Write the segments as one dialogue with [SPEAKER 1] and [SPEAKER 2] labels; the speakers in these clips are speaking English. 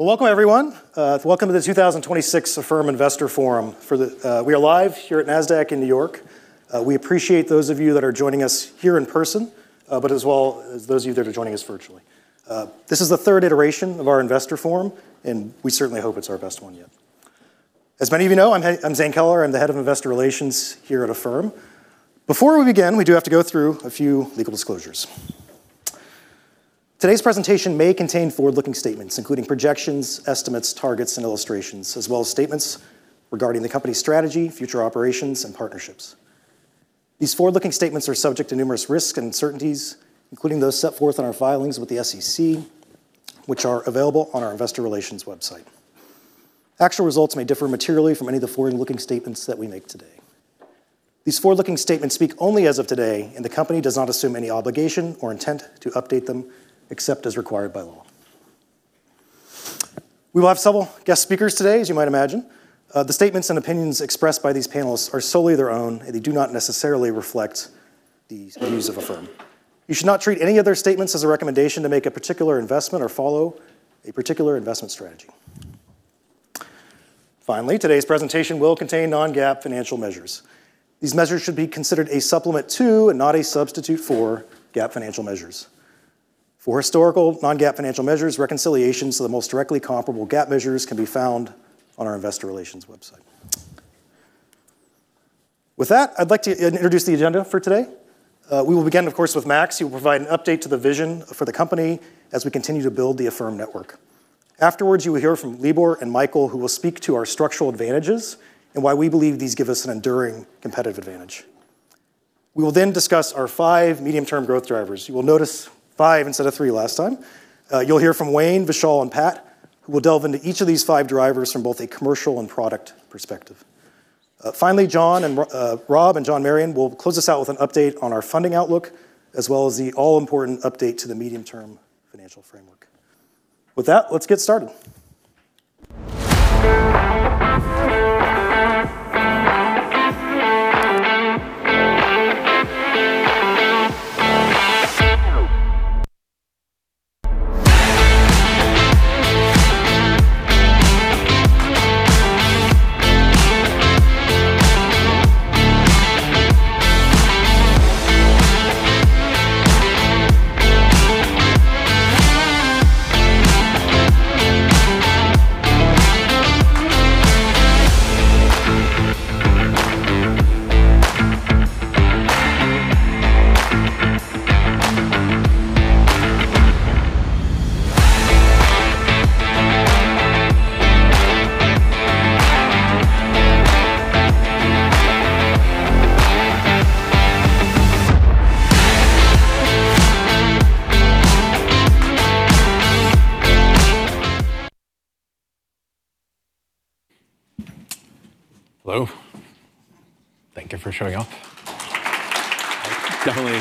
[SPEAKER 1] Well, welcome everyone. Welcome to the 2026 Affirm Investor Forum for the, we are live here at Nasdaq in New York. We appreciate those of you that are joining us here in person, as well as those you that are joining us virtually. This is the third iteration of our investor forum, and we certainly hope it's our best one yet. As many of you know, I'm Zane Keller, I'm the Head of Investor Relations here at Affirm. Before we begin, we do have to go through a few legal disclosures. Today's presentation may contain forward-looking statements, including projections, estimates, targets, and illustrations, as well as statements regarding the company's strategy, future operations, and partnerships. These forward-looking statements are subject to numerous risks and uncertainties, including those set forth in our filings with the SEC, which are available on our investor relations website. Actual results may differ materially from any of the forward-looking statements that we make today. These forward-looking statements speak only as of today, and the company does not assume any obligation or intent to update them except as required by law. We will have several guest speakers today, as you might imagine. The statements and opinions expressed by these panelists are solely their own, and they do not necessarily reflect the views of Affirm. You should not treat any of their statements as a recommendation to make a particular investment or follow a particular investment strategy. Finally, today's presentation will contain non-GAAP financial measures. These measures should be considered a supplement to, and not a substitute for, GAAP financial measures. For historical non-GAAP financial measures, reconciliations to the most directly comparable GAAP measures can be found on our investor relations website. With that, I'd like to introduce the agenda for today. We will begin, of course, with Max Levchin, who will provide an update to the vision for the company as we continue to build the Affirm Network. Afterwards, you will hear from Libor and Michael, who will speak to our structural advantages and why we believe these give us an enduring competitive advantage. We will then discuss our five medium-term growth drivers. You will notice five instead of three last time. You'll hear from Wayne, Vishal, and Pat, who will delve into each of these five drivers from both a commercial and product perspective. Finally, Rob and John Marion will close us out with an update on our funding outlook, as well as the all-important update to the medium-term financial framework. With that, let's get started.
[SPEAKER 2] Hello. Thank you for showing up. Definitely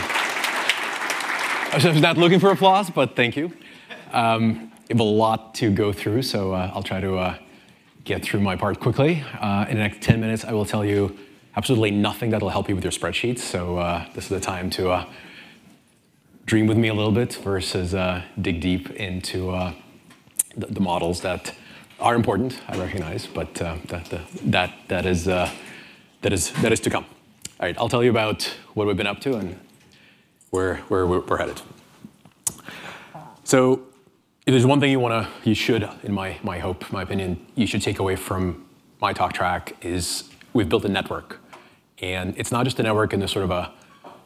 [SPEAKER 2] I was not looking for applause, thank you. We have a lot to go through. I'll try to get through my part quickly. In the next 10 minutes, I will tell you absolutely nothing that'll help you with your spreadsheets. This is the time to dream with me a little bit versus dig deep into the models that are important, I recognize. That is to come. All right, I'll tell you about what we've been up to and where we're headed. If there's one thing you wanna, you should, in my hope, my opinion, you should take away from my talk track is we've built a network. It's not just a network in the sort of a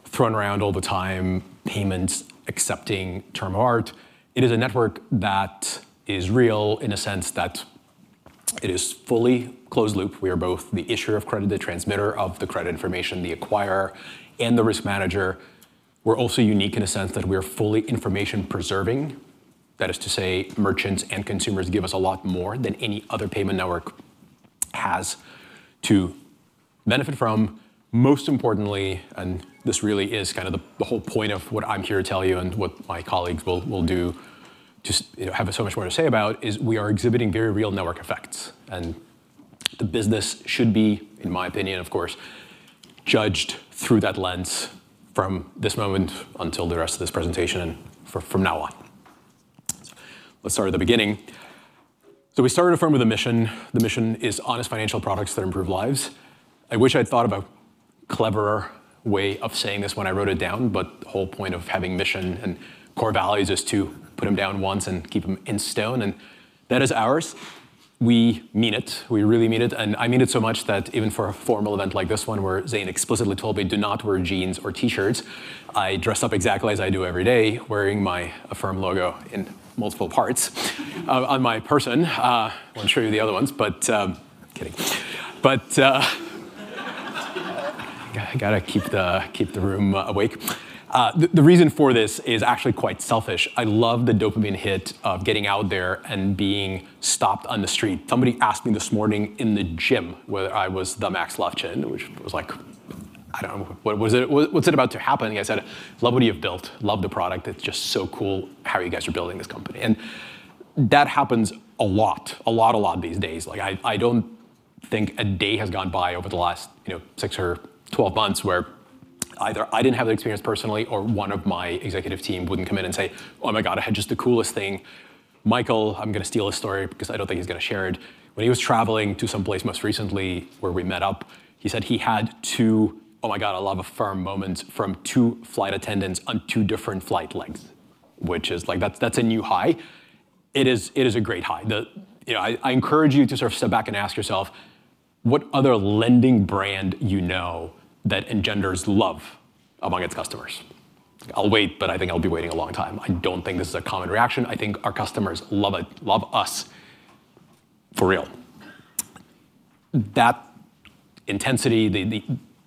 [SPEAKER 2] thrown around all the time, payments accepting term of art. It is a network that is real in a sense that it is fully closed loop. We are both the issuer of credit, the transmitter of the credit information, the acquirer, and the risk manager. We're also unique in a sense that we are fully information preserving. That is to say, merchants and consumers give us a lot more than any other payment network has to benefit from. Most importantly, this really is kind of the whole point of what I'm here to tell you and what my colleagues will do to you know, have so much more to say about, is we are exhibiting very real network effects. The business should be, in my opinion, of course, judged through that lens from this moment until the rest of this presentation and from now on. Let's start at the beginning. We started Affirm with a mission. The mission is honest financial products that improve lives. I wish I'd thought of a cleverer way of saying this when I wrote it down, but the whole point of having mission and core values is to put them down once and keep them in stone, and that is ours. We mean it. We really mean it. I mean it so much that even for a formal event like this one, where Zane explicitly told me, "Do not wear jeans or T-shirts," I dress up exactly as I do every day, wearing my Affirm logo in multiple parts on my person. I won't show you the other ones, kidding. I gotta keep the room awake. The reason for this is actually quite selfish. I love the dopamine hit of getting out there and being stopped on the street. Somebody asked me this morning in the gym whether I was the Max Levchin, which was like, I don't know, what was it, what's about to happen? I said, "Love what you have built, love the product. It's just so cool how you guys are building this company." That happens a lot these days. I don't think a day has gone by over the last, you know, six or 12 months where either I didn't have the experience personally or one of my executive team wouldn't come in and say, "Oh my God, I had just the coolest thing." Michael, I'm gonna steal his story because I don't think he's gonna share it. When he was traveling to some place most recently where we met up, he said he had two oh my God, I love Affirm moments from two flight attendants on two different flight legs, which is like, that's a new high. It is a great high. You know, I encourage you to sort of step back and ask yourself what other lending brand you know that engenders love among its customers. I'll wait. I think I'll be waiting a long time. I don't think this is a common reaction. I think our customers love it, love us for real. That intensity,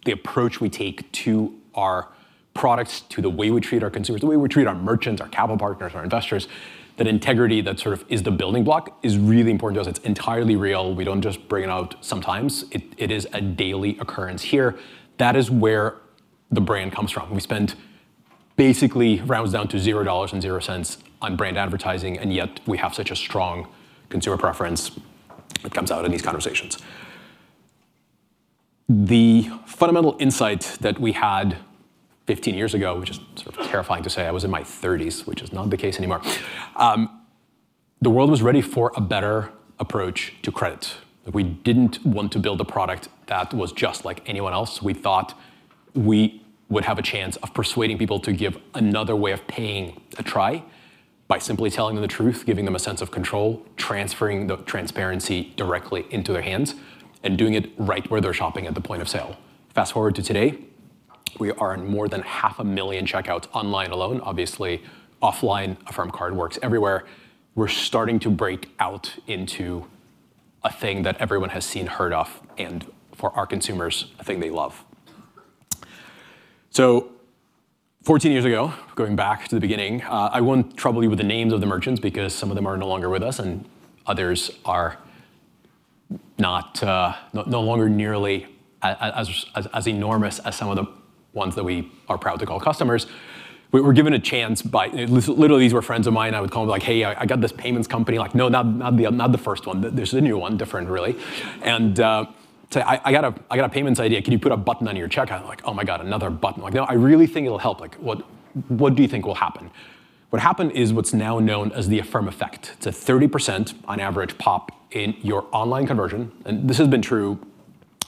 [SPEAKER 2] the approach we take to our products, to the way we treat our consumers, the way we treat our merchants, our capital partners, our investors, that integrity that sort of is the building block is really important to us. It's entirely real. We don't just bring it out sometimes. It is a daily occurrence here. That is where the brand comes from. We spend basically rounds down to $0.00 on brand advertising, and yet we have such a strong consumer preference that comes out in these conversations. The fundamental insight that we had 15 years ago, which is sort of terrifying to say, I was in my thirties, which is not the case anymore, the world was ready for a better approach to credit. We didn't want to build a product that was just like anyone else. We thought we would have a chance of persuading people to give another way of paying a try by simply telling them the truth, giving them a sense of control, transferring the transparency directly into their hands, and doing it right where they're shopping at the point of sale. Fast-forward to today, we are in more than 500,000 checkouts online alone. Obviously, offline, Affirm Card works everywhere. We're starting to break out into a thing that everyone has seen, heard of, and for our consumers, a thing they love. 14 years ago, going back to the beginning, I won't trouble you with the names of the merchants because some of them are no longer with us and others are no longer nearly as enormous as some of the ones that we are proud to call customers. We were given a chance by literally, these were friends of mine. I would call them like, "Hey, I got this payments company." Like, "No, not the, not the first one. There's a new one, different really." Say, "I got a, I got a payments idea. Can you put a button on your checkout?" Like, "Oh my God, another button." Like, "No, I really think it'll help." Like, "What do you think will happen?" What happened is what's now known as the Affirm effect. It's a 30% on average pop in your online conversion. This has been true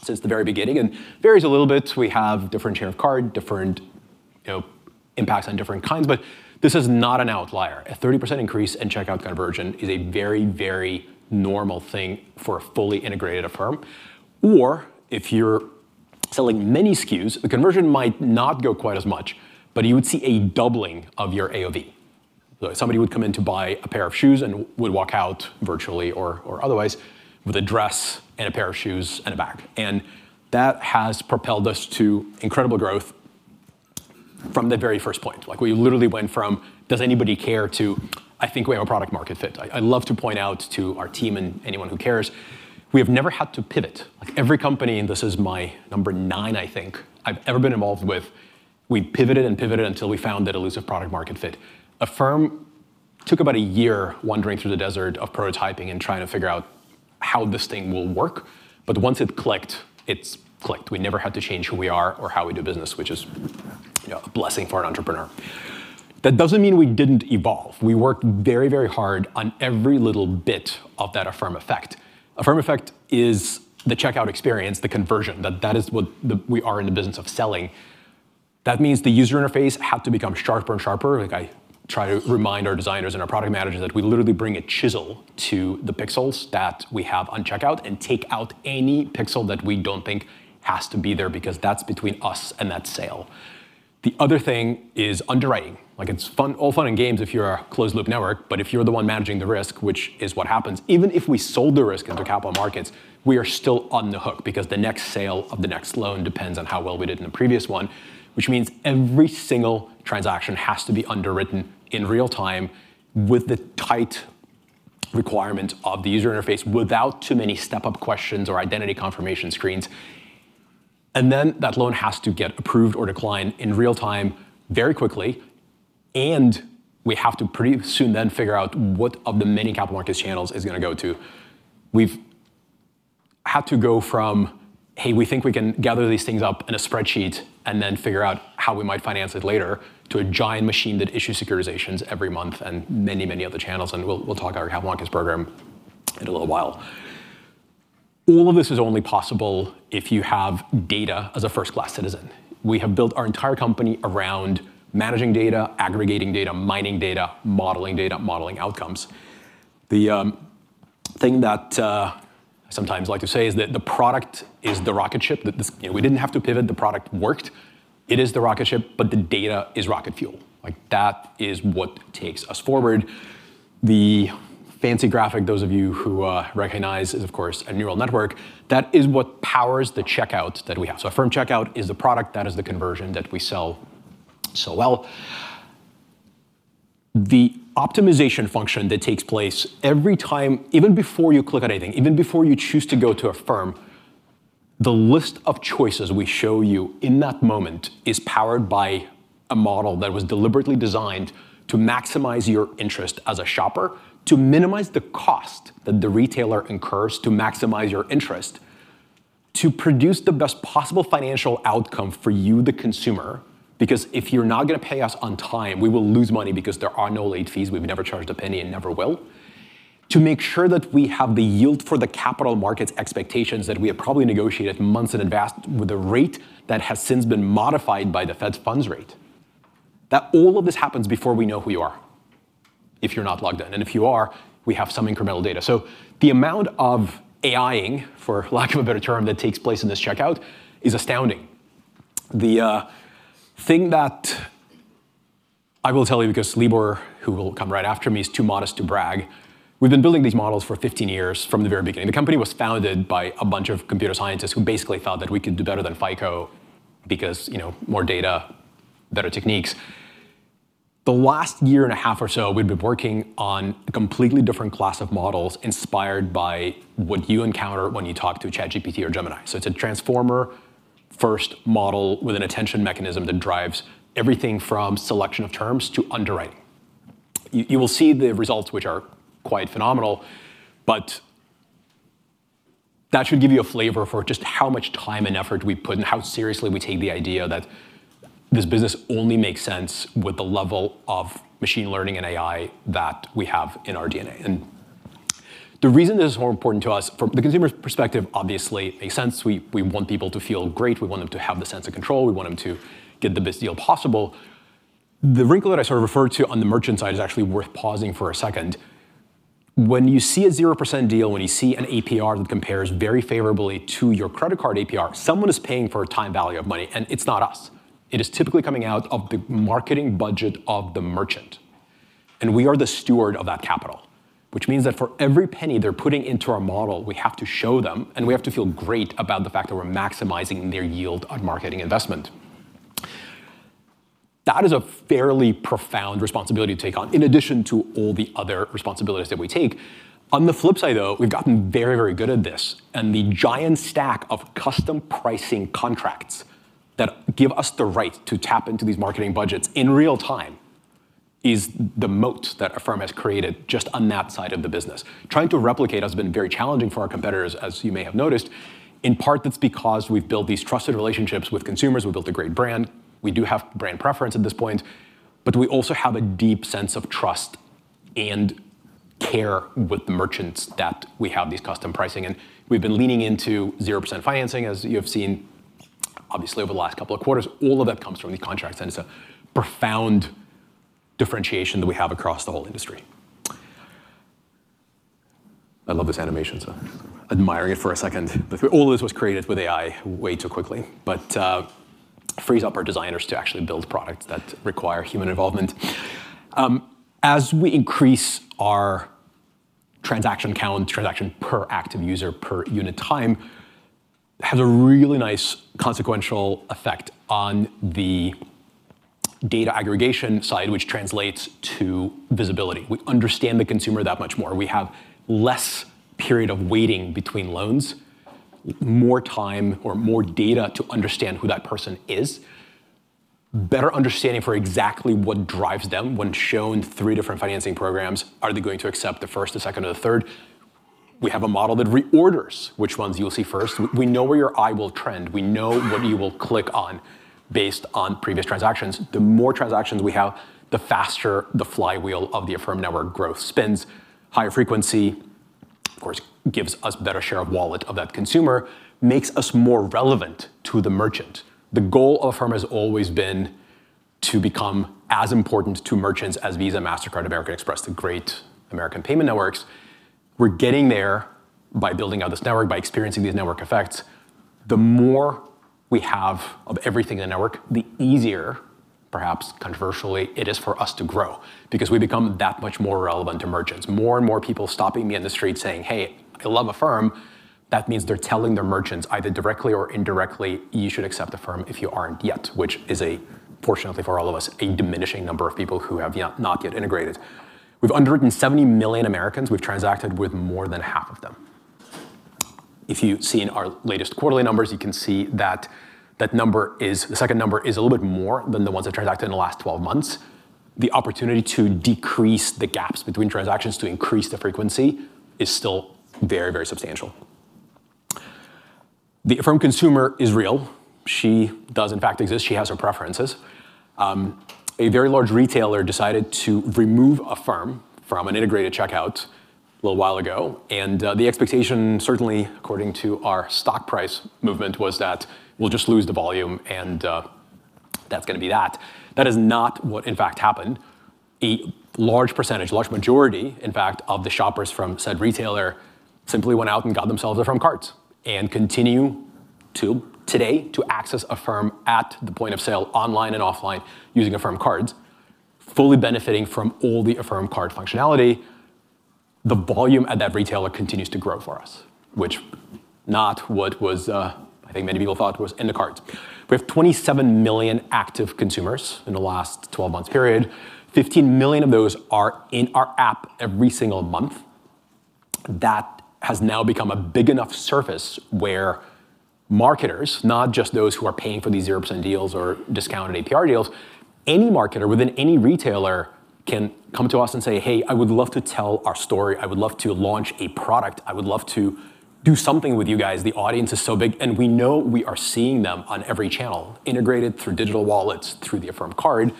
[SPEAKER 2] since the very beginning and varies a little bit. We have different share of card, different, you know, impacts on different kinds, but this is not an outlier. A 30% increase in checkout conversion is a very, very normal thing for a fully integrated Affirm. If you're selling many SKUs, the conversion might not go quite as much, but you would see a doubling of your AOV. Somebody would come in to buy a pair of shoes and would walk out virtually or otherwise with a dress and a pair of shoes and a bag. That has propelled us to incredible growth from the very first point. Like we literally went from, does anybody care to, I think we have a product market fit. I love to point out to our team and anyone who cares, we have never had to pivot. Like every company, and this is my number nine, I think, I've ever been involved with, we pivoted and pivoted until we found that elusive product market fit. Affirm took about a year wandering through the desert of prototyping and trying to figure out how this thing will work, but once it clicked, it's clicked. We never had to change who we are or how we do business, which is, you know, a blessing for an entrepreneur. That doesn't mean we didn't evolve. We worked very, very hard on every little bit of that Affirm effect. Affirm effect is the checkout experience, the conversion, that is what we are in the business of selling. That means the user interface had to become sharper and sharper. Like I try to remind our designers and our product managers that we literally bring a chisel to the pixels that we have on checkout and take out any pixel that we don't think has to be there because that's between us and that sale. The other thing is underwriting. Like it's fun, all fun and games if you're a closed loop network. If you're the one managing the risk, which is what happens, even if we sold the risk into capital markets, we are still on the hook because the next sale of the next loan depends on how well we did in the previous one, which means every single transaction has to be underwritten in real time with the tight requirement of the user interface without too many step-up questions or identity confirmation screens. That loan has to get approved or declined in real time very quickly, and we have to pretty soon then figure out what of the many capital markets channels it's gonna go to. We've had to go from, "Hey, we think we can gather these things up in a spreadsheet and then figure out how we might finance it later," to a giant machine that issues securitizations every month and many, many other channels, and we'll talk our capital markets program in a little while. All of this is only possible if you have data as a first-class citizen. We have built our entire company around managing data, aggregating data, mining data, modeling data, modeling outcomes. The thing that I sometimes like to say is that the product is the rocket ship. You know, we didn't have to pivot. The product worked. It is the rocket ship, the data is rocket fuel. Like that is what takes us forward. The fancy graphic, those of you who recognize, is of course a neural network. That is what powers the checkout that we have. Affirm checkout is the product. That is the conversion that we sell so well. The optimization function that takes place every time, even before you click on anything, even before you choose to go to Affirm, the list of choices we show you in that moment is powered by a model that was deliberately designed to maximize your interest as a shopper, to minimize the cost that the retailer incurs to maximize your interest, to produce the best possible financial outcome for you, the consumer because if you're not gonna pay us on time, we will lose money because there are no late fees. We've never charged a penny and never will. To make sure that we have the yield for the capital markets expectations that we have probably negotiated months in advance with a rate that has since been modified by the fed's funds rate. All of this happens before we know who you are, if you're not logged in. If you are, we have some incremental data. The amount of AI-ing, for lack of a better term, that takes place in this checkout is astounding. The thing that I will tell you because Libor, who will come right after me, is too modest to brag, we've been building these models for 15 years from the very beginning. The company was founded by a bunch of computer scientists who basically thought that we could do better than FICO because, you know, more data, better techniques. The last year and a half or so, we've been working on a completely different class of models inspired by what you encounter when you talk to ChatGPT or Gemini. It's a transformer-first model with an attention mechanism that drives everything from selection of terms to underwriting. You will see the results which are quite phenomenal, but that should give you a flavor for just how much time and effort we put and how seriously we take the idea that this business only makes sense with the level of machine learning and AI that we have in our DNA. The reason this is more important to us from the consumer's perspective obviously makes sense. We want people to feel great. We want them to have the sense of control. We want them to get the best deal possible. The wrinkle that I sort of referred to on the merchant side is actually worth pausing for a second. When you see a 0% deal, when you see an APR that compares very favorably to your credit card APR, someone is paying for a time value of money. It's not us. It is typically coming out of the marketing budget of the merchant, and we are the steward of that capital, which means that for every penny they're putting into our model, we have to show them, and we have to feel great about the fact that we're maximizing their yield on marketing investment. That is a fairly profound responsibility to take on, in addition to all the other responsibilities that we take. On the flip side, though, we've gotten very, very good at this, and the giant stack of custom pricing contracts that give us the right to tap into these marketing budgets in real time is the moat that Affirm has created just on that side of the business. Trying to replicate has been very challenging for our competitors, as you may have noticed. In part, that's because we've built these trusted relationships with consumers. We've built a great brand. We do have brand preference at this point, but we also have a deep sense of trust and care with the merchants that we have these custom pricing, and we've been leaning into 0% financing, as you have seen obviously over the last couple of quarters. All of that comes from these contracts, and it's a profound differentiation that we have across the whole industry. I love this animation, so admiring it for a second. All this was created with AI way too quickly. Frees up our designers to actually build products that require human involvement. As we increase our transaction count, transaction per active user per unit time, has a really nice consequential effect on the data aggregation side, which translates to visibility. We understand the consumer that much more. We have less period of waiting between loans, more time or more data to understand who that person is, better understanding for exactly what drives them when shown three different financing programs. Are they going to accept the first, the second or the third? We have a model that reorders which ones you will see first. We know where your eye will trend. We know what you will click on based on previous transactions. The more transactions we have, the faster the flywheel of the Affirm network growth spins. Higher frequency, of course, gives us better share of wallet of that consumer, makes us more relevant to the merchant. The goal of Affirm has always been to become as important to merchants as Visa, Mastercard, American Express, the great American payment networks. We're getting there by building out this network, by experiencing these network effects. The more we have of everything in the network, the easier, perhaps controversially, it is for us to grow because we become that much more relevant to merchants. More and more people stopping me in the street saying, "Hey, I love Affirm." That means they're telling their merchants either directly or indirectly, "You should accept Affirm if you aren't yet," which is, fortunately for all of us, a diminishing number of people who have not yet integrated. We've underwritten 70 million Americans. We've transacted with more than half of them. If you've seen our latest quarterly numbers, you can see that the second number is a little bit more than the ones that transacted in the last 12 months. The opportunity to decrease the gaps between transactions to increase the frequency is still very, very substantial. The Affirm consumer is real. She does in fact exist. She has her preferences. A very large retailer decided to remove Affirm from an integrated checkout a little while ago, and the expectation, certainly according to our stock price movement, was that we'll just lose the volume and that's gonna be that. That is not what in fact happened. A large percentage, a large majority, in fact, of the shoppers from said retailer simply went out and got themselves Affirm Cards and continue to today to access Affirm at the point of sale online and offline using Affirm Cards, fully benefiting from all the Affirm Card functionality. The volume at that retailer continues to grow for us, which not what was, I think many people thought was in the cards. We have 27 million active consumers in the last 12 months period. 15 million of those are in our app every single month. That has now become a big enough surface where marketers, not just those who are paying for these 0% deals or discounted APR deals, any marketer within any retailer can come to us and say, "Hey, I would love to tell our story. I would love to launch a product. I would love to do something with you guys. The audience is so big. We know we are seeing them on every channel integrated through digital wallets, through the Affirm Card.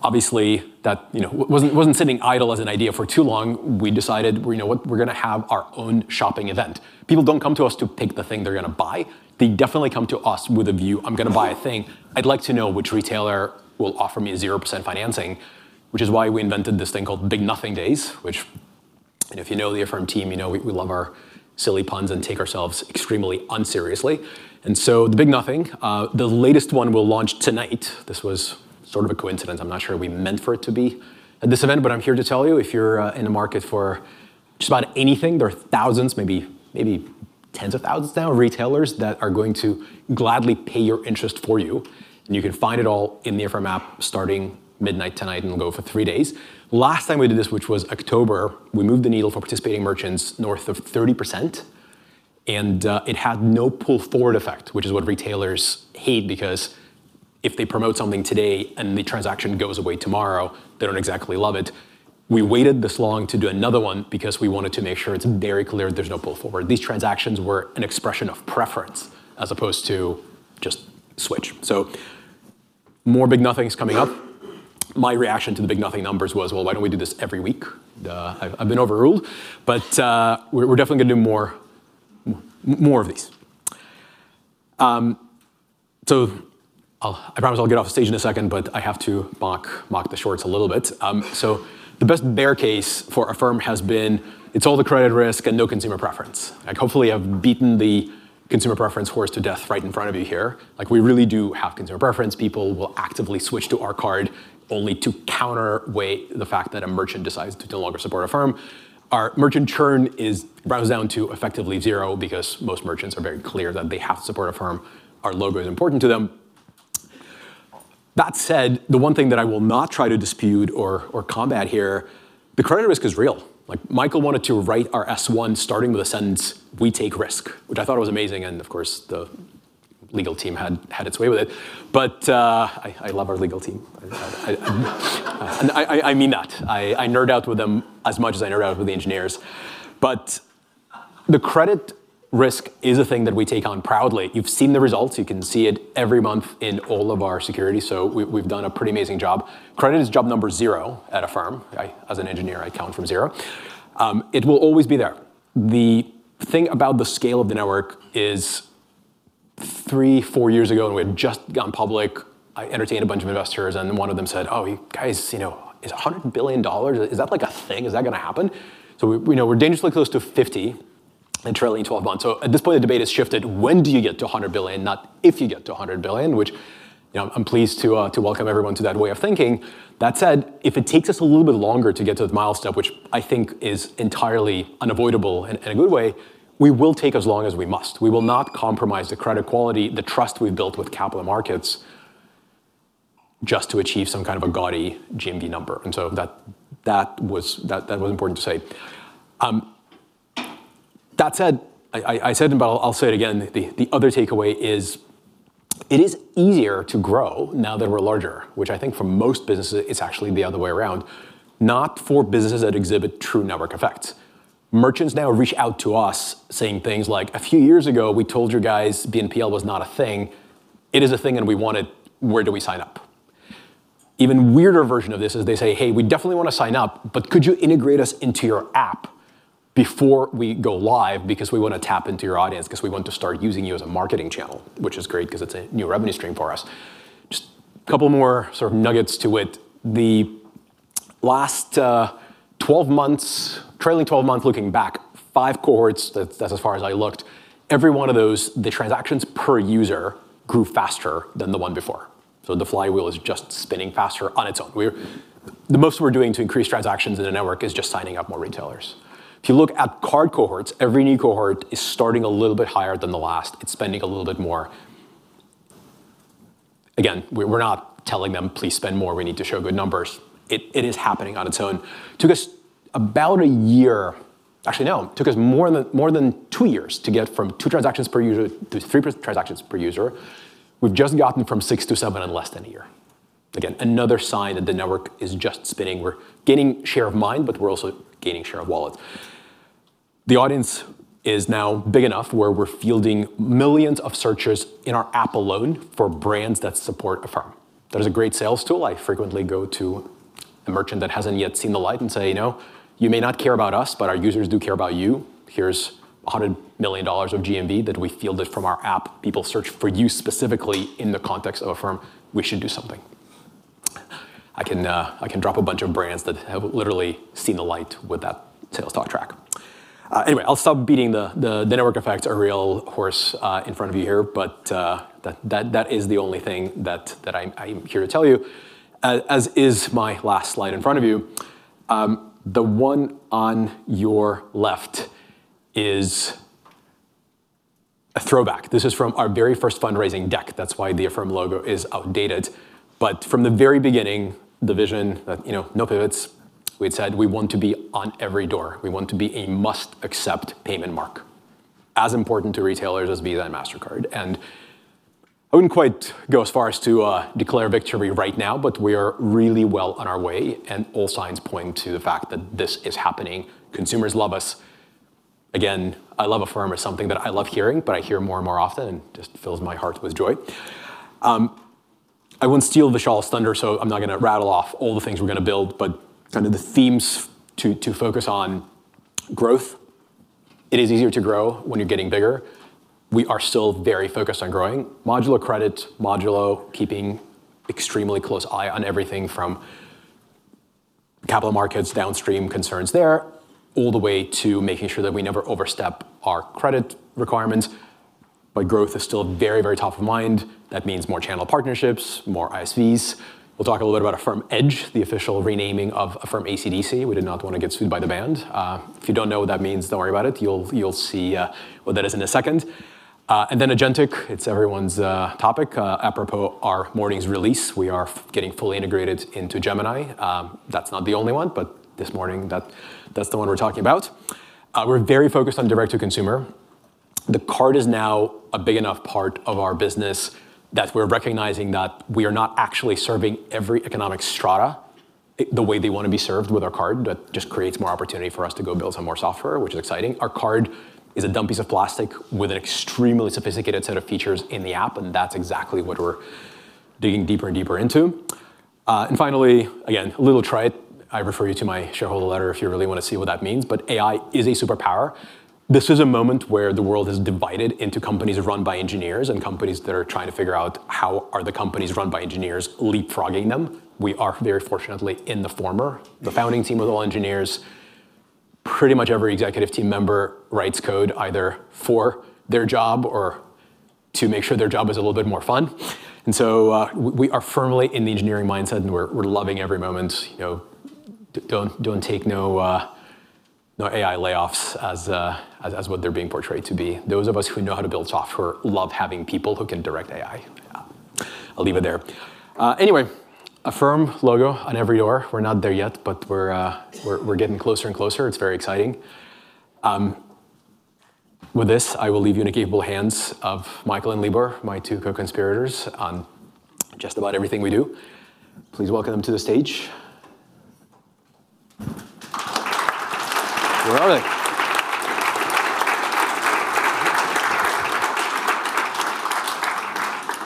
[SPEAKER 2] Obviously, that, you know, wasn't sitting idle as an idea for too long. We decided, you know what, we're gonna have our own shopping event. People don't come to us to pick the thing they're gonna buy. They definitely come to us with a view, "I'm gonna buy a thing. I'd like to know which retailer will offer me 0% financing," which is why we invented this thing called The Big Nothing, which if you know the Affirm team, you know we love our silly puns and take ourselves extremely unseriously. The Big Nothing, the latest one will launch tonight. This was sort of a coincidence. I'm not sure we meant for it to be at this event. I'm here to tell you, if you're in the market for just about anything, there are thousands, maybe tens of thousands now, of retailers that are going to gladly pay your interest for you, and you can find it all in the Affirm app starting midnight tonight and will go for three days. Last time we did this, which was October, we moved the needle for participating merchants north of 30% and it had no pull forward effect, which is what retailers hate because if they promote something today and the transaction goes away tomorrow, they don't exactly love it. We waited this long to do another one because we wanted to make sure it's very clear there's no pull forward. These transactions were an expression of preference as opposed to just switch. More Big Nothings coming up. My reaction to the Big Nothing numbers was, "Well, why don't we do this every week?" I've been overruled, but we're definitely gonna do more of these. I'll promise I'll get off stage in a second, but I have to mock the shorts a little bit. The best bear case for Affirm has been it's all the credit risk and no consumer preference. Like, hopefully, I've beaten the consumer preference horse to death right in front of you here. Like, we really do have consumer preference. People will actively switch to our card only to counterweigh the fact that a merchant decides to no longer support Affirm. Our merchant churn is boils down to effectively zero because most merchants are very clear that they have to support Affirm. Our logo is important to them. That said, the one thing that I will not try to dispute or combat here. The credit risk is real. Like, Michael wanted to write our S-1 starting with the sentence, "We take risk," which I thought was amazing, and of course, the legal team had its way with it. I love our legal team. I mean that. I nerd out with them as much as I nerd out with the engineers. The credit risk is a thing that we take on proudly. You've seen the results. You can see it every month in all of our security. We've done a pretty amazing job. Credit is job number zero at Affirm. I, as an engineer, count from zero. It will always be there. The thing about the scale of the network is three, four years ago, when we had just gone public, I entertained a bunch of investors and one of them said, "Oh, you guys, you know, is $100 billion, is that like a thing? Is that gonna happen?" We know we're dangerously close to $50 billion in trailing 12 months. At this point, the debate has shifted when do you get to $100 billion, not if you get to $100 billion, which, you know, I'm pleased to welcome everyone to that way of thinking. That said, if it takes us a little bit longer to get to the milestone, which I think is entirely unavoidable in a good way, we will take as long as we must. We will not compromise the credit quality, the trust we've built with capital markets just to achieve some kind of a gaudy GMV number. That was important to say. That said, I said it, but I'll say it again, the other takeaway is it is easier to grow now that we're larger, which I think for most businesses is actually the other way around. Not for businesses that exhibit true network effects. Merchants now reach out to us saying things like, "A few years ago, we told you guys BNPL was not a thing. It is a thing and we want it. Where do we sign up?" Even weirder version of this is they say, "Hey, we definitely wanna sign up, but could you integrate us into your app before we go live because we wanna tap into your audience 'cause we want to start using you as a marketing channel?" Which is great 'cause it's a new revenue stream for us. Just couple more sort of nuggets to it. The last 12 months, trailing 12 months looking back, five cohorts, that's as far as I looked, every one of those, the transactions per user grew faster than the one before. The flywheel is just spinning faster on its own. The most we're doing to increase transactions in the network is just signing up more retailers. If you look at card cohorts, every new cohort is starting a little bit higher than the last. It's spending a little bit more. Again, we're not telling them, "Please spend more. We need to show good numbers." It is happening on its own. Took us about a year. Actually, no. It took us more than two years to get from two transactions per user to three transactions per user. We've just gotten from six to seven in less than a year. Again, another sign that the network is just spinning. We're gaining share of mind, we're also gaining share of wallet. The audience is now big enough where we're fielding millions of searchers in our app alone for brands that support Affirm. That is a great sales tool. I frequently go to a merchant that hasn't yet seen the light and say, "You know, you may not care about us, but our users do care about you. Here's $100 million of GMV that we fielded from our app. People search for you specifically in the context of Affirm. We should do something. I can drop a bunch of brands that have literally seen the light with that sales talk track. Anyway, I'll stop beating the network effects are real horse in front of you here. That is the only thing that I'm here to tell you. As is my last slide in front of you. The one on your left is a throwback. This is from our very first fundraising deck. That's why the Affirm logo is outdated. From the very beginning, the vision that, you know, no pivots, we had said we want to be on every door. We want to be a must-accept payment mark, as important to retailers as Visa and Mastercard. I wouldn't quite go as far as to declare victory right now, but we are really well on our way, and all signs point to the fact that this is happening. Consumers love us. Again, I love Affirm as something that I love hearing, but I hear more and more often, and just fills my heart with joy. I wouldn't steal Vishal's thunder, so I'm not gonna rattle off all the things we're gonna build, but kind of the themes to focus on growth. It is easier to grow when you're getting bigger. We are still very focused on growing. Modular credit, modulo, keeping extremely close eye on everything from capital markets, downstream concerns there, all the way to making sure that we never overstep our credit requirements. Growth is still very, very top of mind. That means more channel partnerships, more ISVs. We'll talk a little bit about Affirm Edge, the official renaming of Affirm ACDC. We did not want to get sued by the band. If you don't know what that means, don't worry about it. You'll see what that is in a second. agentic, it's everyone's topic apropos our morning's release. We are getting fully integrated into Gemini. That's not the only one, but this morning, that's the one we're talking about. We're very focused on direct to consumer. The card is now a big enough part of our business that we're recognizing that we are not actually serving every economic strata the way they want to be served with our card. That just creates more opportunity for us to go build some more software, which is exciting. Our card is a dumb piece of plastic with an extremely sophisticated set of features in the app, and that's exactly what we're digging deeper and deeper into. Finally, again, a little trite, I refer you to my shareholder letter if you really want to see what that means, but AI is a superpower. This is a moment where the world is divided into companies run by engineers and companies that are trying to figure out how are the companies run by engineers leapfrogging them. We are very fortunately in the former. The founding team were all engineers. Pretty much every executive team member writes code either for their job or to make sure their job is a little bit more fun. We are firmly in the engineering mindset and we're loving every moment. You know, don't take no AI layoffs as what they're being portrayed to be. Those of us who know how to build software love having people who can direct AI. I'll leave it there. Anyway, Affirm logo on every door. We're not there yet, but we're getting closer and closer. It's very exciting. With this, I will leave you in the capable hands of Michael and Libor, my two co-conspirators on just about everything we do. Please welcome them to the stage.
[SPEAKER 3] We're on it.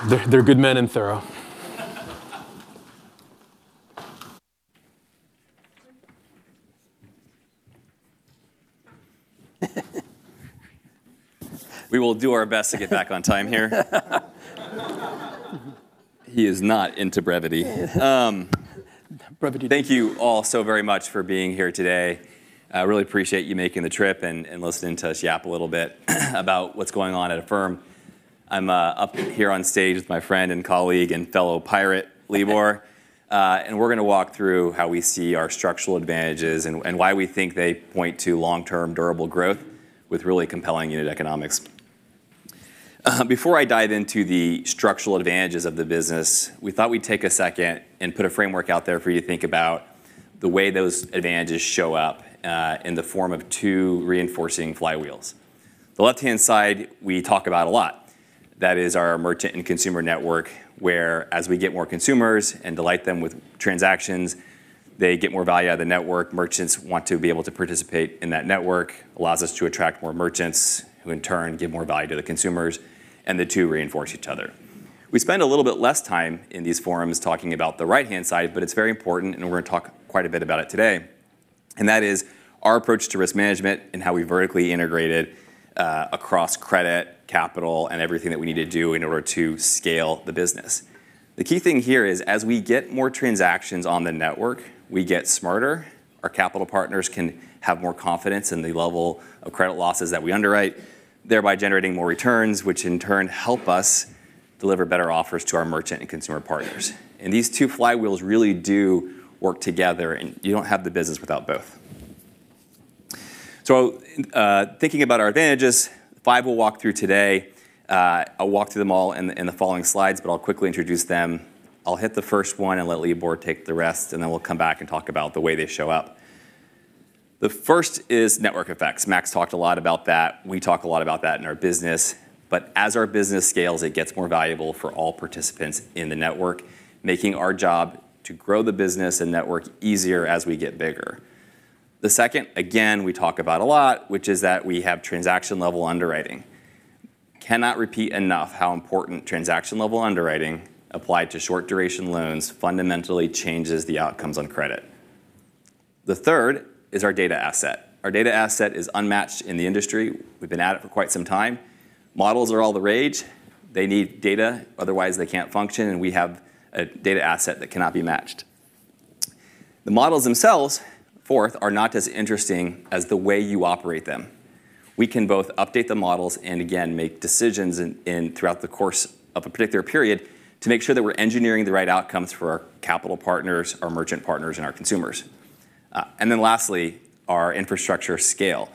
[SPEAKER 2] They're good men and thorough.
[SPEAKER 3] We will do our best to get back on time here. He is not into brevity.
[SPEAKER 2] Brevity.
[SPEAKER 4] Thank you all so very much for being here today. I really appreciate you making the trip and listening to us yap a little bit about what's going on at Affirm. I'm up here on stage with my friend and colleague and fellow pirate, Libor. We're gonna walk through how we see our structural advantages and why we think they point to long-term durable growth with really compelling unit economics. Before I dive into the structural advantages of the business, we thought we'd take a second and put a framework out there for you to think about the way those advantages show up in the form of two reinforcing flywheels. The left-hand side, we talk about a lot. That is our merchant and consumer network, where as we get more consumers and delight them with transactions, they get more value out of the network. Merchants want to be able to participate in that network, allows us to attract more merchants, who in turn give more value to the consumers. The two reinforce each other. We spend a little bit less time in these forums talking about the right-hand side, but it's very important and we're going to talk quite a bit about it today. That is our approach to risk management and how we vertically integrated, across credit, capital, and everything that we need to do in order to scale the business. The key thing here is, as we get more transactions on the network, we get smarter. Our capital partners can have more confidence in the level of credit losses that we underwrite, thereby generating more returns, which in turn help us deliver better offers to our merchant and consumer partners. These two flywheels really do work together, and you don't have the business without both. Thinking about our advantages, five we'll walk through today. I'll walk through them all in the, in the following slides, but I'll quickly introduce them. I'll hit the first one and let Libor take the rest, and then we'll come back and talk about the way they show up. The first is network effects. Max talked a lot about that. We talk a lot about that in our business. As our business scales, it gets more valuable for all participants in the network, making our job to grow the business and network easier as we get bigger. The second, again, we talk about a lot, which is that we have transaction-level underwriting. Cannot repeat enough how important transaction-level underwriting applied to short duration loans fundamentally changes the outcomes on credit. The third is our data asset. Our data asset is unmatched in the industry. We've been at it for quite some time. Models are all the rage. They need data, otherwise they can't function, and we have a data asset that cannot be matched. The models themselves, fourth, are not as interesting as the way you operate them. We can both update the models and again, make decisions in throughout the course of a particular period to make sure that we're engineering the right outcomes for our capital partners, our merchant partners, and our consumers. Lastly, our infrastructure scale.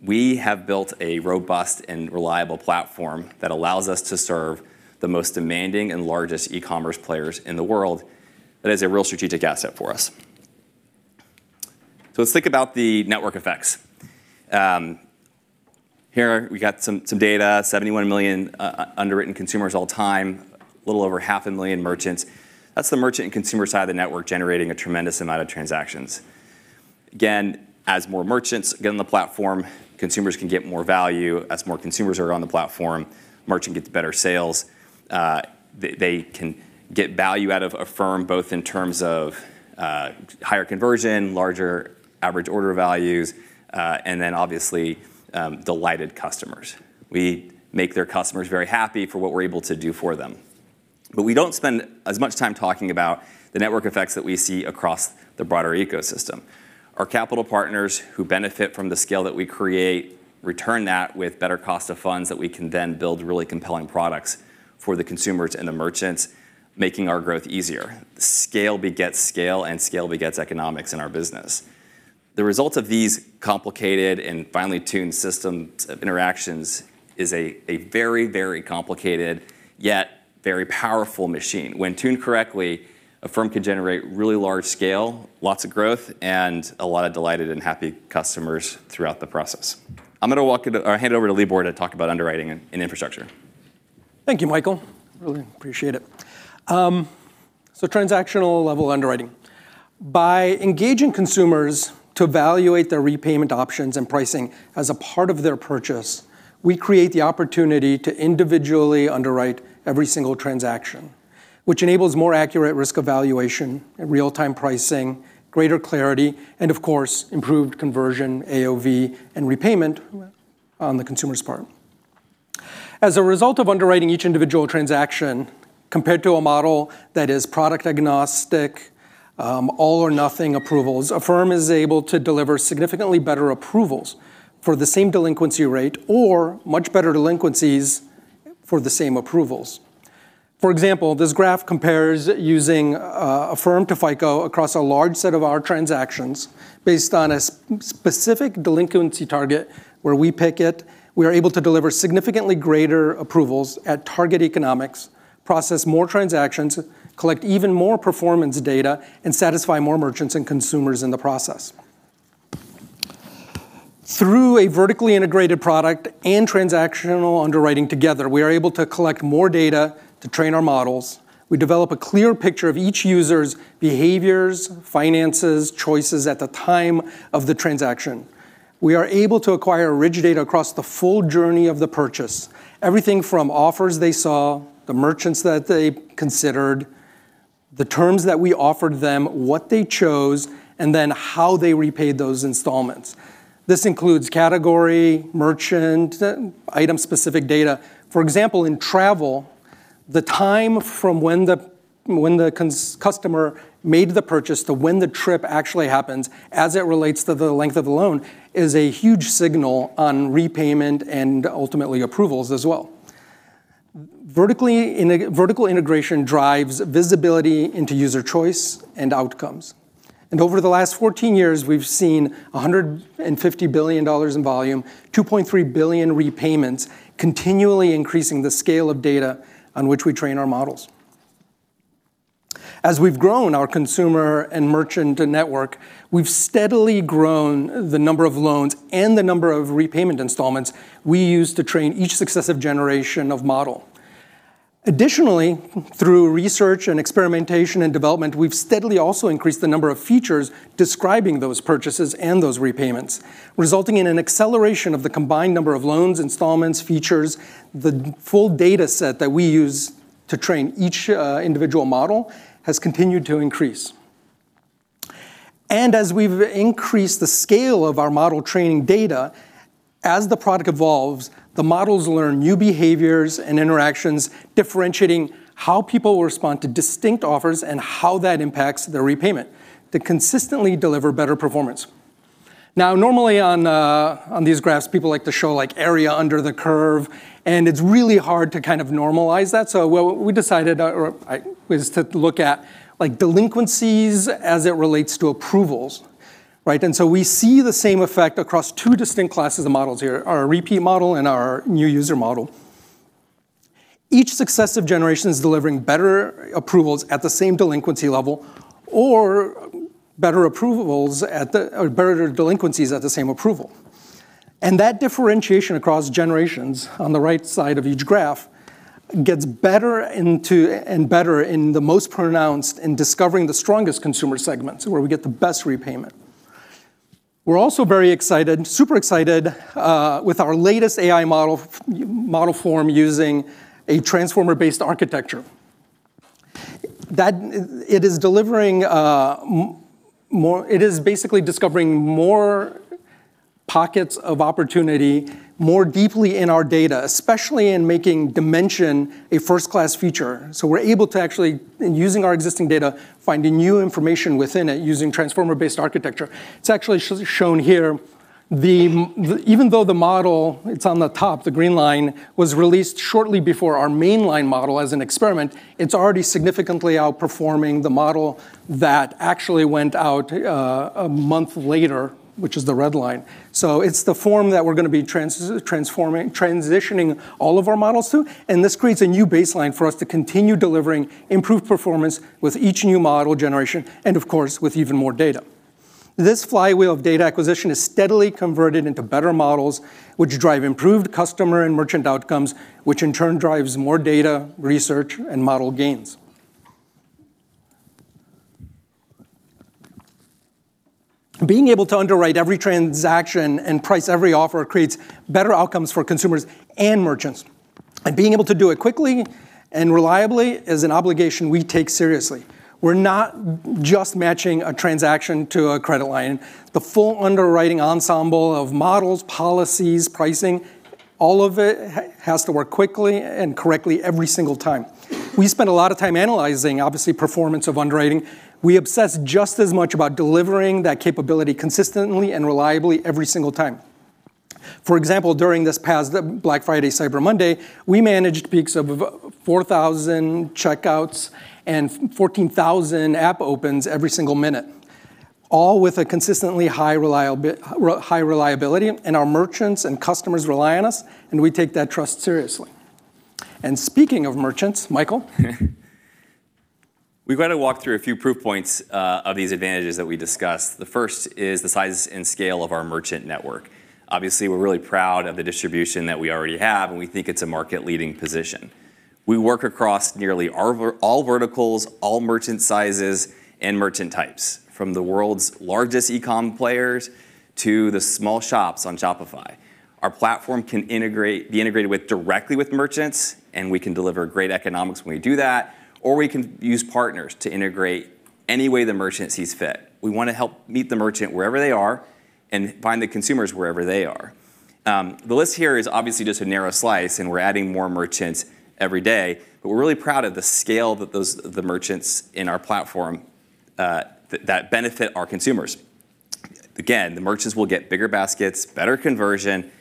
[SPEAKER 4] We have built a robust and reliable platform that allows us to serve the most demanding and largest e-commerce players in the world. That is a real strategic asset for us. Let's think about the network effects. Here we got some data. 71 million underwritten consumers all-time, a little over 50,000 merchants. That's the merchant and consumer side of the network generating a tremendous amount of transactions. As more merchants get on the platform, consumers can get more value. As more consumers are on the platform, merchant gets better sales. They can get value out of Affirm both in terms of higher conversion, larger average order values, and then obviously, delighted customers. We make their customers very happy for what we're able to do for them. We don't spend as much time talking about the network effects that we see across the broader ecosystem. Our capital partners who benefit from the scale that we create return that with better cost of funds that we can then build really compelling products for the consumers and the merchants, making our growth easier. Scale begets scale, and scale begets economics in our business. The result of these complicated and finely tuned systems of interactions is a very complicated, yet very powerful machine. When tuned correctly, Affirm can generate really large scale, lots of growth, and a lot of delighted and happy customers throughout the process. I'm gonna walk it or hand over to Libor to talk about underwriting and infrastructure.
[SPEAKER 3] Thank you, Michael. Really appreciate it. Transactional-level underwriting. By engaging consumers to evaluate their repayment options and pricing as a part of their purchase, we create the opportunity to individually underwrite every single transaction, which enables more accurate risk evaluation and real-time pricing, greater clarity, and of course, improved conversion, AOV, and repayment on the consumer's part. As a result of underwriting each individual transaction, compared to a model that is product-agnostic, all-or-nothing approvals, Affirm is able to deliver significantly better approvals for the same delinquency rate or much better delinquencies for the same approvals. For example, this graph compares using Affirm to FICO across a large set of our transactions based on a specific delinquency target where we pick it. We are able to deliver significantly greater approvals at target economics, process more transactions, collect even more performance data, and satisfy more merchants and consumers in the process. Through a vertically integrated product and transactional underwriting together, we are able to collect more data to train our models. We develop a clear picture of each user's behaviors, finances, choices at the time of the transaction. We are able to acquire rich data across the full journey of the purchase. Everything from offers they saw, the merchants that they considered, the terms that we offered them, what they chose, and then how they repaid those installments. This includes category, merchant, item-specific data. For example, in travel, the time from when the customer made the purchase to when the trip actually happens as it relates to the length of the loan is a huge signal on repayment and ultimately approvals as well. Vertical integration drives visibility into user choice and outcomes. Over the last 14 years, we've seen $150 billion in volume, 2.3 billion repayments continually increasing the scale of data on which we train our models. As we've grown our consumer and merchant network, we've steadily grown the number of loans and the number of repayment installments we use to train each successive generation of model. Additionally, through research and experimentation and development, we've steadily also increased the number of features describing those purchases and those repayments, resulting in an acceleration of the combined number of loans, installments, features. The full data set that we use to train each individual model has continued to increase. As we've increased the scale of our model training data, as the product evolves, the models learn new behaviors and interactions differentiating how people respond to distinct offers and how that impacts their repayment to consistently deliver better performance. Now, normally on these graphs, people like to show like area under the curve, and it's really hard to kind of normalize that. What we decided, or I is to look at like delinquencies as it relates to approvals, right? We see the same effect across two distinct classes of models here, our repeat model and our new user model. Each successive generation is delivering better approvals at the same delinquency level or better delinquencies at the same approval. That differentiation across generations on the right side of each graph gets better and better and the most pronounced in discovering the strongest consumer segments where we get the best repayment. We're also very excited, super excited, with our latest AI model form using a transformer-based architecture. That it is delivering, more It is basically discovering more pockets of opportunity more deeply in our data, especially in making dimension a first-class feature. We're able to actually, in using our existing data, finding new information within it using transformer-based architecture. It's actually shown here. The even though the model, it's on the top, the green line, was released shortly before our main line model as an experiment, it's already significantly outperforming the model that actually went out a month later, which is the red line. It's the form that we're going to be transforming, transitioning all of our models to. This creates a new baseline for us to continue delivering improved performance with each new model generation, and of course, with even more data. This flywheel of data acquisition is steadily converted into better models which drive improved customer and merchant outcomes, which in turn drives more data, research, and model gains. Being able to underwrite every transaction and price every offer creates better outcomes for consumers and merchants. Being able to do it quickly and reliably is an obligation we take seriously. We're not just matching a transaction to a credit line. The full underwriting ensemble of models, policies, pricing, all of it has to work quickly and correctly every single time. We spend a lot of time analyzing, obviously, performance of underwriting. We obsess just as much about delivering that capability consistently and reliably every single time. For example, during this past, Black Friday, Cyber Monday, we managed peaks of 4,000 checkouts and 14,000 app opens every single minute, all with a consistently high reliability, and our merchants and customers rely on us, and we take that trust seriously. Speaking of merchants, Michael?
[SPEAKER 4] We've got to walk through a few proof points of these advantages that we discussed. The first is the size and scale of our merchant network. Obviously, we're really proud of the distribution that we already have, and we think it's a market-leading position. We work across nearly all verticals, all merchant sizes, and merchant types, from the world's largest e-com players to the small shops on Shopify. Our platform can integrate, be integrated with directly with merchants, and we can deliver great economics when we do that, or we can use partners to integrate any way the merchant sees fit. We wanna help meet the merchant wherever they are and find the consumers wherever they are. The list here is obviously just a narrow slice, and we're adding more merchants every day, but we're really proud of the scale that those, the merchants in our platform that benefit our consumers. Again, the merchants will get bigger baskets, better conversion.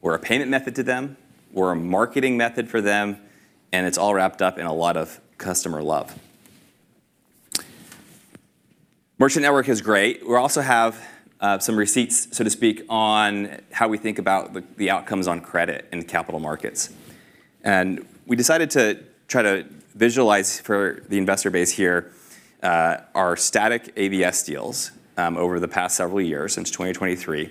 [SPEAKER 4] We're a payment method to them, we're a marketing method for them, and it's all wrapped up in a lot of customer love. Merchant network is great. We also have some receipts, so to speak, on how we think about the outcomes on credit in the capital markets. We decided to try to visualize for the investor base here our static ABS deals over the past several years since 2023.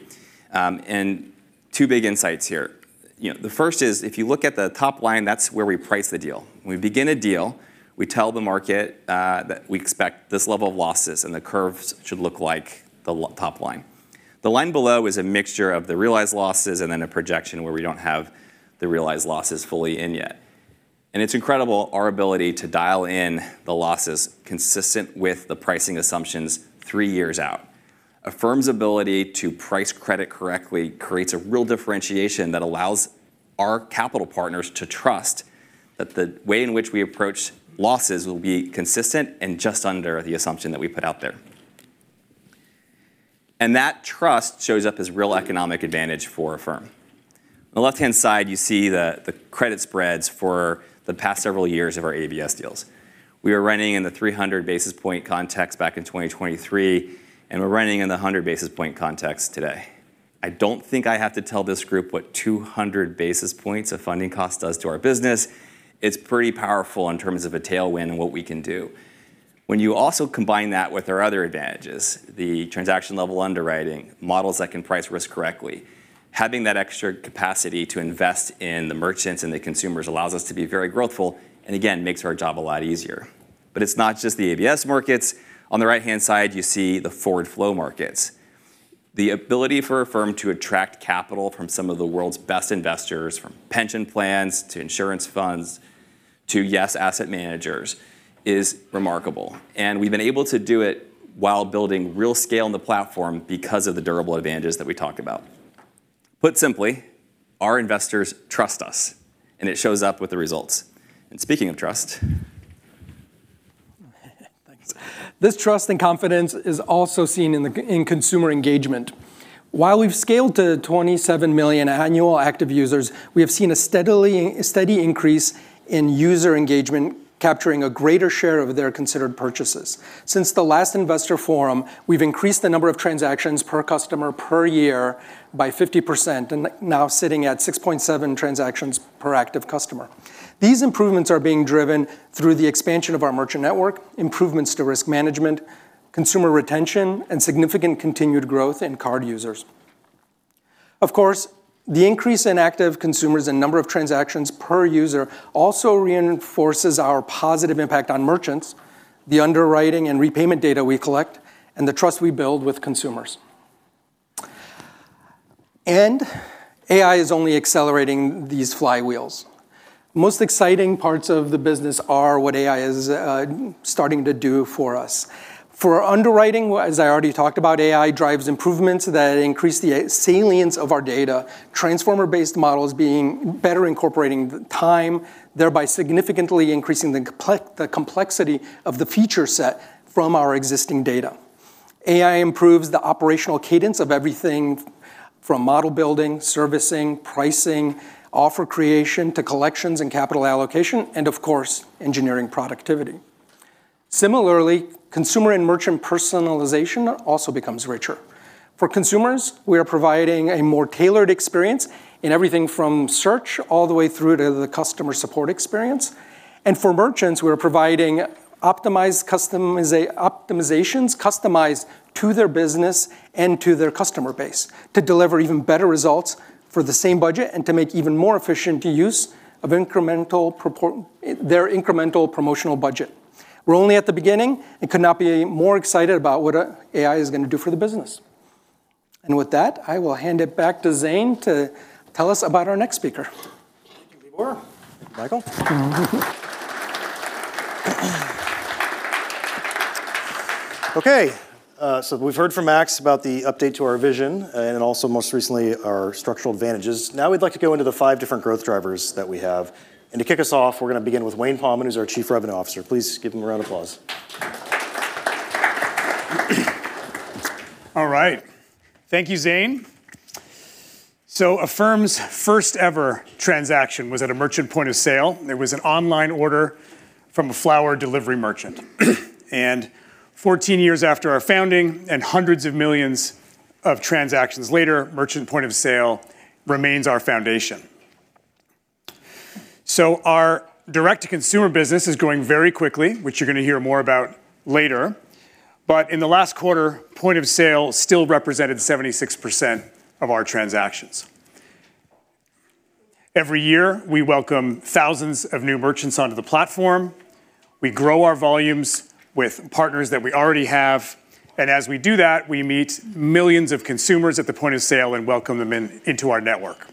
[SPEAKER 4] Two big insights here. You know, the first is, if you look at the top line, that's where we price the deal. When we begin a deal, we tell the market that we expect this level of losses, and the curves should look like the top line. The line below is a mixture of the realized losses and then a projection where we don't have the realized losses fully in yet. It's incredible our ability to dial in the losses consistent with the pricing assumptions three years out. Affirm's ability to price credit correctly creates a real differentiation that allows our capital partners to trust that the way in which we approach losses will be consistent and just under the assumption that we put out there. That trust shows up as real economic advantage for Affirm. On the left-hand side, you see the credit spreads for the past several years of our ABS deals. We were running in the 300 basis point context back in 2023. We're running in the 100 basis point context today. I don't think I have to tell this group what 200 basis points of funding cost does to our business. It's pretty powerful in terms of a tailwind and what we can do. When you also combine that with our other advantages, the transaction-level underwriting, models that can price risk correctly, having that extra capacity to invest in the merchants and the consumers allows us to be very growthful, and again, makes our job a lot easier. It's not just the ABS markets. On the right-hand side, you see the forward flow markets. The ability for Affirm to attract capital from some of the world's best investors from pension plans to insurance funds to, yes, asset managers, is remarkable. We've been able to do it while building real scale in the platform because of the durable advantages that we talked about. Put simply, our investors trust us, and it shows up with the results. Speaking of trust
[SPEAKER 3] Thanks. This trust and confidence is also seen in consumer engagement. While we've scaled to 27 million annual active users, we have seen a steady increase in user engagement, capturing a greater share of their considered purchases. Since the last investor forum, we've increased the number of transactions per customer per year by 50% and now sitting at 6.7 transactions per active customer. These improvements are being driven through the expansion of our merchant network, improvements to risk management, consumer retention, and significant continued growth in Card users. Ofcourse, the increase in active consumers and number of transactions per user also reinforces our positive impact on merchants, the underwriting and repayment data we collect, and the trust we build with consumers. AI is only accelerating these flywheels. Most exciting parts of the business are what AI is starting to do for us. For underwriting, AI drives improvements that increase the salience of our data, transformer-based models being better incorporating the time, thereby significantly increasing the complexity of the feature set from our existing data. AI improves the operational cadence of everything from model building, servicing, pricing, offer creation, to collections and capital allocation, and of course, engineering productivity. Similarly, consumer and merchant personalization also becomes richer. For consumers, we are providing a more tailored experience in everything from search all the way through to the customer support experience. For merchants, we are providing optimized customization, optimizations customized to their business and to their customer base to deliver even better results for the same budget and to make even more efficient use of their incremental promotional budget. We're only at the beginning and could not be more excited about what AI is gonna do for the business. With that, I will hand it back to Zane to tell us about our next speaker.
[SPEAKER 1] Thank you, Libor. Michael. Okay, we've heard from Max about the update to our vision, and also most recently, our structural advantages. Now we'd like to go into the five different growth drivers that we have. To kick us off, we're gonna begin with Wayne Pommen, who's our Chief Revenue Officer. Please give him a round of applause.
[SPEAKER 5] All right. Thank you, Zane. Affirm's first ever transaction was at a merchant point of sale. It was an online order from a flower delivery merchant. 14 years after our founding and hundreds of millions of transactions later, merchant point of sale remains our foundation. Our direct-to-consumer business is growing very quickly, which you're gonna hear more about later. In the last quarter, point of sale still represented 76% of our transactions. Every year, we welcome thousands of new merchants onto the platform. We grow our volumes with partners that we already have, and as we do that, we meet millions of consumers at the point of sale and welcome them into our network.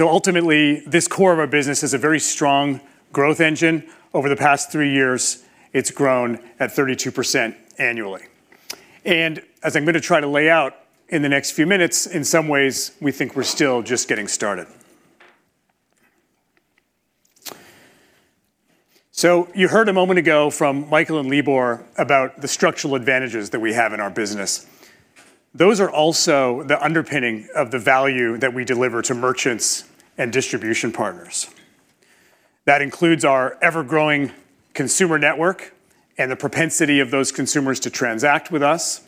[SPEAKER 5] Ultimately, this core of our business is a very strong growth engine. Over the past three years, it's grown at 32% annually. As I'm going to try to lay out in the next few minutes, in some ways, we think we're still just getting started. You heard a moment ago from Michael and Libor about the structural advantages that we have in our business. Those are also the underpinning of the value that we deliver to merchants and distribution partners. That includes our ever-growing consumer network and the propensity of those consumers to transact with us.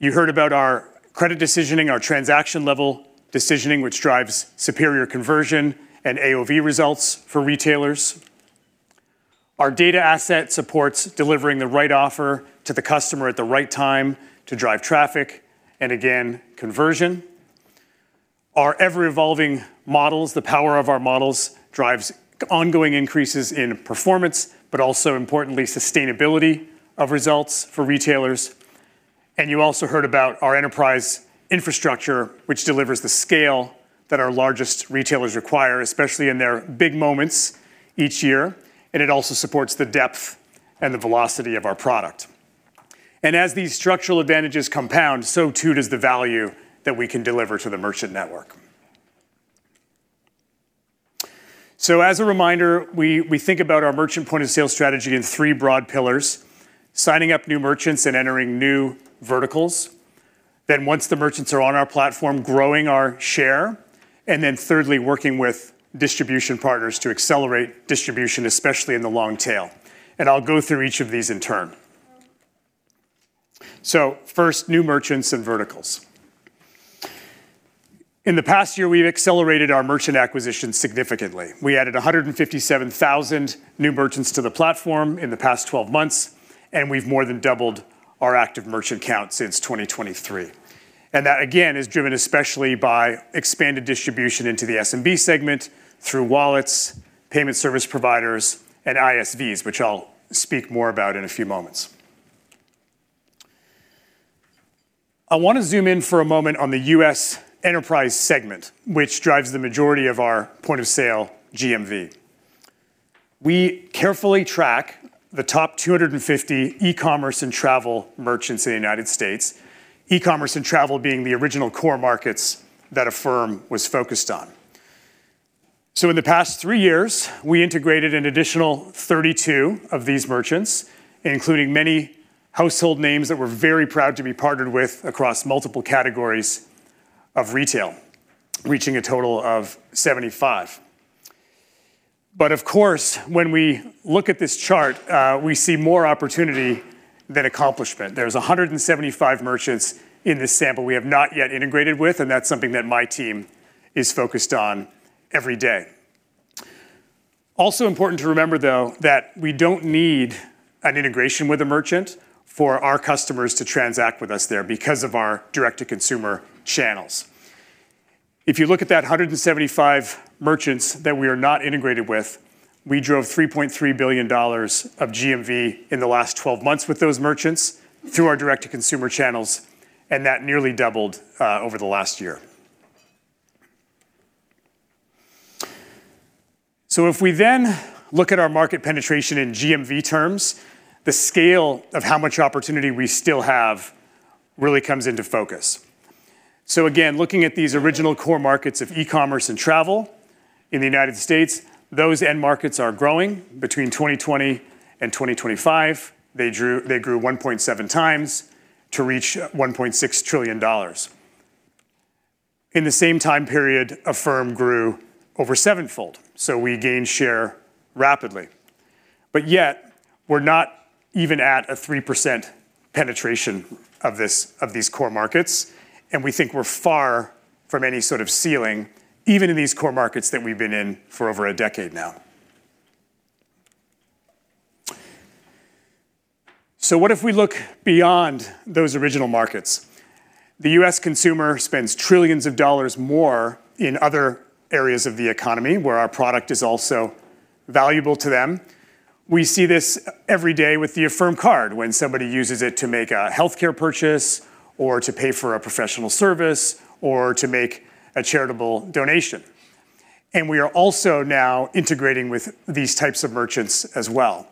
[SPEAKER 5] You heard about our credit decisioning, our transaction level decisioning, which drives superior conversion and AOV results for retailers. Our data asset supports delivering the right offer to the customer at the right time to drive traffic and again, conversion. Our ever-evolving models, the power of our models, drives ongoing increases in performance, but also importantly, sustainability of results for retailers. You also heard about our enterprise infrastructure, which delivers the scale that our largest retailers require, especially in their big moments each year, and it also supports the depth and the velocity of our product. As these structural advantages compound, so too does the value that we can deliver to the merchant network. As a reminder, we think about our merchant point of sale strategy in three broad pillars: signing up new merchants and entering new verticals, then once the merchants are on our platform, growing our share, and then thirdly, working with distribution partners to accelerate distribution, especially in the long tail. I'll go through each of these in turn. First, new merchants and verticals. In the past year, we've accelerated our merchant acquisition significantly. We added 157,000 new merchants to the platform in the past 12 months. We've more than doubled our active merchant count since 2023. That, again, is driven especially by expanded distribution into the SMB segment through wallets, payment service providers, and ISVs, which I'll speak more about in a few moments. I wanna zoom in for a moment on the U.S. enterprise segment, which drives the majority of our point of sale GMV. We carefully track the top 250 e-commerce and travel merchants in the United States, e-commerce and travel being the original core markets that Affirm was focused on. In the past three years, we integrated an additional 32 of these merchants, including many household names that we're very proud to be partnered with across multiple categories of retail, reaching a total of 75. Of course, when we look at this chart, we see more opportunity than accomplishment. There's 175 merchants in this sample we have not yet integrated with, and that's something that my team is focused on every day. Also important to remember, though, that we don't need an integration with a merchant for our customers to transact with us there because of our direct-to-consumer channels. If you look at that 175 merchants that we are not integrated with, we drove $3.3 billion of GMV in the last 12 months with those merchants through our direct-to-consumer channels, and that nearly doubled over the last year. If we then look at our market penetration in GMV terms, the scale of how much opportunity we still have really comes into focus. Again, looking at these original core markets of e-commerce and travel in the U.S., those end markets are growing between 2020 and 2025. They grew 1.7 times to reach $1.6 trillion. In the same time period, Affirm grew over sevenfold, we gained share rapidly. Yet we're not even at a 3% penetration of these core markets, and we think we're far from any sort of ceiling, even in these core markets that we've been in for over a decade now. What if we look beyond those original markets? The US consumer spends trillions of dollars more in other areas of the economy where our product is also valuable to them. We see this every day with the Affirm Card when somebody uses it to make a healthcare purchase or to pay for a professional service or to make a charitable donation. We are also now integrating with these types of merchants as well.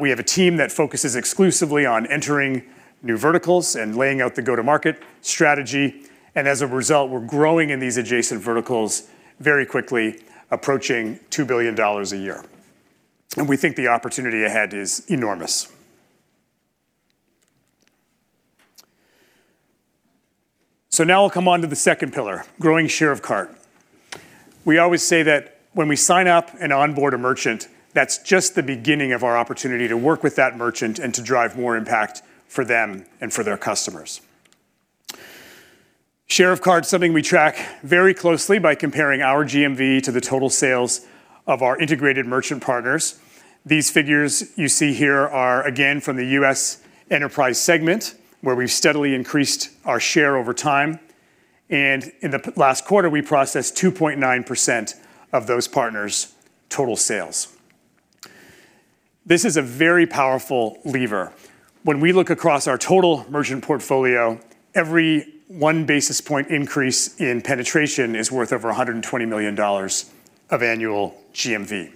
[SPEAKER 5] We have a team that focuses exclusively on entering new verticals and laying out the go-to-market strategy, and as a result, we're growing in these adjacent verticals very quickly, approaching $2 billion a year. We think the opportunity ahead is enormous. Now we'll come on to the second pillar, growing share of cart. We always say that when we sign up and onboard a merchant, that's just the beginning of our opportunity to work with that merchant and to drive more impact for them and for their customers. Share of cart is something we track very closely by comparing our GMV to the total sales of our integrated merchant partners. These figures you see here are again from the U.S. enterprise segment, where we've steadily increased our share over time. In the last quarter, we processed 2.9% of those partners' total sales. This is a very powerful lever. When we look across our total merchant portfolio, every one basis point increase in penetration is worth over $120 million of annual GMV.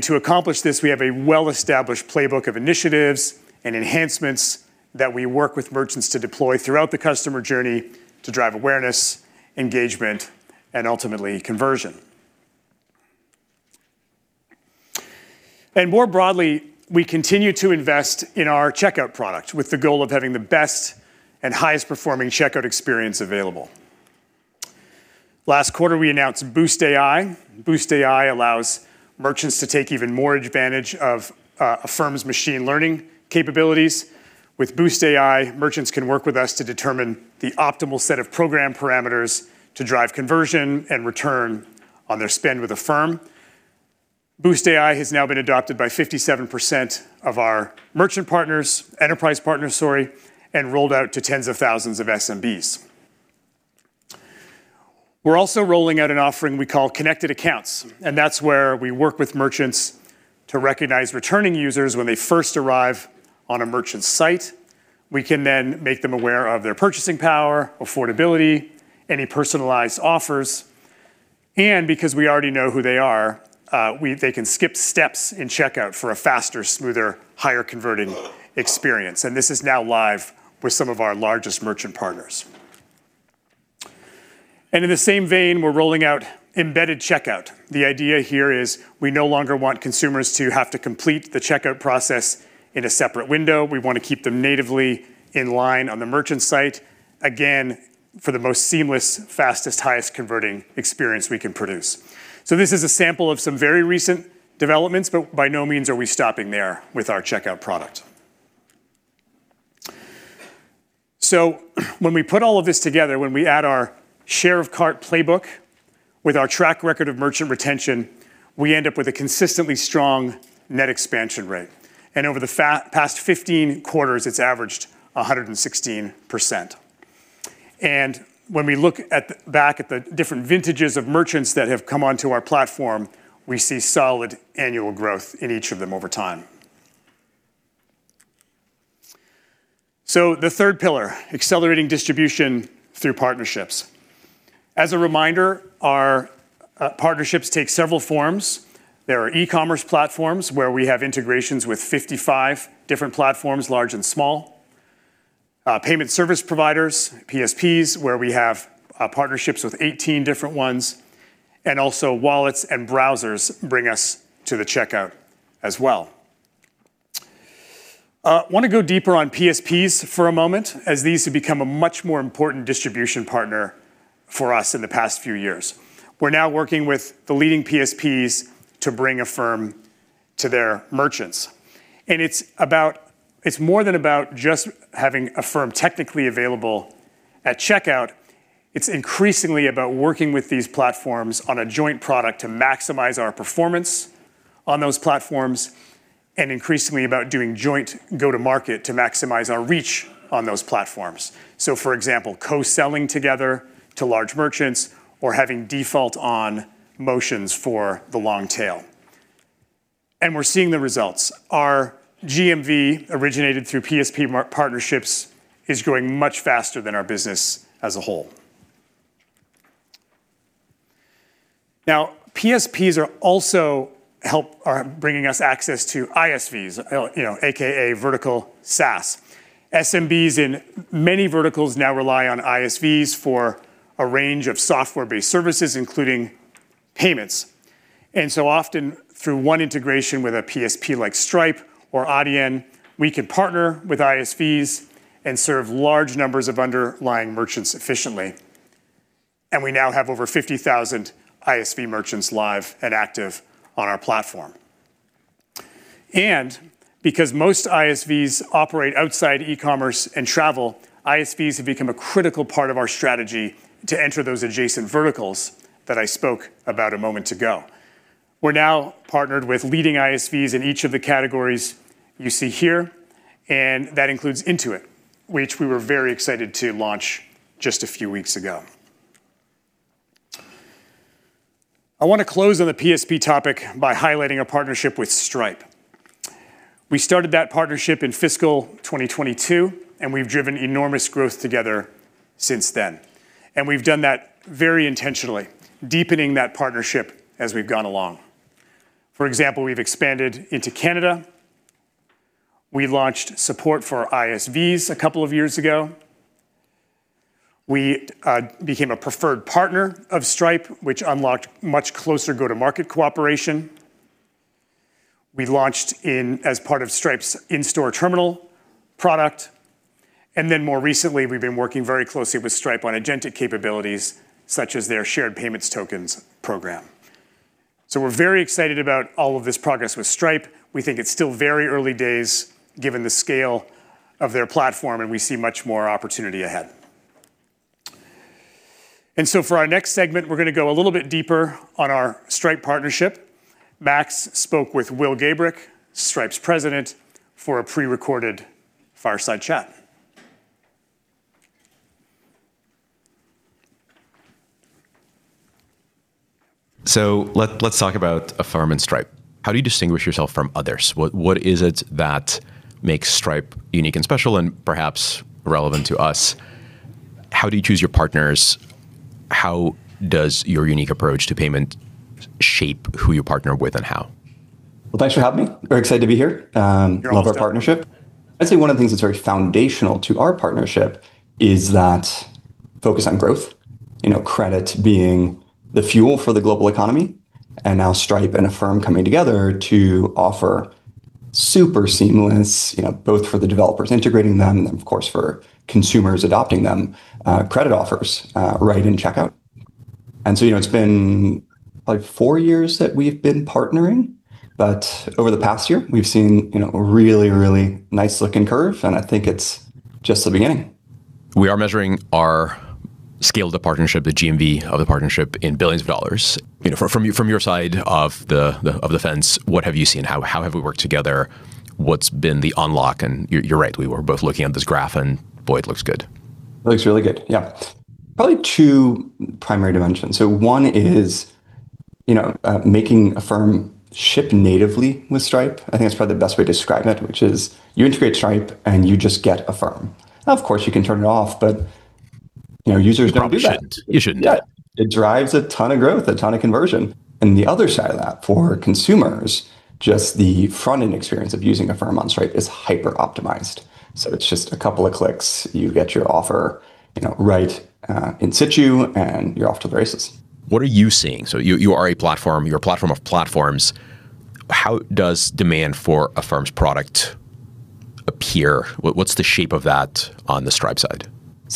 [SPEAKER 5] To accomplish this, we have a well-established playbook of initiatives and enhancements that we work with merchants to deploy throughout the customer journey to drive awareness, engagement, and ultimately conversion. More broadly, we continue to invest in our checkout product with the goal of having the best and highest performing checkout experience available. Last quarter, we announced Boost AI. Boost AI allows merchants to take even more advantage of Affirm's machine learning capabilities. With Boost AI, merchants can work with us to determine the optimal set of program parameters to drive conversion and return on their spend with Affirm. Boost AI has now been adopted by 57% of our merchant partners, enterprise partners, sorry, and rolled out to tens of thousands of SMBs. We're also rolling out an offering we call Connected Accounts. That's where we work with merchants to recognize returning users when they first arrive on a merchant's site. We can make them aware of their purchasing power, affordability, any personalized offers. Because we already know who they are, they can skip steps in checkout for a faster, smoother, higher converting experience. This is now live with some of our largest merchant partners. In the same vein, we're rolling out embedded checkout. The idea here is we no longer want consumers to have to complete the checkout process in a separate window. We want to keep them natively in line on the merchant site, again, for the most seamless, fastest, highest converting experience we can produce. This is a sample of some very recent developments, but by no means are we stopping there with our checkout product. When we put all of this together, when we add our share of cart playbook with our track record of merchant retention, we end up with a consistently strong net expansion rate. Over the past 15 quarters, it's averaged 116%. When we look back at the different vintages of merchants that have come onto our platform, we see solid annual growth in each of them over time. The third pillar, accelerating distribution through partnerships. As a reminder, our partnerships take several forms. There are e-commerce platforms where we have integrations with 55 different platforms, large and small, payment service providers, PSPs, where we have partnerships with 18 different ones, and also wallets and browsers bring us to the checkout as well. We want to go deeper on PSPs for a moment, as these have become a much more important distribution partner for us in the past few years. We're now working with the leading PSPs to bring Affirm to their merchants. It's more than about just having Affirm technically available at checkout. It's increasingly about working with these platforms on a joint product to maximize our performance on those platforms and increasingly about doing joint go-to-market to maximize our reach on those platforms. For example, co-selling together to large merchants or having default on motions for the long tail. We're seeing the results. Our GMV originated through PSP partnerships is growing much faster than our business as a whole. PSPs are also bringing us access to ISVs, you know, AKA vertical SaaS. SMBs in many verticals now rely on ISVs for a range of software-based services, including payments. Often through one integration with a PSP like Stripe or Adyen, we can partner with ISVs and serve large numbers of underlying merchants efficiently. We now have over 50,000 ISV merchants live and active on our platform. Because most ISVs operate outside e-commerce and travel, ISVs have become a critical part of our strategy to enter those adjacent verticals that I spoke about a moment ago. We're now partnered with leading ISVs in each of the categories you see here, that includes Intuit, which we were very excited to launch just a few weeks ago. I wanna close on the PSP topic by highlighting a partnership with Stripe. We started that partnership in fiscal 2022, and we've driven enormous growth together since then. We've done that very intentionally, deepening that partnership as we've gone along. For example, we've expanded into Canada. We launched support for ISVs a couple of years ago. We became a preferred partner of Stripe, which unlocked much closer go-to-market cooperation. We launched in as part of Stripe's in-store terminal product. More recently, we've been working very closely with Stripe on agentic capabilities, such as their shared payments tokens program. We're very excited about all of this progress with Stripe. We think it's still very early days given the scale of their platform, and we see much more opportunity ahead. For our next segment, we're gonna go a little bit deeper on our Stripe partnership. Max spoke with Will Gaybrick, Stripe's President, for a pre-recorded fireside chat.
[SPEAKER 2] Let's talk about Affirm and Stripe. How do you distinguish yourself from others? What is it that makes Stripe unique and special and perhaps relevant to us? How do you choose your partners? How does your unique approach to payment shape who you partner with and how?
[SPEAKER 6] Well, thanks for having me. Very excited to be here.
[SPEAKER 2] You're welcome.
[SPEAKER 6] Love our partnership. I'd say one of the things that's very foundational to our partnership is that focus on growth, you know, credit being the fuel for the global economy, and now Stripe and Affirm coming together to offer super seamless, you know, both for the developers integrating them and of course, for consumers adopting them, credit offers, right in checkout. You know, it's been like four years that we've been partnering, over the past year we've seen, you know, a really, really nice looking curve. I think it's just the beginning.
[SPEAKER 2] We are measuring our scale of the partnership, the GMV of the partnership in billions of dollars. You know, from your side of the fence, what have you seen? How have we worked together? What's been the unlock? You're right, we were both looking at this graph and boy, it looks good.
[SPEAKER 6] It looks really good. Yeah. Probably two primary dimensions. One is, you know, making Affirm ship natively with Stripe. I think that's probably the best way to describe it, which is you integrate Stripe and you just get Affirm. Now, of course, you can turn it off, but, you know, users don't do that.
[SPEAKER 2] You probably shouldn't. You shouldn't.
[SPEAKER 6] Yeah. It drives a ton of growth, a ton of conversion. The other side of that, for consumers, just the front-end experience of using Affirm on Stripe is hyper optimized. It's just a couple of clicks. You get your offer, you know, right, in situ and you're off to the races.
[SPEAKER 2] What are you seeing? You are a platform, you're a platform of platforms. How does demand for Affirm's product appear? What's the shape of that on the Stripe side?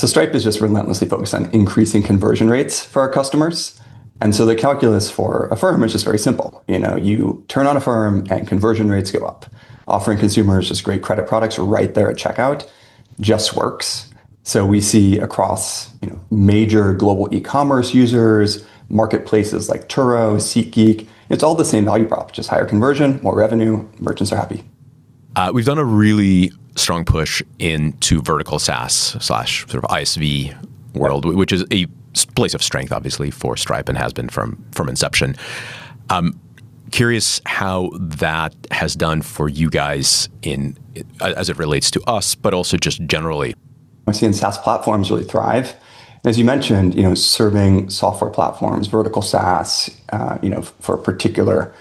[SPEAKER 6] Stripe is just relentlessly focused on increasing conversion rates for our customers, the calculus for Affirm is just very simple. You know, you turn on Affirm and conversion rates go up. Offering consumers just great credit products right there at checkout just works. We see across, you know, major global e-commerce users, marketplaces like Turo, SeatGeek, it's all the same value prop, just higher conversion, more revenue. Merchants are happy.
[SPEAKER 2] We've done a really strong push into vertical SaaS/ISV world, which is a place of strength obviously for Stripe and has been from inception. I'm curious how that has done for you guys in as it relates to us, but also just generally.
[SPEAKER 6] I've seen SaaS platforms really thrive, and as you mentioned, you know, serving software platforms, vertical SaaS, you know, for a particular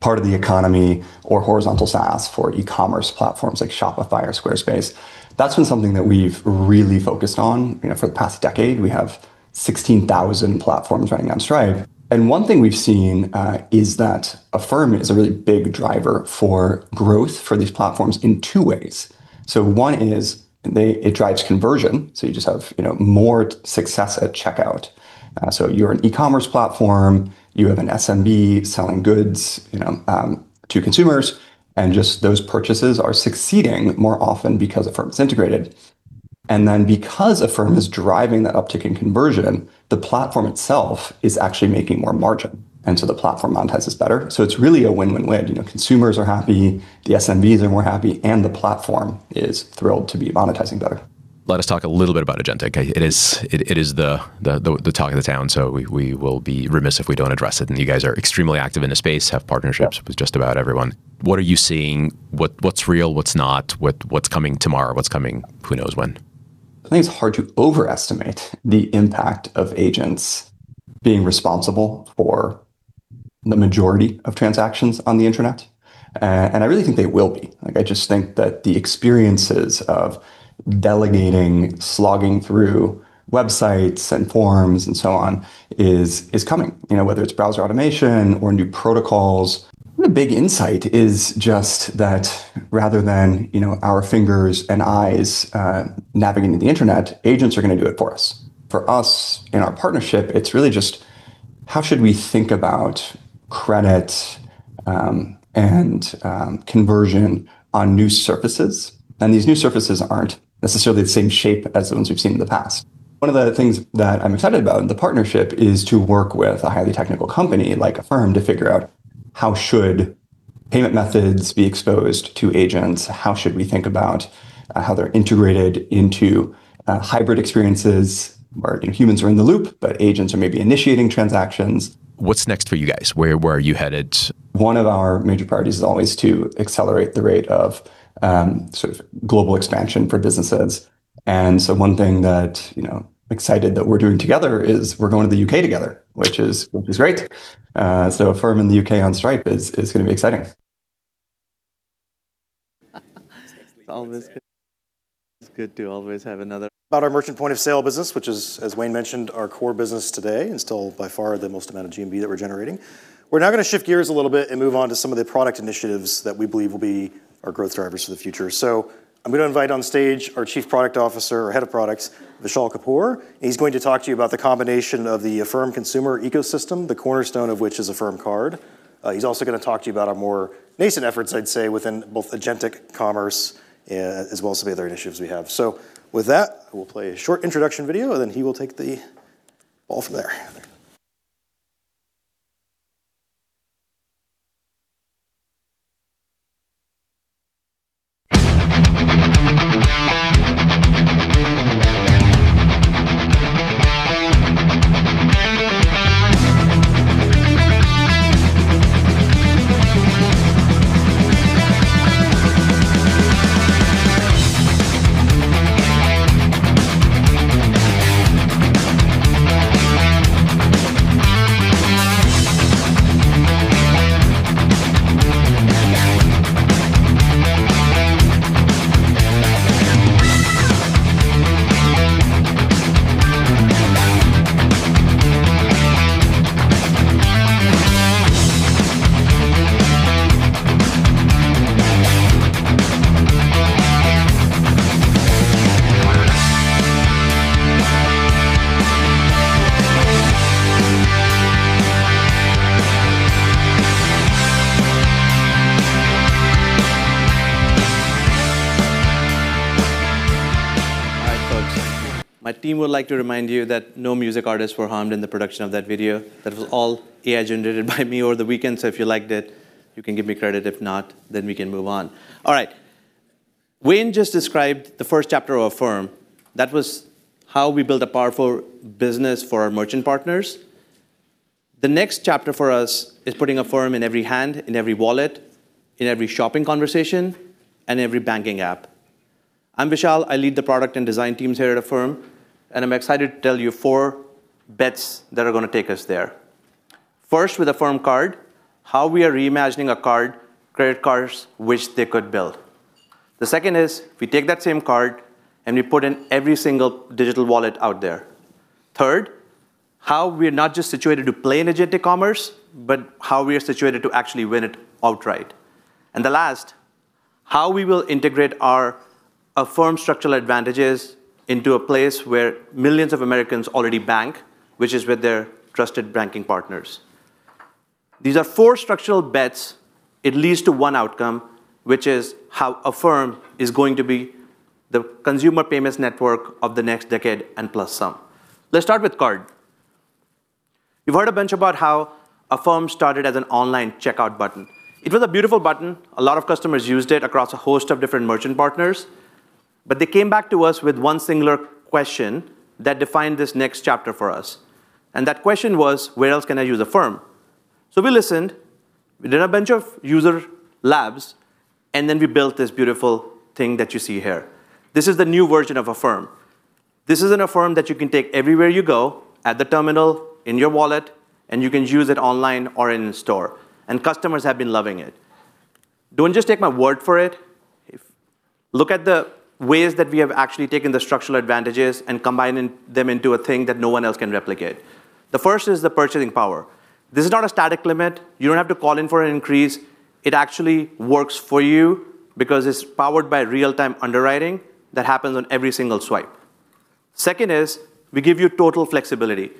[SPEAKER 6] part of the economy or horizontal SaaS for e-commerce platforms like Shopify or Squarespace, that's been something that we've really focused on, you know, for the past decade. We have 16,000 platforms running on Stripe, and one thing we've seen, is that Affirm is a really big driver for growth for these platforms in two ways. One is it drives conversion, so you just have, you know, more success at checkout. You're an e-commerce platform. You have an SMB selling goods, you know, to consumers, just those purchases are succeeding more often because Affirm is integrated. Because Affirm is driving that uptick in conversion, the platform itself is actually making more margin. The platform monetizes better. It's really a win-win-win. You know, consumers are happy, the SMBs are more happy, and the platform is thrilled to be monetizing better.
[SPEAKER 2] Let us talk a little bit about agentic. It is the talk of the town, we will be remiss if we don't address it, and you guys are extremely active in the space, have partnerships-
[SPEAKER 6] Yep
[SPEAKER 2] With just about everyone. What are you seeing? What's real, what's not? What's coming tomorrow? What's coming who knows when?
[SPEAKER 6] I think it's hard to overestimate the impact of agents being responsible for the majority of transactions on the internet, and I really think they will be. Like, I just think that the experiences of delegating, slogging through websites and forms and so on is coming, you know, whether it's browser automation or new protocols. The big insight is just that rather than, you know, our fingers and eyes, navigating the internet, agents are gonna do it for us. For us in our partnership, it's really just how should we think about credit, and conversion on new surfaces? These new surfaces aren't necessarily the same shape as the ones we've seen in the past. One of the things that I'm excited about in the partnership is to work with a highly technical company like Affirm to figure out how should payment methods be exposed to agents? How should we think about how they're integrated into hybrid experiences where, you know, humans are in the loop, but agents are maybe initiating transactions?
[SPEAKER 2] What's next for you guys? Where, where are you headed?
[SPEAKER 6] One of our major priorities is always to accelerate the rate of sort of global expansion for businesses. One thing that, you know, excited that we're doing together is we're going to the U.K. together, which is great. Affirm in the U.K. on Stripe is gonna be exciting.
[SPEAKER 7] It's good to always have another-
[SPEAKER 1] About our merchant point of sale business, which is, as Wayne mentioned, our core business today, and still by far the most amount of GMV that we're generating. We're now gonna shift gears a little bit and move on to some of the product initiatives that we believe will be our growth drivers for the future. I'm gonna invite on stage our Chief Product Officer, our Head of Products, Vishal Kapoor, and he's going to talk to you about the combination of the Affirm consumer ecosystem, the cornerstone of which is Affirm Card. He's also gonna talk to you about our more nascent efforts, I'd say, within both agentic commerce, as well as some of the other initiatives we have. With that, we'll play a short introduction video, and then he will take the ball from there.
[SPEAKER 7] All right, folks. My team would like to remind you that no music artists were harmed in the production of that video. That was all AI generated by me over the weekend, so if you liked it, you can give me credit. If not, then we can move on. All right. Wayne just described the first chapter of Affirm. That was how we built a powerful business for our merchant partners. The next chapter for us is putting Affirm in every hand, in every wallet, in every shopping conversation, and every banking app. I'm Vishal. I lead the product and design teams here at Affirm, and I'm excited to tell you four bets that are gonna take us there. First, with Affirm Card, how we are reimagining a card, credit cards which they could build. The second is we take that same card, and we put in every single digital wallet out there. Third, how we're not just situated to play in agentic commerce, but how we are situated to actually win it outright. The last, how we will integrate our, Affirm structural advantages into a place where millions of Americans already bank, which is with their trusted banking partners. These are four structural bets. It leads to one outcome, which is how Affirm is going to be the consumer payments network of the next decade and plus some. Let's start with card. You've heard a bunch about how Affirm started as an online checkout button. It was a beautiful button. A lot of customers used it across a host of different merchant partners, but they came back to us with one singular question that defined this next chapter for us, and that question was, "Where else can I use Affirm?" We listened, we did a bunch of user labs, and then we built this beautiful thing that you see here. This is the new version of Affirm. This is an Affirm that you can take everywhere you go, at the terminal, in your wallet, and you can use it online or in store, and customers have been loving it. Don't just take my word for it. Look at the ways that we have actually taken the structural advantages and combining them into a thing that no one else can replicate. The first is the purchasing power. This is not a static limit. You don't have to call in for an increase. It actually works for you because it's powered by real-time underwriting that happens on every single swipe. Second is we give you total flexibility.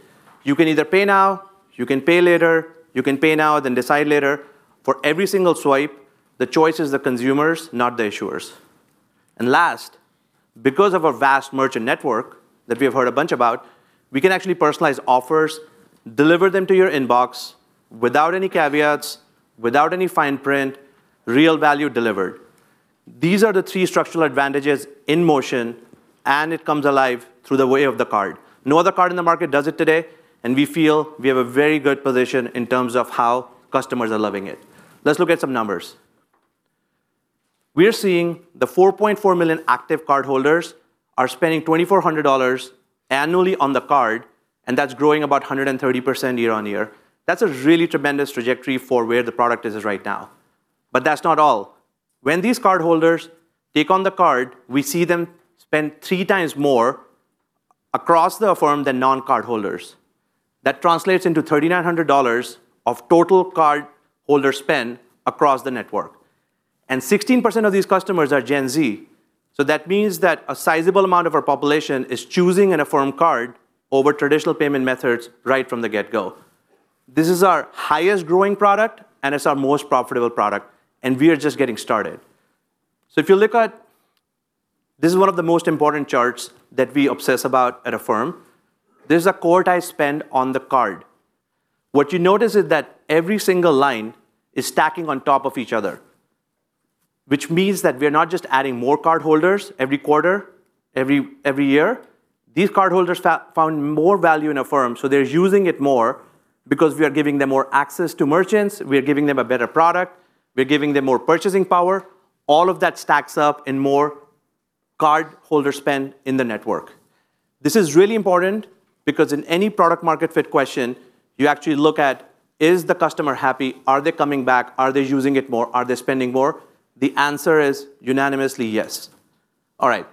[SPEAKER 7] You can either pay now, you can pay later, you can pay now, then decide later. For every single swipe, the choice is the consumer's, not the issuer's. Last, because of our vast merchant network that we have heard a bunch about, we can actually personalize offers, deliver them to your inbox without any caveats, without any fine print, real value delivered. These are the three structural advantages in motion, and it comes alive through the way of the card. No other card in the market does it today, and we feel we have a very good position in terms of how customers are loving it. Let's look at some numbers. We are seeing the 4.4 million active cardholders are spending $2,400 annually on the card, and that's growing about 130% year-over-year. That's a really tremendous trajectory for where the product is right now. That's not all. When these cardholders take on the card, we see them spend three times more across Affirm than non-cardholders. That translates into $3,900 of total cardholder spend across the network. 16% of these customers are Gen Z. That means that a sizable amount of our population is choosing an Affirm Card over traditional payment methods right from the get-go. This is our highest growing product and it's our most profitable product, and we are just getting started. If you look at This is one of the most important charts that we obsess about at Affirm. This is a quartile spend on the card. You notice that every single line is stacking on top of each other, which means that we're not just adding more cardholders every quarter, every year. These cardholders found more value in Affirm, so they're using it more because we are giving them more access to merchants, we are giving them a better product, we're giving them more purchasing power. All of that stacks up in more cardholder spend in the network. This is really important because in any product market fit question, you actually look at, is the customer happy? Are they coming back? Are they using it more? Are they spending more? The answer is unanimously yes. All right.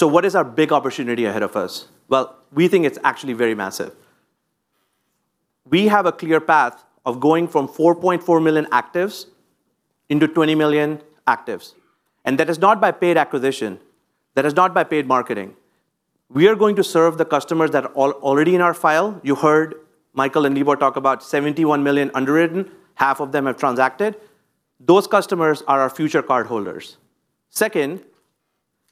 [SPEAKER 7] What is our big opportunity ahead of us? Well, we think it's actually very massive. We have a clear path of going from 4.4 million actives into 20 million actives. That is not by paid acquisition. That is not by paid marketing. We are going to serve the customers that are already in our file. You heard Michael and Libor talk about 71 million underwritten, half of them have transacted. Those customers are our future cardholders. Second,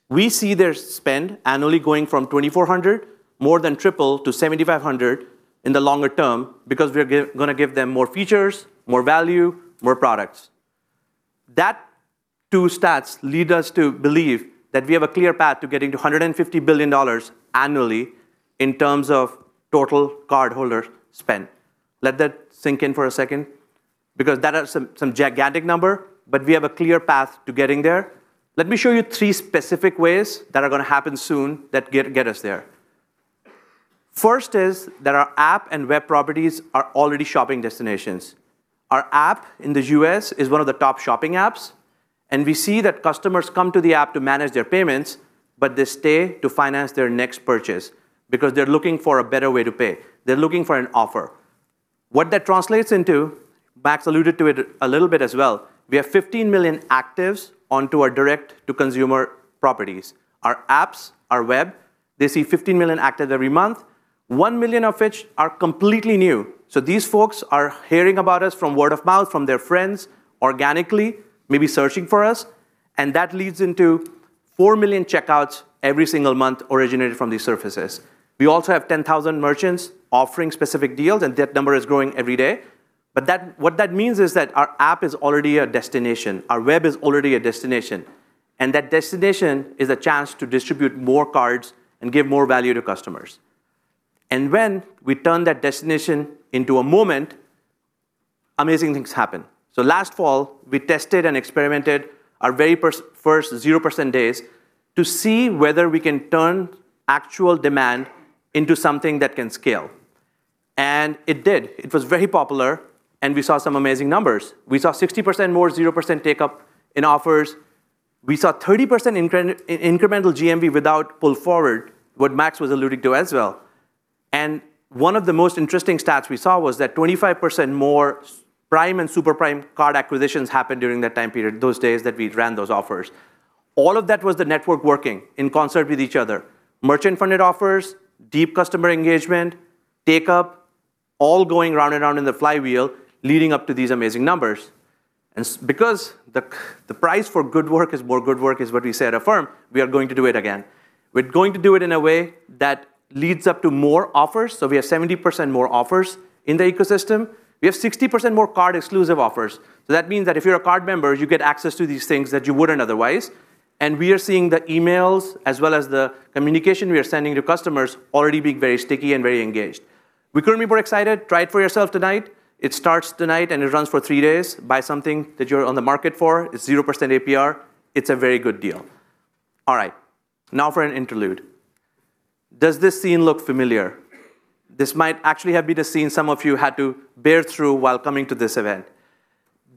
[SPEAKER 7] we see their spend annually going from $2,400, more than triple, to $7,500 in the longer term because we're gonna give them more features, more value, more products. That two stats lead us to believe that we have a clear path to getting to $150 billion annually in terms of total cardholder spend. Let that sink in for a second, because that is some gigantic number, but we have a clear path to getting there. Let me show you three specific ways that are gonna happen soon that get us there. First is that our app and web properties are already shopping destinations. Our app in the U.S. is one of the top shopping apps, and we see that customers come to the app to manage their payments, but they stay to finance their next purchase because they're looking for a better way to pay. They're looking for an offer. What that translates into, Max alluded to it a little bit as well, we have 15 million actives onto our direct-to-consumer properties. Our apps, our web, they see 15 million actives every month, 1 million of which are completely new. These folks are hearing about us from word of mouth, from their friends, organically, maybe searching for us, and that leads into 4 million checkouts every single month originated from these services. We also have 10,000 merchants offering specific deals, and that number is growing every day. What that means is that our app is already a destination. Our web is already a destination. That destination is a chance to distribute more cards and give more value to customers. When we turn that destination into a moment, amazing things happen. Last fall, we tested and experimented our very first 0% days to see whether we can turn actual demand into something that can scale. It did. It was very popular, and we saw some amazing numbers. We saw 60% more 0% take-up in offers. We saw 30% incremental GMV without pull forward, what Max was alluding to as well. One of the most interesting stats we saw was that 25% more prime and super prime card acquisitions happened during that time period, those days that we ran those offers. All of that was the network working in concert with each other. Merchant-funded offers, deep customer engagement, take-up, all going round and round in the flywheel, leading up to these amazing numbers. Because the price for good work is more good work is what we say at Affirm, we are going to do it again. We're going to do it in a way that leads up to more offers. We have 70% more offers in the ecosystem. We have 60% more card exclusive offers. That means that if you're a card member, you get access to these things that you wouldn't otherwise. We are seeing the emails as well as the communication we are sending to customers already being very sticky and very engaged. We couldn't be more excited. Try it for yourself tonight. It starts tonight and it runs for three days. Buy something that you're on the market for. It's 0% APR. It's a very good deal. All right, now for an interlude. Does this scene look familiar? This might actually have been the scene some of you had to bear through while coming to this event.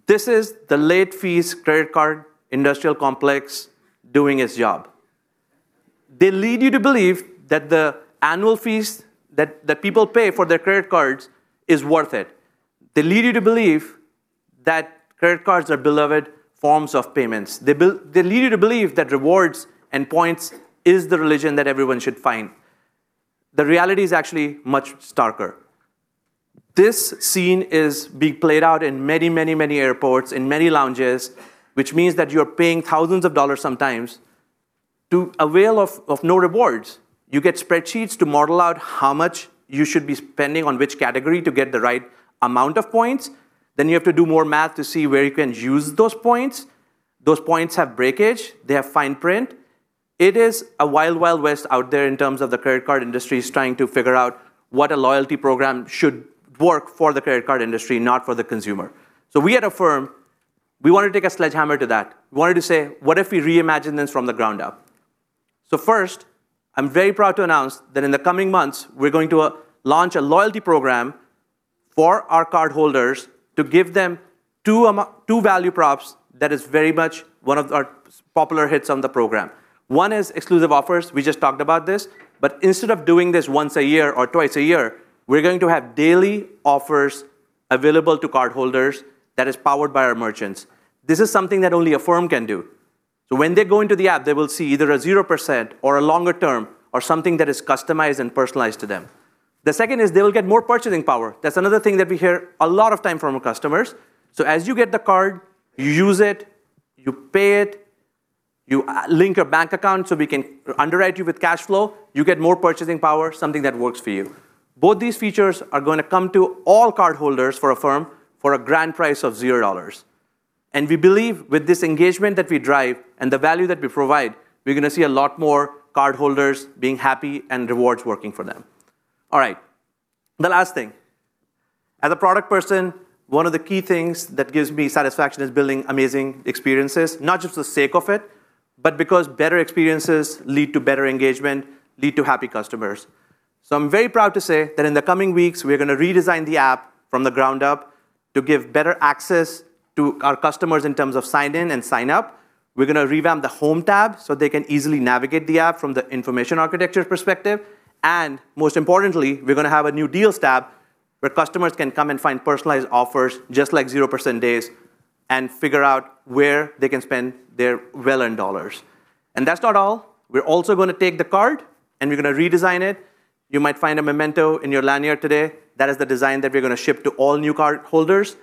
[SPEAKER 7] This is the late fees credit card industrial complex doing its job. They lead you to believe that the annual fees that people pay for their credit cards is worth it. They lead you to believe that credit cards are beloved forms of payments. They lead you to believe that rewards and points is the religion that everyone should find. The reality is actually much starker. This scene is being played out in many airports, in many lounges, which means that you're paying thousands of dollars sometimes to avail of no rewards. You get spreadsheets to model out how much you should be spending on which category to get the right amount of points. You have to do more math to see where you can use those points. Those points have breakage. They have fine print. It is a wild west out there in terms of the credit card industries trying to figure out what a loyalty program should work for the credit card industry, not for the consumer. We at Affirm, we want to take a sledgehammer to that. We wanted to say, what if we reimagine this from the ground up? First, I'm very proud to announce that in the coming months, we're going to launch a loyalty program for our cardholders to give them two value props that is very much one of our popular hits on the program. One is exclusive offers. We just talked about this. Instead of doing this once a year or twice a year, we're going to have daily offers available to cardholders that is powered by our merchants. This is something that only Affirm can do. When they go into the app, they will see either a 0% or a longer term or something that is customized and personalized to them. The second is they will get more purchasing power. That's another thing that we hear a lot of time from our customers. As you get the card, you use it, you pay it, you link a bank account, so we can underwrite you with cash flow. You get more purchasing power, something that works for you. Both these features are gonna come to all cardholders for Affirm for a grand price of $0. We believe with this engagement that we drive and the value that we provide, we're gonna see a lot more cardholders being happy and rewards working for them. All right. The last thing. As a product person, one of the key things that gives me satisfaction is building amazing experiences, not just for sake of it, but because better experiences lead to better engagement, lead to happy customers. I'm very proud to say that in the coming weeks, we're gonna redesign the app from the ground up to give better access to our customers in terms of sign in and sign up. We're gonna revamp the home tab so they can easily navigate the app from the information architecture perspective. Most importantly, we're gonna have a new deals tab where customers can come and find personalized offers just like 0% days and figure out where they can spend their well-earned dollars. That's not all. We're also gonna take the card, and we're gonna redesign it. You might find a memento in your lanyard today. That is the design that we're gonna ship to all new cardholders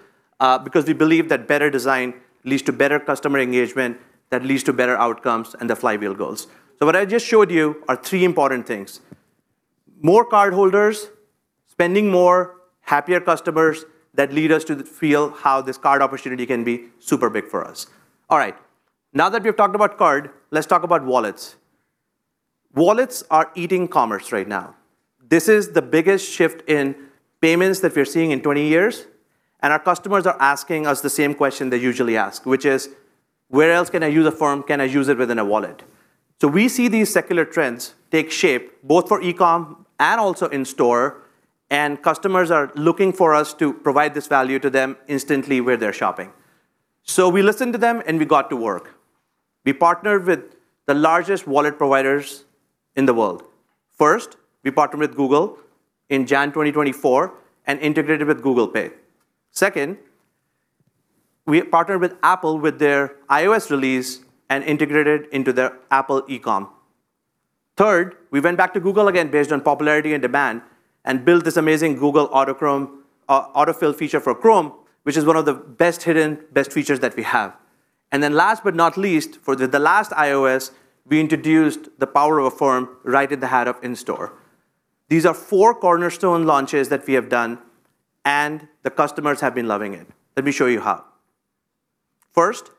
[SPEAKER 7] because we believe that better design leads to better customer engagement, that leads to better outcomes and the flywheel goals. What I just showed you are three important things. More cardholders spending more, happier customers that lead us to feel how this card opportunity can be super big for us. All right. Now that we've talked about card, let's talk about wallets. Wallets are eating commerce right now. This is the biggest shift in payments that we're seeing in 20 years, and our customers are asking us the same question they usually ask, which is, where else can I use Affirm? Can I use it within a wallet? We see these secular trends take shape both for e-com and also in store, and customers are looking for us to provide this value to them instantly where they're shopping. We listened to them, and we got to work. We partnered with the largest wallet providers in the world. First, we partnered with Google in January 2024 and integrated with Google Pay. Second, we partnered with Apple with their iOS release and integrated into their Apple e-com. Third, we went back to Google again based on popularity and demand and built this amazing Google Autofill feature for Chrome, which is one of the best hidden features that we have. Last but not least, for the last iOS, we introduced the power of Affirm right at the heart of in-store. These are four cornerstone launches that we have done. The customers have been loving it. Let me show you how. First,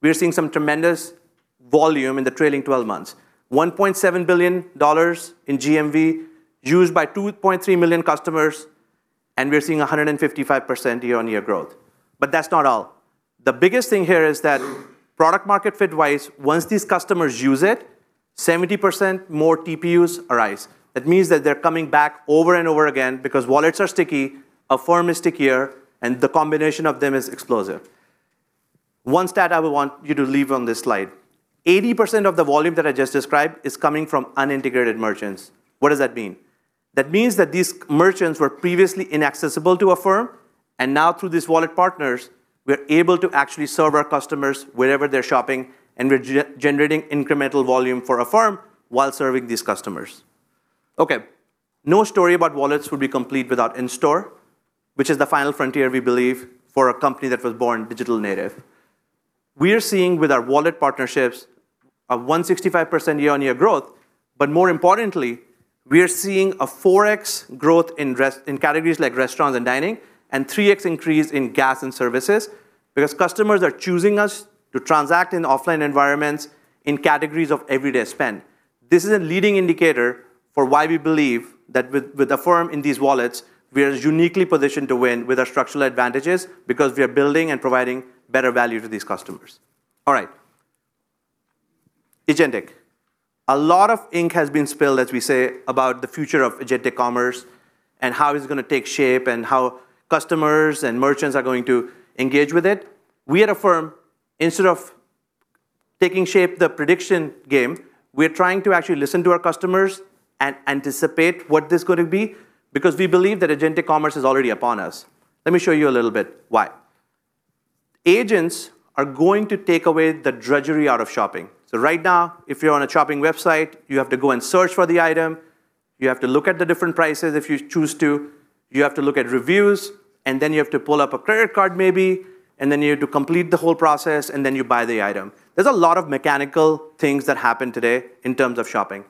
[SPEAKER 7] we are seeing some tremendous volume in the trailing 12 months. $1.7 billion in GMV used by 2.3 million customers. We're seeing 155% year-on-year growth. That's not all. The biggest thing here is that product-market fit-wise, once these customers use it, 70% more TPUs arise. That means that they're coming back over and over again because wallets are sticky, Affirm is stickier, and the combination of them is explosive. One stat I would want you to leave on this slide. 80% of the volume that I just described is coming from unintegrated merchants. What does that mean? That means that these merchants were previously inaccessible to Affirm, and now through these wallet partners, we're able to actually serve our customers wherever they're shopping, and we're generating incremental volume for Affirm while serving these customers. Okay. No story about wallets would be complete without in-store, which is the final frontier we believe for a company that was born digital native. We are seeing with our wallet partnerships a 165% year-on-year growth, but more importantly, we are seeing a 4x growth in categories like restaurants and dining and 3x increase in gas and services because customers are choosing us to transact in offline environments in categories of everyday spend. This is a leading indicator for why we believe that with Affirm in these wallets, we are uniquely positioned to win with our structural advantages because we are building and providing better value to these customers. All right. agentic. A lot of ink has been spilled, as we say, about the future of agentic commerce and how it's gonna take shape and how customers and merchants are going to engage with it. We at Affirm, instead of taking shape the prediction game, we're trying to actually listen to our customers and anticipate what this is gonna be because we believe that agentic commerce is already upon us. Let me show you a little bit why. Agents are going to take away the drudgery out of shopping. Right now, if you're on a shopping website, you have to go and search for the item, you have to look at the different prices if you choose to, you have to look at reviews, and then you have to pull up a credit card maybe, and then you have to complete the whole process, and then you buy the item. There's a lot of mechanical things that happen today in terms of shopping.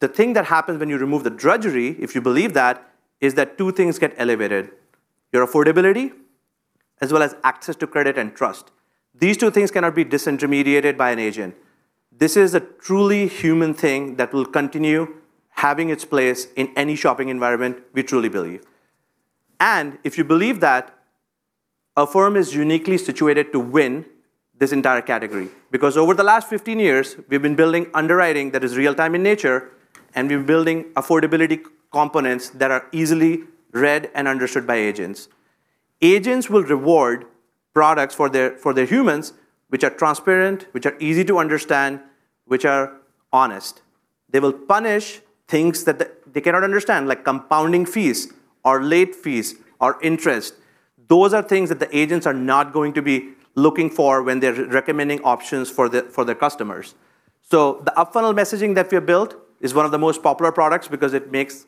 [SPEAKER 7] The thing that happens when you remove the drudgery, if you believe that, is that two things get elevated, your affordability as well as access to credit and trust. These two things cannot be disintermediated by an agent. This is a truly human thing that will continue having its place in any shopping environment, we truly believe. If you believe that, Affirm is uniquely situated to win this entire category, because over the last 15 years, we've been building underwriting that is real-time in nature, and we're building affordability components that are easily read and understood by agents. Agents will reward products for their humans which are transparent, which are easy to understand, which are honest. They will punish things that they cannot understand, like compounding fees or late fees or interest. Those are things that the agents are not going to be looking for when they're recommending options for their customers. The up-funnel messaging that we have built is one of the most popular products because it makes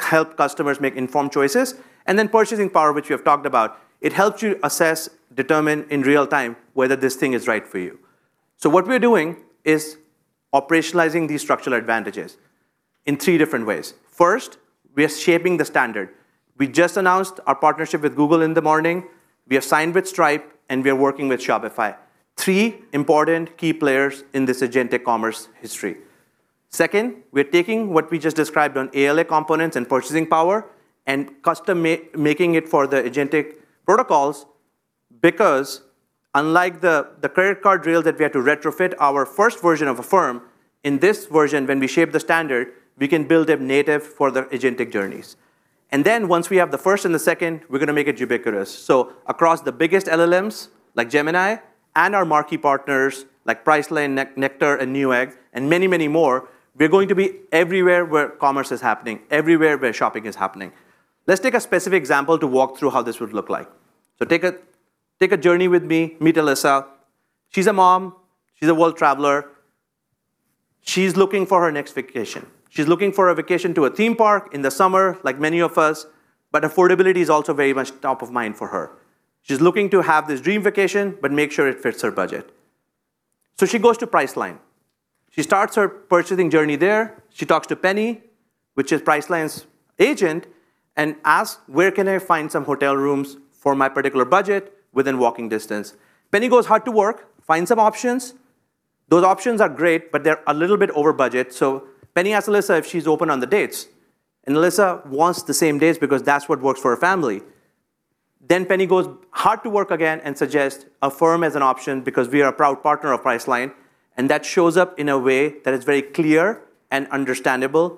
[SPEAKER 7] help customers make informed choices. Then purchasing power, which we have talked about, it helps you assess, determine in real-time whether this thing is right for you. What we are doing is operationalizing these structural advantages in three different ways. First, we are shaping the standard. We just announced our partnership with Google in the morning, we have signed with Stripe, and we are working with Shopify. Three important key players in this agentic commerce history. Second, we're taking what we just described on ALA components and purchasing power and custom making it for the agentic protocols, because unlike the credit card rail that we had to retrofit our first version of Affirm, in this version, when we shape the standard, we can build it native for the agentic journeys. Once we have the first and the second, we're gonna make it ubiquitous. Across the biggest LLMs, like Gemini, and our marquee partners like Priceline, Nectar, and Newegg, and many, many more, we're going to be everywhere where commerce is happening, everywhere where shopping is happening. Let's take a specific example to walk through how this would look like. Take a, take a journey with me. Meet Alyssa. She's a mom. She's a world traveler. She's looking for her next vacation. She's looking for a vacation to a theme park in the summer, like many of us, but affordability is also very much top of mind for her. She's looking to have this dream vacation, but make sure it fits her budget. She goes to Priceline. She starts her purchasing journey there. She talks to Penny, which is Priceline's agent, and asks, "Where can I find some hotel rooms for my particular budget within walking distance?" Penny goes hard to work, finds some options. Those options are great, but they're a little bit over budget. Penny asks Alyssa if she's open on the dates, and Alyssa wants the same dates because that's what works for her family. Penny goes hard to work again and suggests Affirm as an option because we are a proud partner of Priceline, and that shows up in a way that is very clear and understandable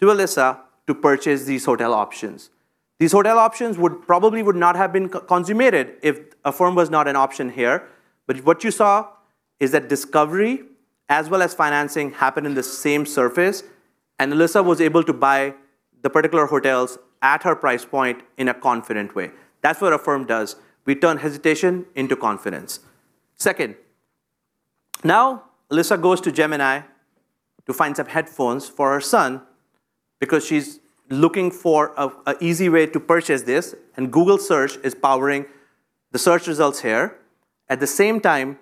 [SPEAKER 7] to Alyssa to purchase these hotel options. These hotel options would probably not have been consummated if Affirm was not an option here. What you saw is that discovery as well as financing happened in the same surface, and Alyssa was able to buy the particular hotels at her price point in a confident way. That's what Affirm does. We turn hesitation into confidence. Second, now Alyssa goes to Gemini to find some headphones for her son because she's looking for a easy way to purchase this, and Google Search is powering the search results here. At the same time,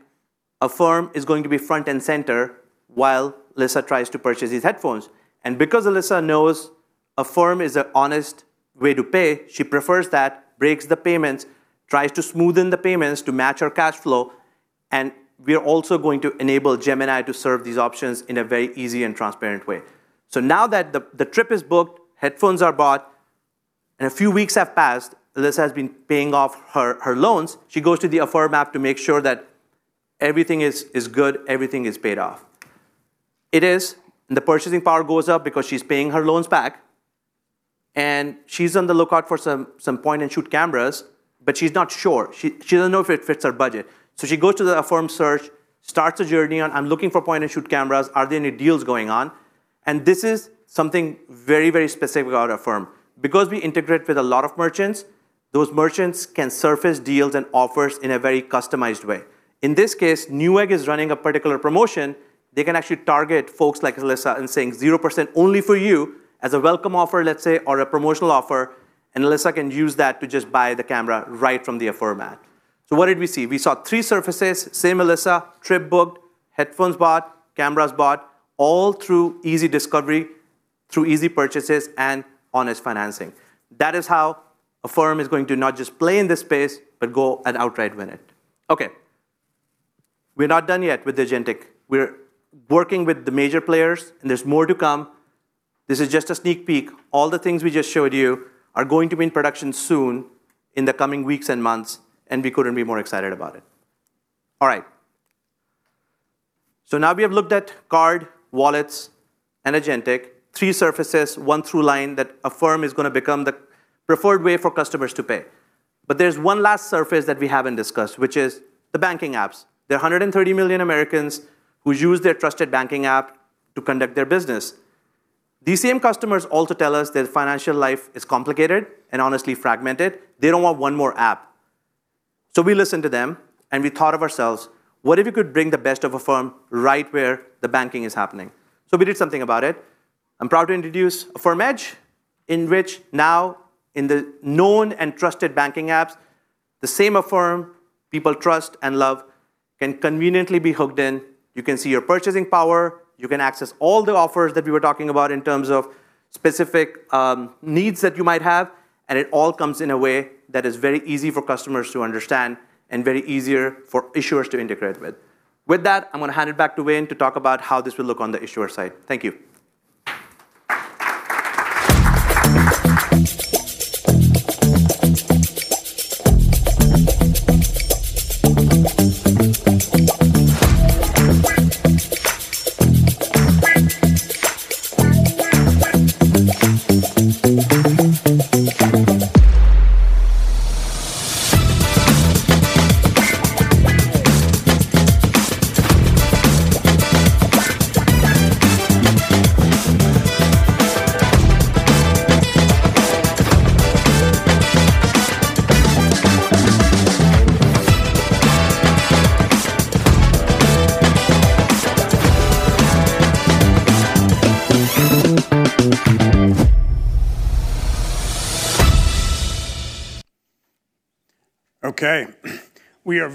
[SPEAKER 7] Affirm is going to be front and center while Alyssa tries to purchase these headphones. Because Alyssa knows Affirm is a honest way to pay, she prefers that, breaks the payments, tries to smoothen the payments to match her cash flow. We are also going to enable Gemini to serve these options in a very easy and transparent way. Now that the trip is booked, headphones are bought, and a few weeks have passed, Alyssa has been paying off her loans. She goes to the Affirm app to make sure that everything is good, everything is paid off. It is. The purchasing power goes up because she's paying her loans back. She's on the lookout for some point-and-shoot cameras, but she's not sure. She doesn't know if it fits her budget. She goes to the Affirm search, starts a journey on, "I'm looking for point-and-shoot cameras. Are there any deals going on?" This is something very, very specific about Affirm. Because we integrate with a lot of merchants, those merchants can surface deals and offers in a very customized way. In this case, Newegg is running a particular promotion. They can actually target folks like Alyssa in saying, "0% only for you," as a welcome offer, let's say, or a promotional offer, and Alyssa can use that to just buy the camera right from the Affirm app. What did we see? We saw three surfaces, same Alyssa, trip booked, headphones bought, cameras bought, all through easy discovery, through easy purchases, and honest financing. That is how Affirm is going to not just play in this space, but go and outright win it. We're not done yet with agentic. We're working with the major players, and there's more to come. This is just a sneak peek. All the things we just showed you are going to be in production soon in the coming weeks and months, and we couldn't be more excited about it. All right. Now we have looked at card, wallets, and agentic. Three surfaces, one through line that Affirm is gonna become the preferred way for customers to pay. There's one last surface that we haven't discussed, which is the banking apps. There are 130 million Americans who use their trusted banking app to conduct their business. These same customers also tell us that financial life is complicated and honestly fragmented. They don't want one more app. We listened to them, and we thought to ourselves, "What if you could bring the best of Affirm right where the banking is happening?" We did something about it. I'm proud to introduce Affirm Edge, in which now in the known and trusted banking apps, The same Affirm people trust and love can conveniently be hooked in. You can see your purchasing power, you can access all the offers that we were talking about in terms of specific needs that you might have. It all comes in a way that is very easy for customers to understand and very easier for issuers to integrate with. With that, I'm gonna hand it back to Wayne to talk about how this will look on the issuer side. Thank you.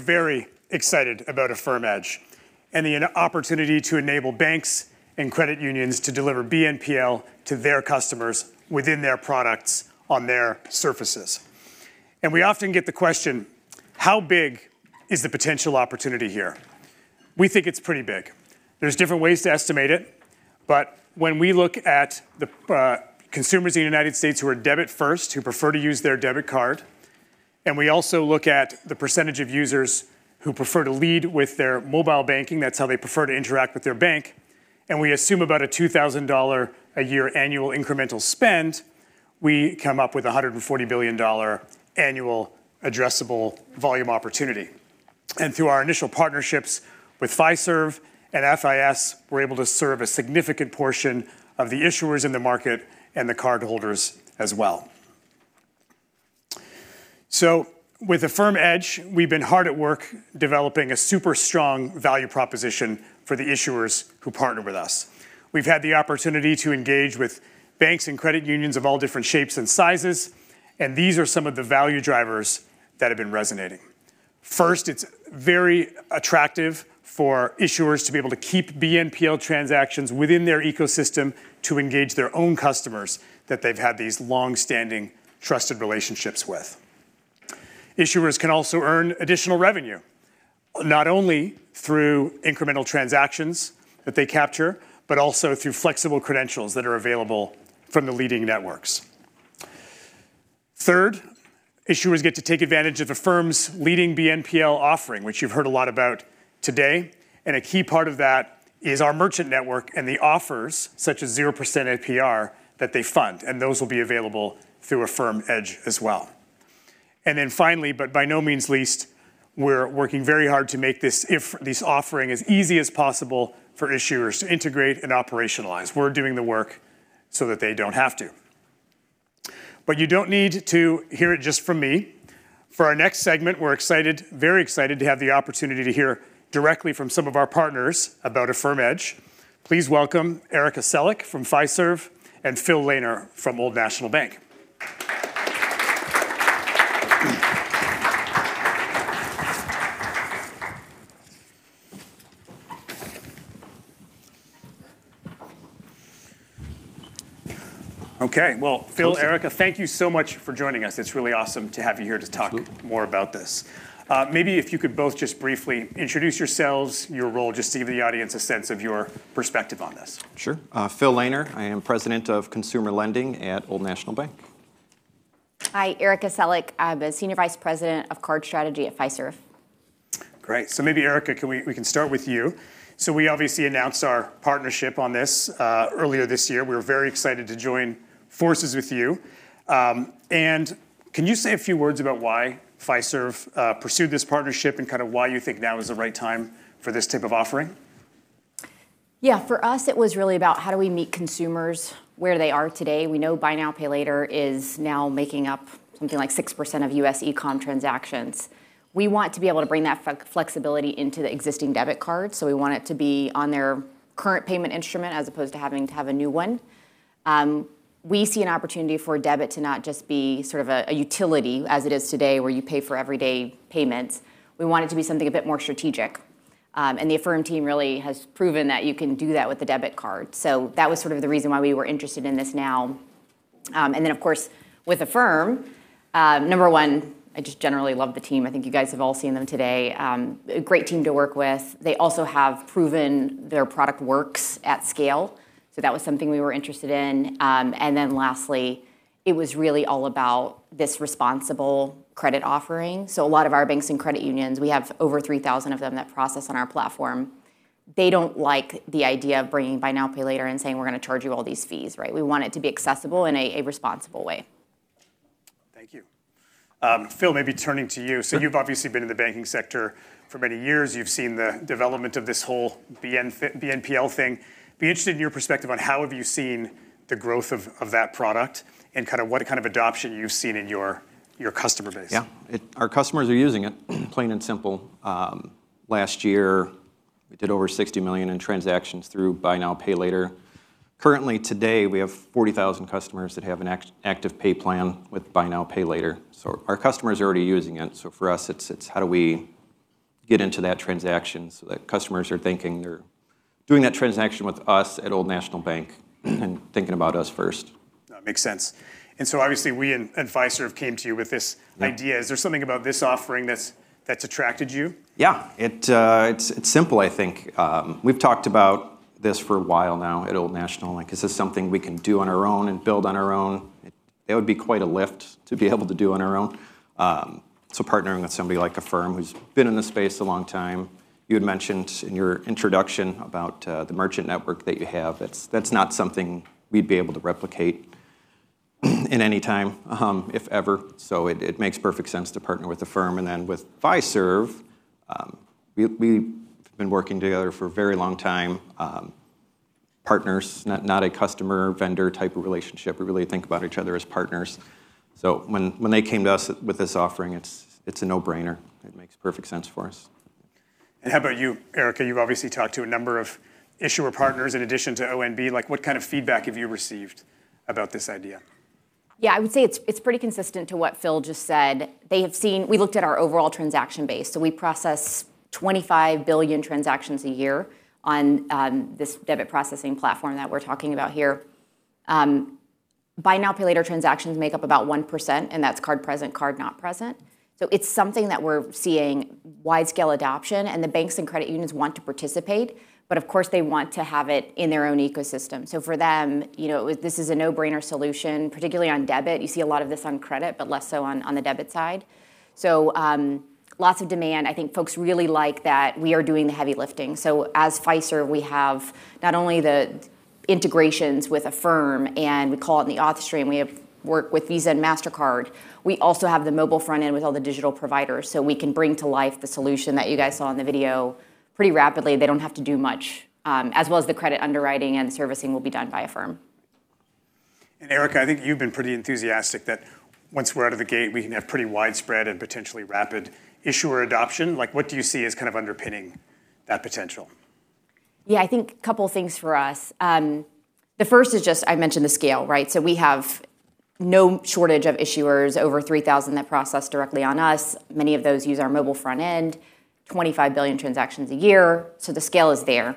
[SPEAKER 5] Okay. We are very excited about Affirm Edge and opportunity to enable banks and credit unions to deliver BNPL to their customers within their products on their surfaces. We often get the question, how big is the potential opportunity here? We think it's pretty big. There's different ways to estimate it, but when we look at the consumers in the U.S. who are debit first, who prefer to use their debit card, and we also look at the percentage of users who prefer to lead with their mobile banking, that's how they prefer to interact with their bank, and we assume about a $2,000 a year annual incremental spend, we come up with $140 billion annual addressable volume opportunity. Through our initial partnerships with Fiserv and FIS, we're able to serve a significant portion of the issuers in the market and the cardholders as well. With Affirm Edge, we've been hard at work developing a super strong value proposition for the issuers who partner with us. We've had the opportunity to engage with banks and credit unions of all different shapes and sizes, and these are some of the value drivers that have been resonating. First, it's very attractive for issuers to be able to keep BNPL transactions within their ecosystem to engage their own customers that they've had these long-standing trusted relationships with. Issuers can also earn additional revenue, not only through incremental transactions that they capture, but also through flexible credentials that are available from the leading networks. Issuers get to take advantage of Affirm's leading BNPL offering, which you've heard a lot about today, and a key part of that is our merchant network and the offers, such as 0% APR, that they fund, and those will be available through Affirm Edge as well. Finally, but by no means least, we're working very hard to make this offering as easy as possible for issuers to integrate and operationalize. We're doing the work so that they don't have to. You don't need to hear it just from me. For our next segment, we're excited, very excited to have the opportunity to hear directly from some of our partners about Affirm Edge. Please welcome Arika Selleck from Fiserv and Phil Lehner from Old National Bank. Okay. Well, Phil-
[SPEAKER 8] Absolutely
[SPEAKER 5] Arika, thank you so much for joining us. It's really awesome to have you here to talk. More about this. Maybe if you could both just briefly introduce yourselves, your role, just to give the audience a sense of your perspective on this.
[SPEAKER 8] Sure. Phil Lehner. I am President of Consumer Lending at Old National Bank.
[SPEAKER 9] Hi. Arika Selleck. I'm the Senior Vice President of Card Strategy at Fiserv.
[SPEAKER 5] Great. Maybe Arika, we can start with you. We obviously announced our partnership on this earlier this year. We're very excited to join forces with you. Can you say a few words about why Fiserv pursued this partnership and kind of why you think now is the right time for this type of offering?
[SPEAKER 9] For us, it was really about how do we meet consumers where they are today. We know buy now, pay later is now making up something like 6% of U.S. eCom transactions. We want to be able to bring that flexibility into the existing debit card, so we want it to be on their current payment instrument as opposed to having to have a new one. We see an opportunity for debit to not just be sort of a utility as it is today, where you pay for everyday payments. We want it to be something a bit more strategic. The Affirm team really has proven that you can do that with a debit card. That was sort of the reason why we were interested in this now. Of course, with Affirm, number one, I just generally love the team. I think you guys have all seen them today. A great team to work with. They also have proven their product works at scale, so that was something we were interested in. Lastly, it was really all about this responsible credit offering. A lot of our banks and credit unions, we have over 3,000 of them that process on our platform, they don't like the idea of bringing buy now, pay later and saying, "We're gonna charge you all these fees," right? We want it to be accessible in a responsible way.
[SPEAKER 5] Thank you. Phil, maybe turning to you.
[SPEAKER 8] Sure.
[SPEAKER 5] You've obviously been in the banking sector for many years. You've seen the development of this whole BNPL thing. Be interested in your perspective on how have you seen the growth of that product and kind of what kind of adoption you've seen in your customer base?
[SPEAKER 8] Our customers are using it, plain and simple. Last year we did over $60 million in transactions through buy now, pay later. Currently today, we have 40,000 customers that have an active pay plan with buy now, pay later. Our customers are already using it, for us it's how do we get into that transaction so that customers are thinking they're doing that transaction with us at Old National Bank and thinking about us first.
[SPEAKER 5] That makes sense. Obviously we and Fiserv came to you with this.
[SPEAKER 8] Yeah
[SPEAKER 5] Idea. Is there something about this offering that's attracted you?
[SPEAKER 8] Yeah. It's simple, I think. We've talked about this for a while now at Old National, is this something we can do on our own and build on our own? It would be quite a lift to be able to do on our own. Partnering with somebody like Affirm, who's been in the space a long time. You had mentioned in your introduction about the merchant network that you have. That's not something we'd be able to replicate in any time, if ever. It makes perfect sense to partner with Affirm. With Fiserv, we've been working together for a very long time, partners, not a customer vendor type of relationship. We really think about each other as partners. When they came to us with this offering, it's a no-brainer. It makes perfect sense for us.
[SPEAKER 5] How about you, Arika? You've obviously talked to a number of issuer partners in addition to ONB. Like, what kind of feedback have you received about this idea?
[SPEAKER 9] Yeah, I would say it's pretty consistent to what Phil just said. We looked at our overall transaction base. We process 25 billion transactions a year on this debit processing platform that we're talking about here. Buy now, pay later transactions make up about 1%, and that's card present, card not present. It's something that we're seeing widescale adoption, and the banks and credit unions want to participate, but of course they want to have it in their own ecosystem. For them, you know, this is a no-brainer solution, particularly on debit. You see a lot of this on credit, but less so on the debit side. Lots of demand. I think folks really like that we are doing the heavy lifting. As Fiserv, we have not only the integrations with Affirm, and we call it the auth stream, we have worked with Visa and Mastercard. We also have the mobile front end with all the digital providers, so we can bring to life the solution that you guys saw in the video pretty rapidly. They don't have to do much, as well as the credit underwriting and servicing will be done by Affirm.
[SPEAKER 5] Arika, I think you've been pretty enthusiastic that once we're out of the gate, we can have pretty widespread and potentially rapid issuer adoption. Like, what do you see as kind of underpinning that potential?
[SPEAKER 9] Yeah, I think a couple things for us. The first is just I mentioned the scale, right? We have no shortage of issuers, over 3,000 that process directly on us. Many of those use our mobile front end, 25 billion transactions a year, so the scale is there.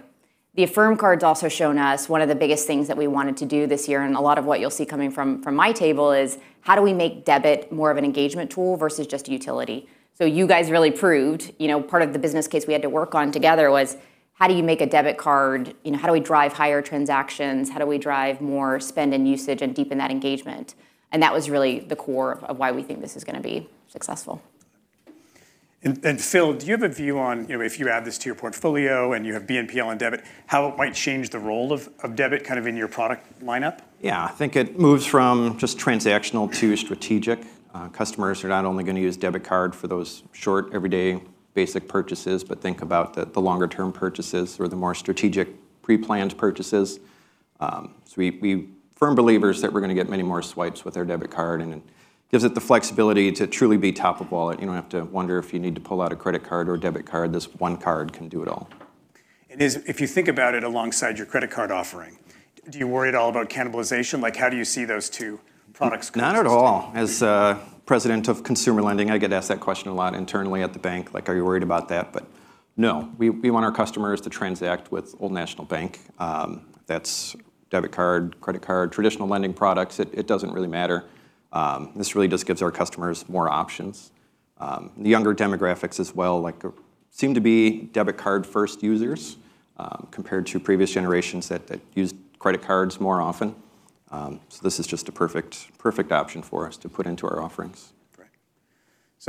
[SPEAKER 9] The Affirm Card's also shown us one of the biggest things that we wanted to do this year, and a lot of what you'll see coming from my table is, how do we make debit more of an engagement tool versus just a utility? You guys really proved, you know, part of the business case we had to work on together was, how do you make a debit card, you know, how do we drive higher transactions? How do we drive more spend and usage and deepen that engagement? That was really the core of why we think this is going to be successful.
[SPEAKER 5] Phil, do you have a view on, you know, if you add this to your portfolio and you have BNPL and debit, how it might change the role of debit kind of in your product lineup?
[SPEAKER 8] I think it moves from just transactional to strategic. Customers are not only gonna use debit card for those short, everyday basic purchases, but think about the longer term purchases or the more strategic pre-planned purchases. We firm believers that we're gonna get many more swipes with our debit card, and it gives it the flexibility to truly be top of wallet. You don't have to wonder if you need to pull out a credit card or a debit card. This one card can do it all.
[SPEAKER 5] If you think about it alongside your credit card offering, do you worry at all about cannibalization? Like, how do you see those two products coexisting?
[SPEAKER 8] Not at all. As president of consumer lending, I get asked that question a lot internally at the bank, "Are you worried about that?" No, we want our customers to transact with Old National Bank. That's debit card, credit card, traditional lending products. It doesn't really matter. This really just gives our customers more options. The younger demographics as well, like, seem to be debit card first users compared to previous generations that used credit cards more often. This is just a perfect option for us to put into our offerings.
[SPEAKER 5] Right.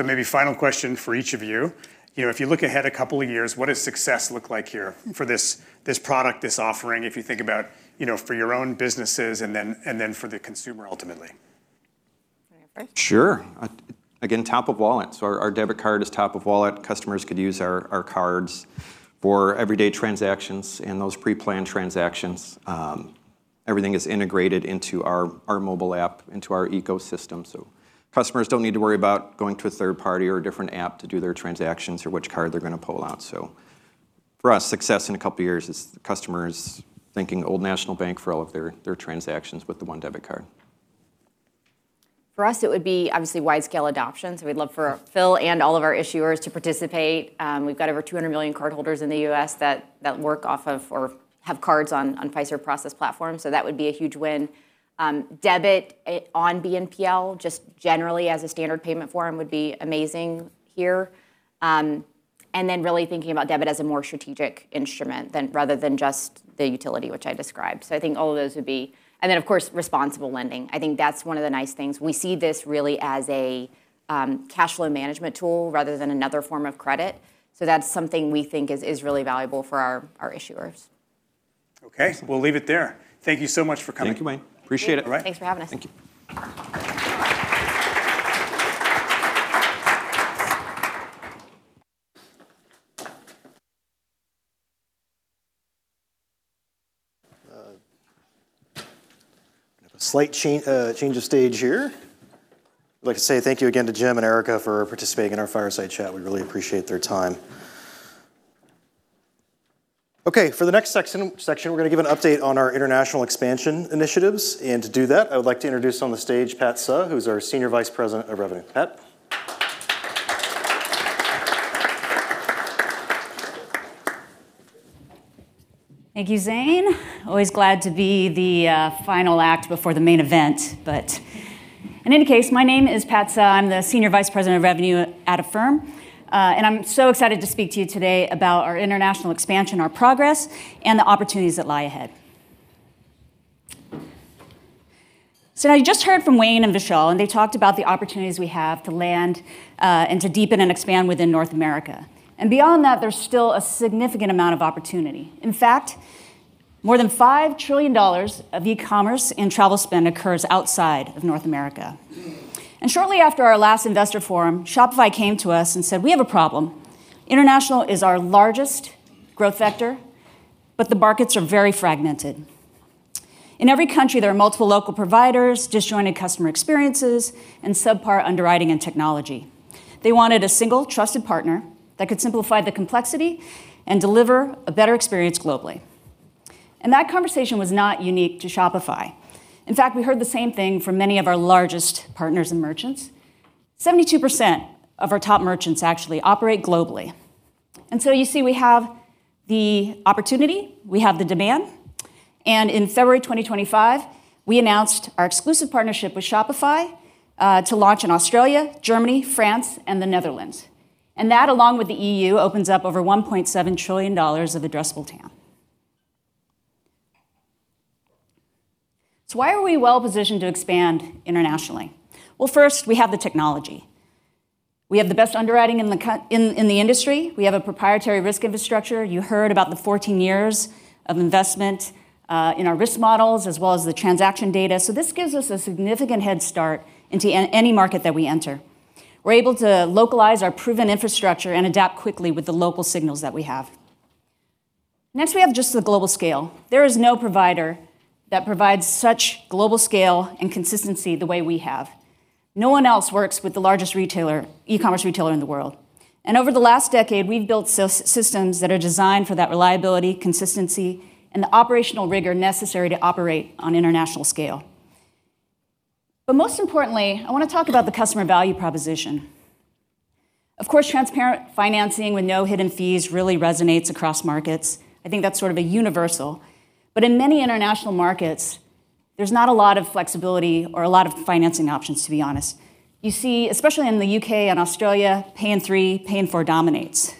[SPEAKER 5] Maybe final question for each of you. You know, if you look ahead a couple of years, what does success look like here for this product, this offering, if you think about, you know, for your own businesses and then for the consumer ultimately?
[SPEAKER 9] Want to go first?
[SPEAKER 8] Sure. Again, top of wallet. Our debit card is top of wallet. Customers could use our cards for everyday transactions and those pre-planned transactions. Everything is integrated into our mobile app, into our ecosystem. Customers don't need to worry about going to a third party or a different app to do their transactions or which card they're gonna pull out. For us, success in a couple years is customers thanking Old National Bank for all of their transactions with the one debit card.
[SPEAKER 9] For us, it would be obviously widescale adoption. We'd love for Phil and all of our issuers to participate. We've got over 200 million cardholders in the U.S. that work off of or have cards on Fiserv process platform, so that would be a huge win. Debit on BNPL, just generally as a standard payment forum would be amazing here. Really thinking about debit as a more strategic instrument than, rather than just the utility which I described. Of course, responsible lending. I think that's one of the nice things. We see this really as a cash flow management tool rather than another form of credit, so that's something we think is really valuable for our issuers.
[SPEAKER 5] Okay.
[SPEAKER 8] Awesome.
[SPEAKER 5] We'll leave it there. Thank you so much for coming.
[SPEAKER 8] Thank you. Appreciate it.
[SPEAKER 9] Thank you.
[SPEAKER 5] All right.
[SPEAKER 9] Thanks for having us.
[SPEAKER 8] Thank you.
[SPEAKER 1] Slight change of stage here. I'd like to say thank you again to Jim and Arika for participating in our fireside chat. We really appreciate their time. Okay, for the next section, we're gonna give an update on our international expansion initiatives. To do that, I would like to introduce on the stage Pat Suh, who's our Senior Vice President of Revenue. Pat?
[SPEAKER 10] Thank you, Zane. Always glad to be the final act before the main event. In any case, my name is Pat Suh. I'm the Senior Vice President of Revenue at Affirm. I'm so excited to speak to you today about our international expansion, our progress, and the opportunities that lie ahead. You just heard from Wayne and Vishal, they talked about the opportunities we have to land, to deepen and expand within North America. Beyond that, there's still a significant amount of opportunity. In fact, more than $5 trillion of e-commerce and travel spend occurs outside of North America. Shortly after our last investor forum, Shopify came to us and said, "We have a problem. International is our largest growth vector, the markets are very fragmented. In every country, there are multiple local providers, disjointed customer experiences, and subpar underwriting and technology. They wanted a single trusted partner that could simplify the complexity and deliver a better experience globally. That conversation was not unique to Shopify. In fact, we heard the same thing from many of our largest partners and merchants. 72% of our top merchants actually operate globally. You see, we have the opportunity, we have the demand, in February 2025, we announced our exclusive partnership with Shopify to launch in Australia, Germany, France, and the Netherlands. That, along with the EU, opens up over $1.7 trillion of addressable TAM. Why are we well-positioned to expand internationally? Well, first, we have the technology. We have the best underwriting in the industry. We have a proprietary risk infrastructure. You heard about the 14 years of investment in our risk models, as well as the transaction data. This gives us a significant head start into any market that we enter. We're able to localize our proven infrastructure and adapt quickly with the local signals that we have. Next, we have just the global scale. There is no provider that provides such global scale and consistency the way we have. No one else works with the largest retailer, e-commerce retailer in the world. Over the last decade, we've built systems that are designed for that reliability, consistency, and the operational rigor necessary to operate on international scale. Most importantly, I wanna talk about the customer value proposition. Of course, transparent financing with no hidden fees really resonates across markets. I think that's sort of a universal. In many international markets, there's not a lot of flexibility or a lot of financing options, to be honest. You see, especially in the U.K. and Australia, pay in three, pay in four dominates.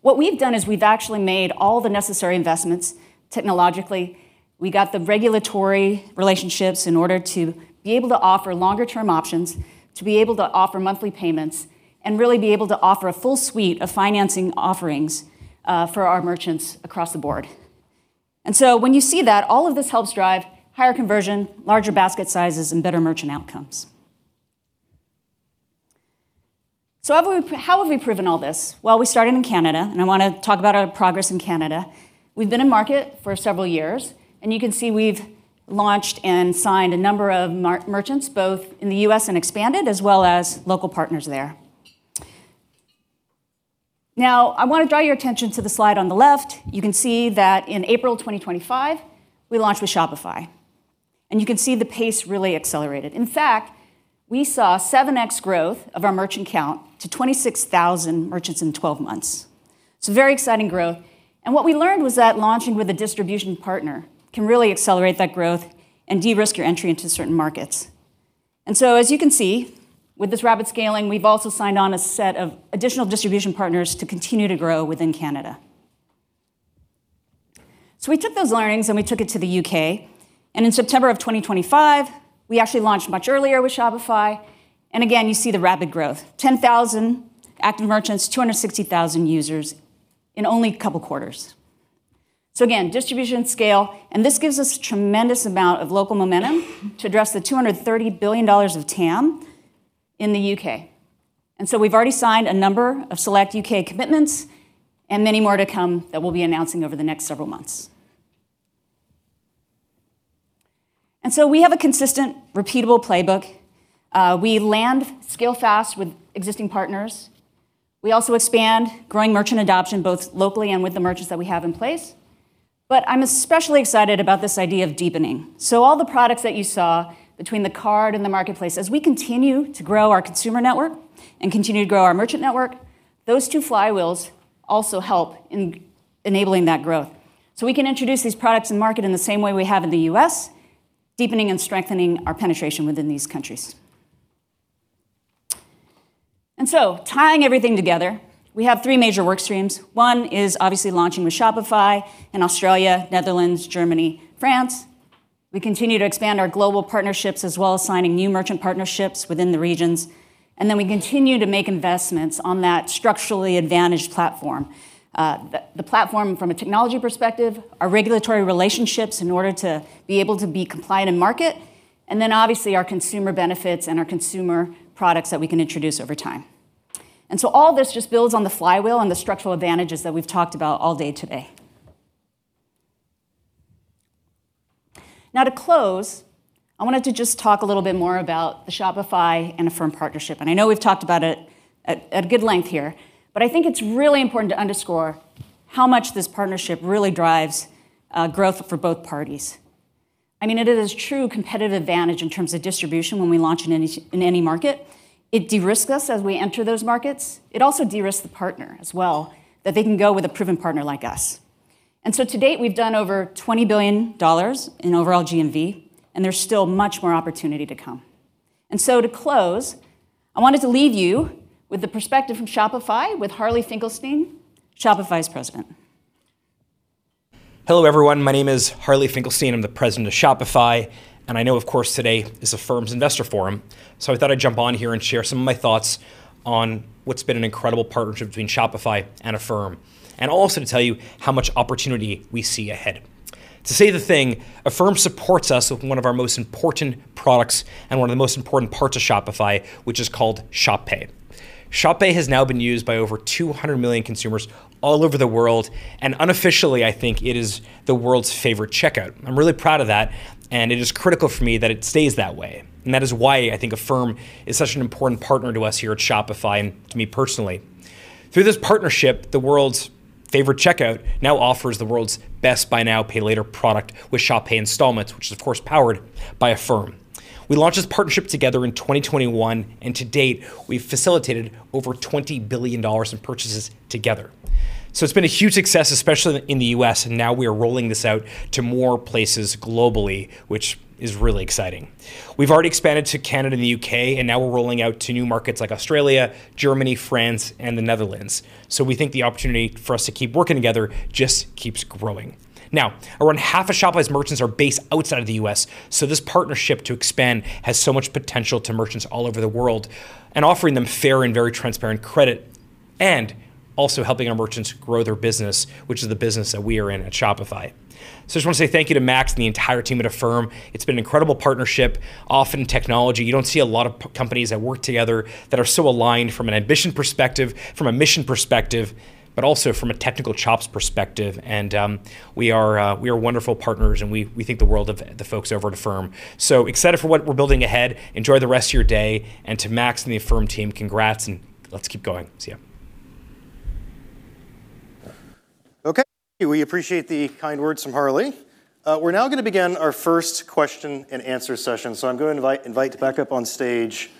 [SPEAKER 10] What we've done is we've actually made all the necessary investments technologically. We got the regulatory relationships in order to be able to offer longer term options, to be able to offer monthly payments, and really be able to offer a full suite of financing offerings for our merchants across the board. When you see that, all of this helps drive higher conversion, larger basket sizes, and better merchant outcomes. How have we proven all this? Well, we started in Canada, and I wanna talk about our progress in Canada. We've been in market for several years, and you can see we've launched and signed a number of merchants, both in the U.S. and expanded, as well as local partners there. Now, I wanna draw your attention to the slide on the left. You can see that in April 2025, we launched with Shopify, and you can see the pace really accelerated. In fact, we saw 7x growth of our merchant count to 26,000 merchants in 12 months. Very exciting growth. What we learned was that launching with a distribution partner can really accelerate that growth and de-risk your entry into certain markets. As you can see, with this rapid scaling, we've also signed on a set of additional distribution partners to continue to grow within Canada. We took those learnings, we took it to the U.K., and in September of 2025, we actually launched much earlier with Shopify. Again, you see the rapid growth. 10,000 active merchants, 260,000 users in only a couple quarters. Again, distribution scale, this gives us tremendous amount of local momentum to address the $230 billion of TAM in the U.K. We've already signed a number of select U.K. commitments and many more to come that we'll be announcing over the next several months. We have a consistent, repeatable playbook. We land scale fast with existing partners. We also expand growing merchant adoption, both locally and with the merchants that we have in place. I'm especially excited about this idea of deepening. All the products that you saw between the card and the marketplace, as we continue to grow our consumer network and continue to grow our merchant network, those two flywheels also help in enabling that growth. We can introduce these products and market in the same way we have in the U.S., deepening and strengthening our penetration within these countries. Tying everything together, we have three major work streams. One is obviously launching with Shopify in Australia, Netherlands, Germany, France. We continue to expand our global partnerships, as well as signing new merchant partnerships within the regions. We continue to make investments on that structurally advantaged platform. The platform from a technology perspective, our regulatory relationships in order to be able to be compliant in market, and then obviously our consumer benefits and our consumer products that we can introduce over time. All this just builds on the flywheel and the structural advantages that we've talked about all day today. Now to close, I wanted to just talk a little bit more about the Shopify and Affirm partnership, and I know we've talked about it at good length here. I think it's really important to underscore how much this partnership really drives growth for both parties. I mean, it is true competitive advantage in terms of distribution when we launch in any in any market. It de-risks us as we enter those markets. It also de-risks the partner as well, that they can go with a proven partner like us. To date, we've done over $20 billion in overall GMV, and there's still much more opportunity to come. To close, I wanted to leave you with the perspective from Shopify with Harley Finkelstein, Shopify's President.
[SPEAKER 11] Hello, everyone. My name is Harley Finkelstein. I'm the president of Shopify. I know of course today is Affirm's Investor Forum. I thought I'd jump on here and share some of my thoughts on what's been an incredible partnership between Shopify and Affirm, and also to tell you how much opportunity we see ahead. Affirm supports us with one of our most important products and one of the most important parts of Shopify, which is called Shop Pay. Shop Pay has now been used by over 200 million consumers all over the world, and unofficially, I think it is the world's favorite checkout. I'm really proud of that, and it is critical for me that it stays that way, and that is why I think Affirm is such an important partner to us here at Shopify and to me personally. Through this partnership, the world's favorite checkout now offers the world's best buy now, pay later product with Shop Pay Installments, which is of course powered by Affirm. We launched this partnership together in 2021, and to date, we've facilitated over $20 billion in purchases together. It's been a huge success, especially in the U.S., and now we are rolling this out to more places globally, which is really exciting. We've already expanded to Canada and the U.K., and now we're rolling out to new markets like Australia, Germany, France, and the Netherlands. We think the opportunity for us to keep working together just keeps growing. Around half of Shopify's merchants are based outside of the U.S., so this partnership to expand has so much potential to merchants all over the world, and offering them fair and very transparent credit, and also helping our merchants grow their business, which is the business that we are in at Shopify. I just want to say thank you to Max and the entire team at Affirm. It's been an incredible partnership. Often in technology, you don't see a lot of companies that work together that are so aligned from an ambition perspective, from a mission perspective, but also from a technical chops perspective. We are wonderful partners, and we think the world of the folks over at Affirm. Excited for what we're building ahead. Enjoy the rest of your day. To Max and the Affirm team, congrats, and let's keep going. See ya.
[SPEAKER 1] Okay. We appreciate the kind words from Harley. We're now gonna begin our first question and answer session. I'm going to invite back up on stage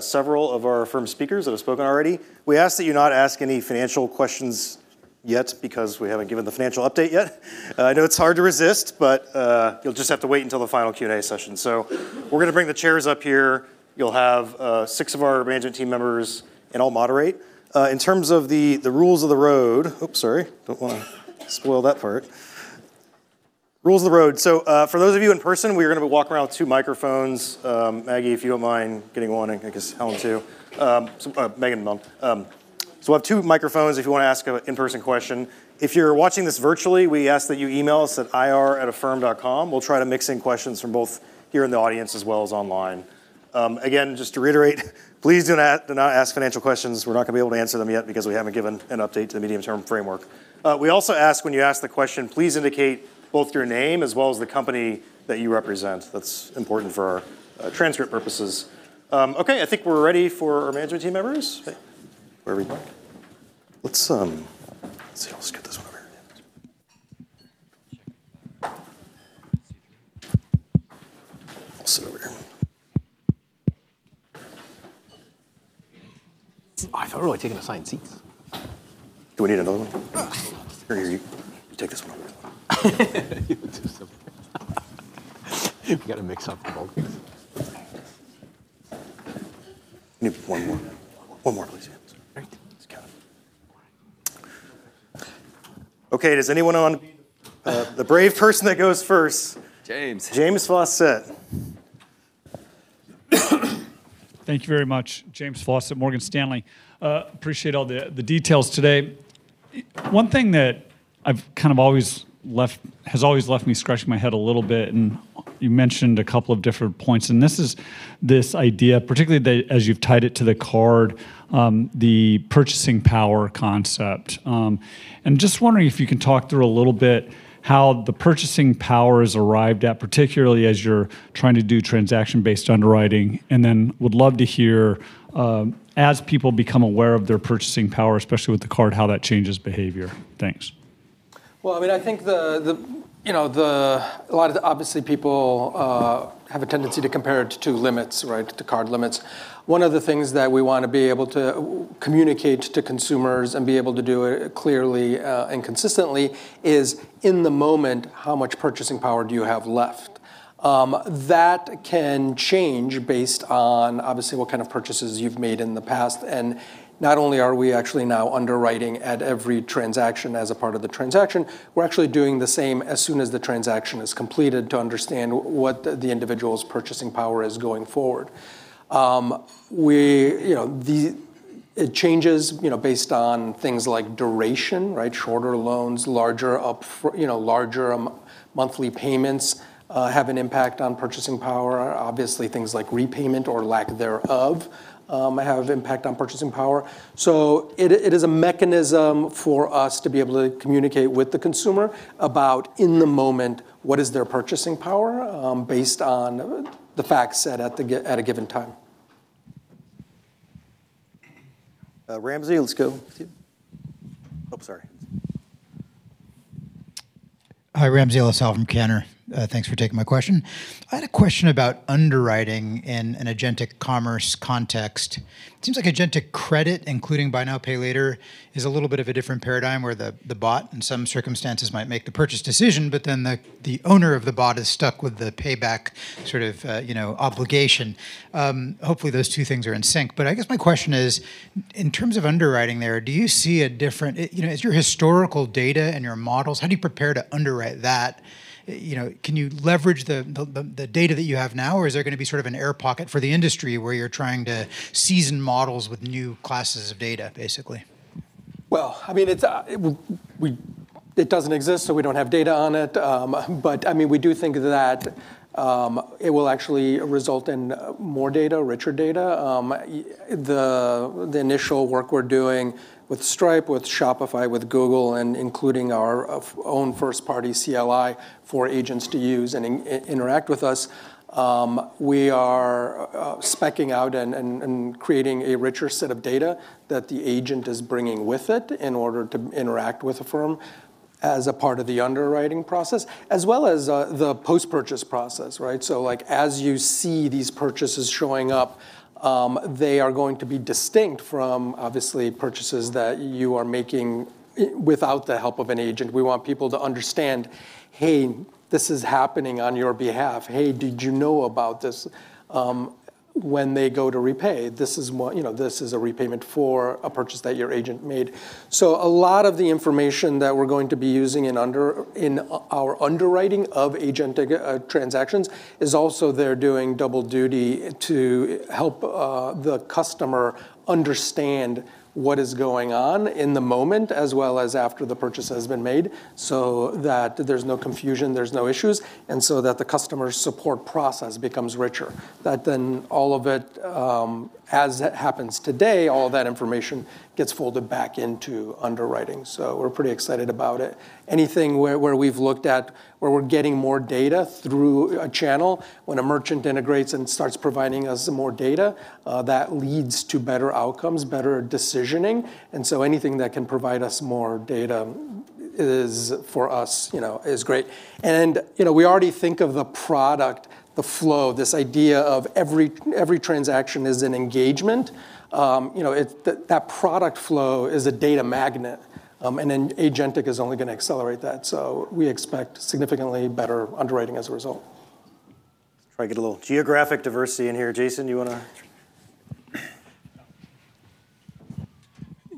[SPEAKER 1] several of our Affirm speakers that have spoken already. We ask that you not ask any financial questions yet because we haven't given the financial update yet. I know it's hard to resist, you'll just have to wait until the final Q&A session. We're gonna bring the chairs up here. You'll have six of our management team members, and I'll moderate. In terms of the rules of the road Oops, sorry. Don't wanna spoil that part. Rules of the road. For those of you in person, we are gonna be walking around with two microphones. Maggie, if you don't mind getting one, and I guess Helen too. Megan, we'll have two microphones if you wanna ask a in-person question. If you're watching this virtually, we ask that you email us at ir@affirm.com. We'll try to mix in questions from both here in the audience as well as online. Again, just to reiterate, please do not ask financial questions. We're not gonna be able to answer them yet because we haven't given an update to the medium-term framework. We also ask when you ask the question, please indicate both your name as well as the company that you represent. That's important for our transcript purposes. Okay, I think we're ready for our management team members. Okay. Wherever you'd like. Let's see. I'll just get this one over here. I'll sit over here.
[SPEAKER 10] I thought we were taking assigned seats.
[SPEAKER 1] Do we need another one? Here, here, you take this one.
[SPEAKER 10] You do something. We gotta mix up the focus.
[SPEAKER 1] Need one more. One more, please. Yeah. Let's go. Does anyone want to be the brave person that goes first? James. James Faucette.
[SPEAKER 12] Thank you very much. James Faucette, Morgan Stanley. Appreciate all the details today. One thing that I've kind of always left, has always left me scratching my head a little bit, and you mentioned a couple of different points, and this is this idea, particularly that as you've tied it to the card, the purchasing power concept. Just wondering if you can talk through a little bit how the purchasing power is arrived at, particularly as you're trying to do transaction-based underwriting. Would love to hear, as people become aware of their purchasing power, especially with the card, how that changes behavior. Thanks.
[SPEAKER 3] Well, I mean, I think the, you know, the, a lot of the, obviously people, have a tendency to compare it to limits, right? The card limits. One of the things that we want to be able to communicate to consumers and be able to do it clearly, and consistently is in the moment, how much purchasing power do you have left? That can change based on obviously what kind of purchases you've made in the past. Not only are we actually now underwriting at every transaction as a part of the transaction, we're actually doing the same as soon as the transaction is completed to understand what the individual's purchasing power is going forward. It changes, you know, based on things like duration, right? Shorter loans, larger you know, larger monthly payments, have an impact on purchasing power. Obviously, things like repayment or lack thereof, have impact on purchasing power. It is a mechanism for us to be able to communicate with the consumer about, in the moment, what is their purchasing power, based on the facts set at a given time.
[SPEAKER 1] Ramsey, let's go. Oh, sorry.
[SPEAKER 13] Hi, Ramsey El-Assal from Cantor. Thanks for taking my question. I had a question about underwriting in an agentic commerce context. It seems like agentic credit, including buy now, pay later, is a little bit of a different paradigm where the bot, in some circumstances, might make the purchase decision, but then the owner of the bot is stuck with the payback sort of, you know, obligation. Hopefully those two things are in sync. I guess my question is, in terms of underwriting there, do you see a different you know, is your historical data and your models, how do you prepare to underwrite that? You know, can you leverage the data that you have now, or is there gonna be sort of an air pocket for the industry where you're trying to season models with new classes of data, basically?
[SPEAKER 3] I mean, it's, it doesn't exist, so we don't have data on it. I mean, we do think that it will actually result in more data, richer data. The initial work we're doing with Stripe, with Shopify, with Google, and including our own first-party CLI for agents to use and interact with us, we are speccing out and creating a richer set of data that the agent is bringing with it in order to interact with Affirm as a part of the underwriting process, as well as the post-purchase process, right? Like, as you see these purchases showing up, they are going to be distinct from, obviously, purchases that you are making without the help of an agent. We want people to understand, "Hey, this is happening on your behalf. Hey, did you know about this? When they go to repay, you know, this is a repayment for a purchase that your agent made. A lot of the information that we're going to be using in our underwriting of agentic transactions is also they're doing double duty to help the customer understand what is going on in the moment as well as after the purchase has been made, so that there's no confusion, there's no issues, and so that the customer support process becomes richer. All of it, as it happens today, all that information gets folded back into underwriting. We're pretty excited about it. Anything where we've looked at, where we're getting more data through a channel, when a merchant integrates and starts providing us more data, that leads to better outcomes, better decisioning. Anything that can provide us more data is, for us, you know, is great. You know, we already think of the product, the flow, this idea of every transaction is an engagement. You know, it's that product flow is a data magnet. agentic is only gonna accelerate that. We expect significantly better underwriting as a result.
[SPEAKER 1] Try to get a little geographic diversity in here. Jason, you wanna?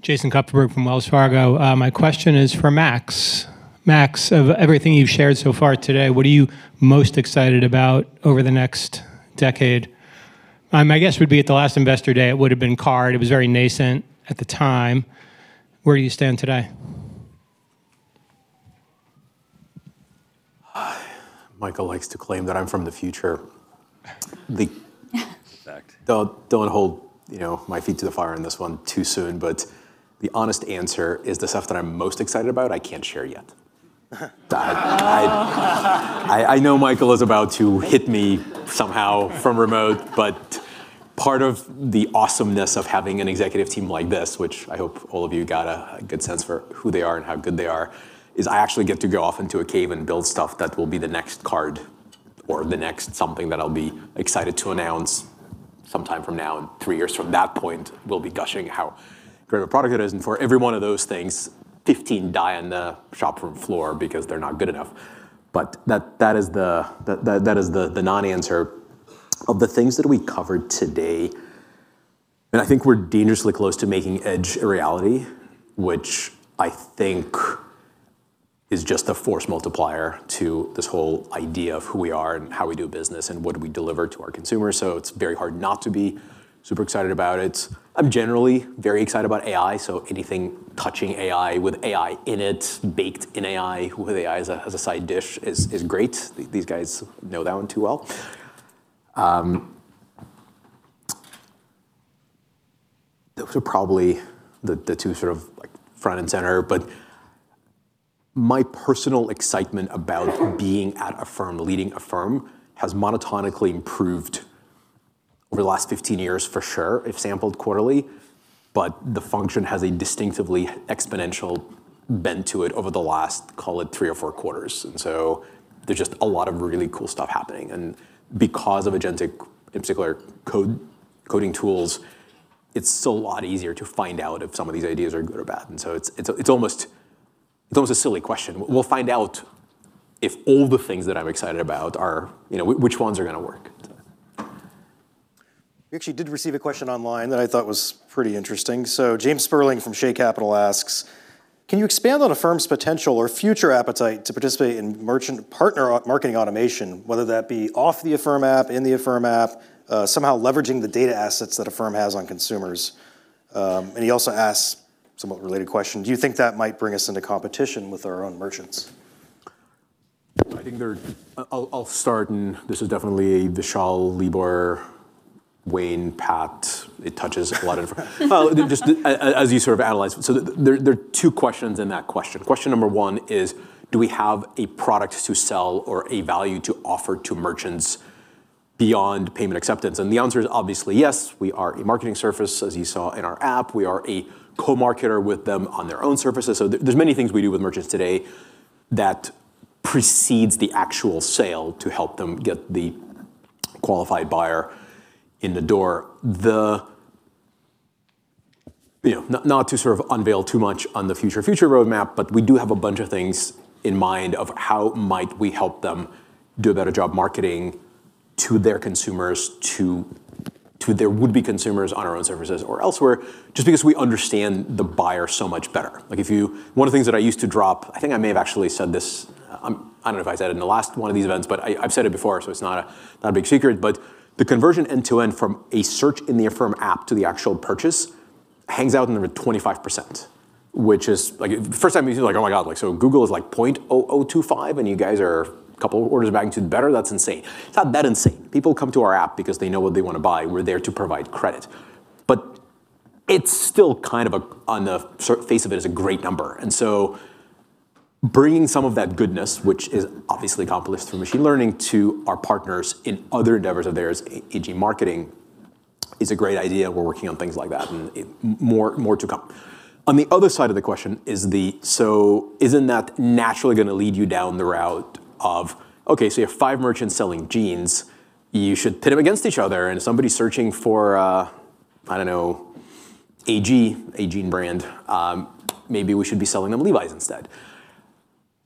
[SPEAKER 14] Jason Kupferberg from Wells Fargo. My question is for Max. Max, of everything you've shared so far today, what are you most excited about over the next decade? My guess would be at the last Investor Day, it would've been Card. It was very nascent at the time. Where do you stand today?
[SPEAKER 2] Michael likes to claim that I'm from the future.
[SPEAKER 4] Fact. Don't hold, you know, my feet to the fire on this one too soon, but the honest answer is the stuff that I'm most excited about I can't share yet. I know Michael is about to hit me somehow from remote, but part of the awesomeness of having an executive team like this, which I hope all of you got a good sense for who they are and how good they are, is I actually get to go off into a cave and build stuff that will be the next Card or the next something that I'll be excited to announce sometime from now, and three years from that point we'll be gushing how great of a product it is. For every one of those things, 15 die on the shop room floor because they're not good enough.
[SPEAKER 2] That is the non-answer. Of the things that we covered today, I think we're dangerously close to making Edge a reality, which I think is just a force multiplier to this whole idea of who we are and how we do business and what do we deliver to our consumers, so it's very hard not to be super excited about it. I'm generally very excited about AI, anything touching AI, with AI in it, baked in AI, with AI as a side dish is great. These guys know that one too well. Those are probably the two sort of, like, front and center. My personal excitement about being at Affirm, leading Affirm, has monotonically improved over the last 15 years, for sure, if sampled quarterly. The function has a distinctively exponential bent to it over the last, call it three or four quarters. There's just a lot of really cool stuff happening. Because of agentic, in particular code, coding tools, it's a lot easier to find out if some of these ideas are good or bad. It's a, it's almost a silly question. We'll find out if all the things that I'm excited about are, you know, which ones are gonna work.
[SPEAKER 1] We actually did receive a question online that I thought was pretty interesting. James Spurling from Shea Capital asks: Can you expand on Affirm's potential or future appetite to participate in merchant partner or marketing automation, whether that be off the Affirm app, in the Affirm app, somehow leveraging the data assets that Affirm has on consumers? He also asks a somewhat related question, "Do you think that might bring us into competition with our own merchants?
[SPEAKER 2] I think there I'll start. This is definitely a Vishal, Libor, Wayne, Pat, it touches a lot of. Well, just as you sort of analyze. There, there are two questions in that question. Question number one is, do we have a product to sell or a value to offer to merchants beyond payment acceptance? The answer is obviously yes. We are a marketing surface, as you saw in our app. We are a co-marketer with them on their own surfaces. There, there's many things we do with merchants today that precedes the actual sale to help them get the qualified buyer in the door. You know, not to sort of unveil too much on the future roadmap, but we do have a bunch of things in mind of how might we help them do a better job marketing to their consumers, to their would-be consumers on our own services or elsewhere, just because we understand the buyer so much better. Like, one of the things that I used to drop, I think I may have actually said this, I don't know if I said it in the last one of these events, but I've said it before, so it's not a big secret. The conversion end-to-end from a search in the Affirm app to the actual purchase hangs out in the 25%, which is, like, first time you think like, "Oh my God, like, so Google is like 0.0025, and you guys are a couple orders of magnitude better. That's insane." It's not that insane. People come to our app because they know what they wanna buy, and we're there to provide credit. It's still kind of a, on the surface of it is a great number. Bringing some of that goodness, which is obviously accomplished through machine learning, to our partners in other endeavors of theirs, e.g. marketing, is a great idea. We're working on things like that and more, more to come. On the other side of the question is the, isn't that naturally gonna lead you down the route of, okay, you have five merchants selling jeans. You should pit them against each other, if somebody's searching for, I don't know, AG, a jean brand, maybe we should be selling them Levi's instead.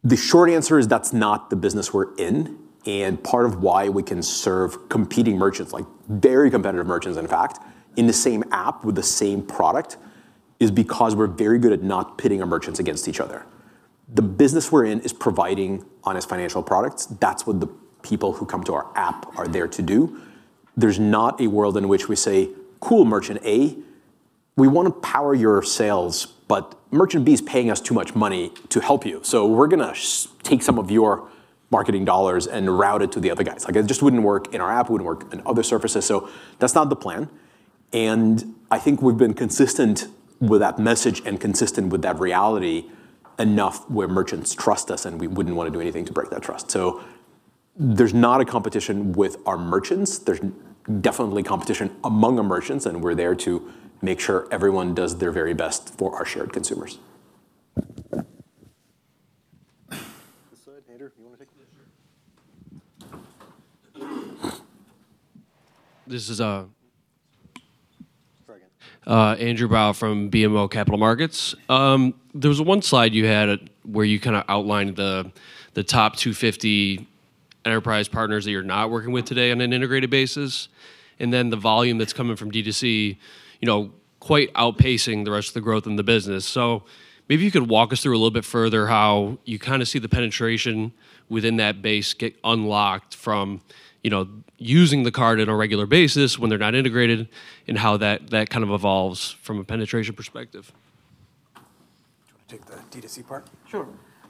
[SPEAKER 2] The short answer is that's not the business we're in. Part of why we can serve competing merchants, like very competitive merchants, in fact, in the same app with the same product, is because we're very good at not pinning our merchants against each other. The business we're in is providing honest financial products. That's what the people who come to our app are there to do. There's not a world in which we say, "Cool Merchant A, we wanna power your sales, but Merchant B is paying us too much money to help you. We're gonna take some of your marketing dollars and route it to the other guys." It just wouldn't work in our app, it wouldn't work in other surfaces. That's not the plan. I think we've been consistent with that message and consistent with that reality enough where merchants trust us, and we wouldn't wanna do anything to break that trust. There's not a competition with our merchants. There's definitely competition among our merchants, and we're there to make sure everyone does their very best for our shared consumers.
[SPEAKER 1] This side. Andrew, you wanna take the next one?
[SPEAKER 15] This is, uh-
[SPEAKER 1] Sorry, go ahead.
[SPEAKER 15] Andrew Bauch from BMO Capital Markets. There was one slide you had at, where you kinda outlined the top 250 enterprise partners that you're not working with today on an integrated basis, and then the volume that's coming from D2C, you know, quite outpacing the rest of the growth in the business. Maybe you could walk us through a little bit further how you kinda see the penetration within that base get unlocked from, you know, using the card on a regular basis when they're not integrated, and how that kind of evolves from a penetration perspective.
[SPEAKER 1] Do you wanna take the D2C part?
[SPEAKER 7] Sure.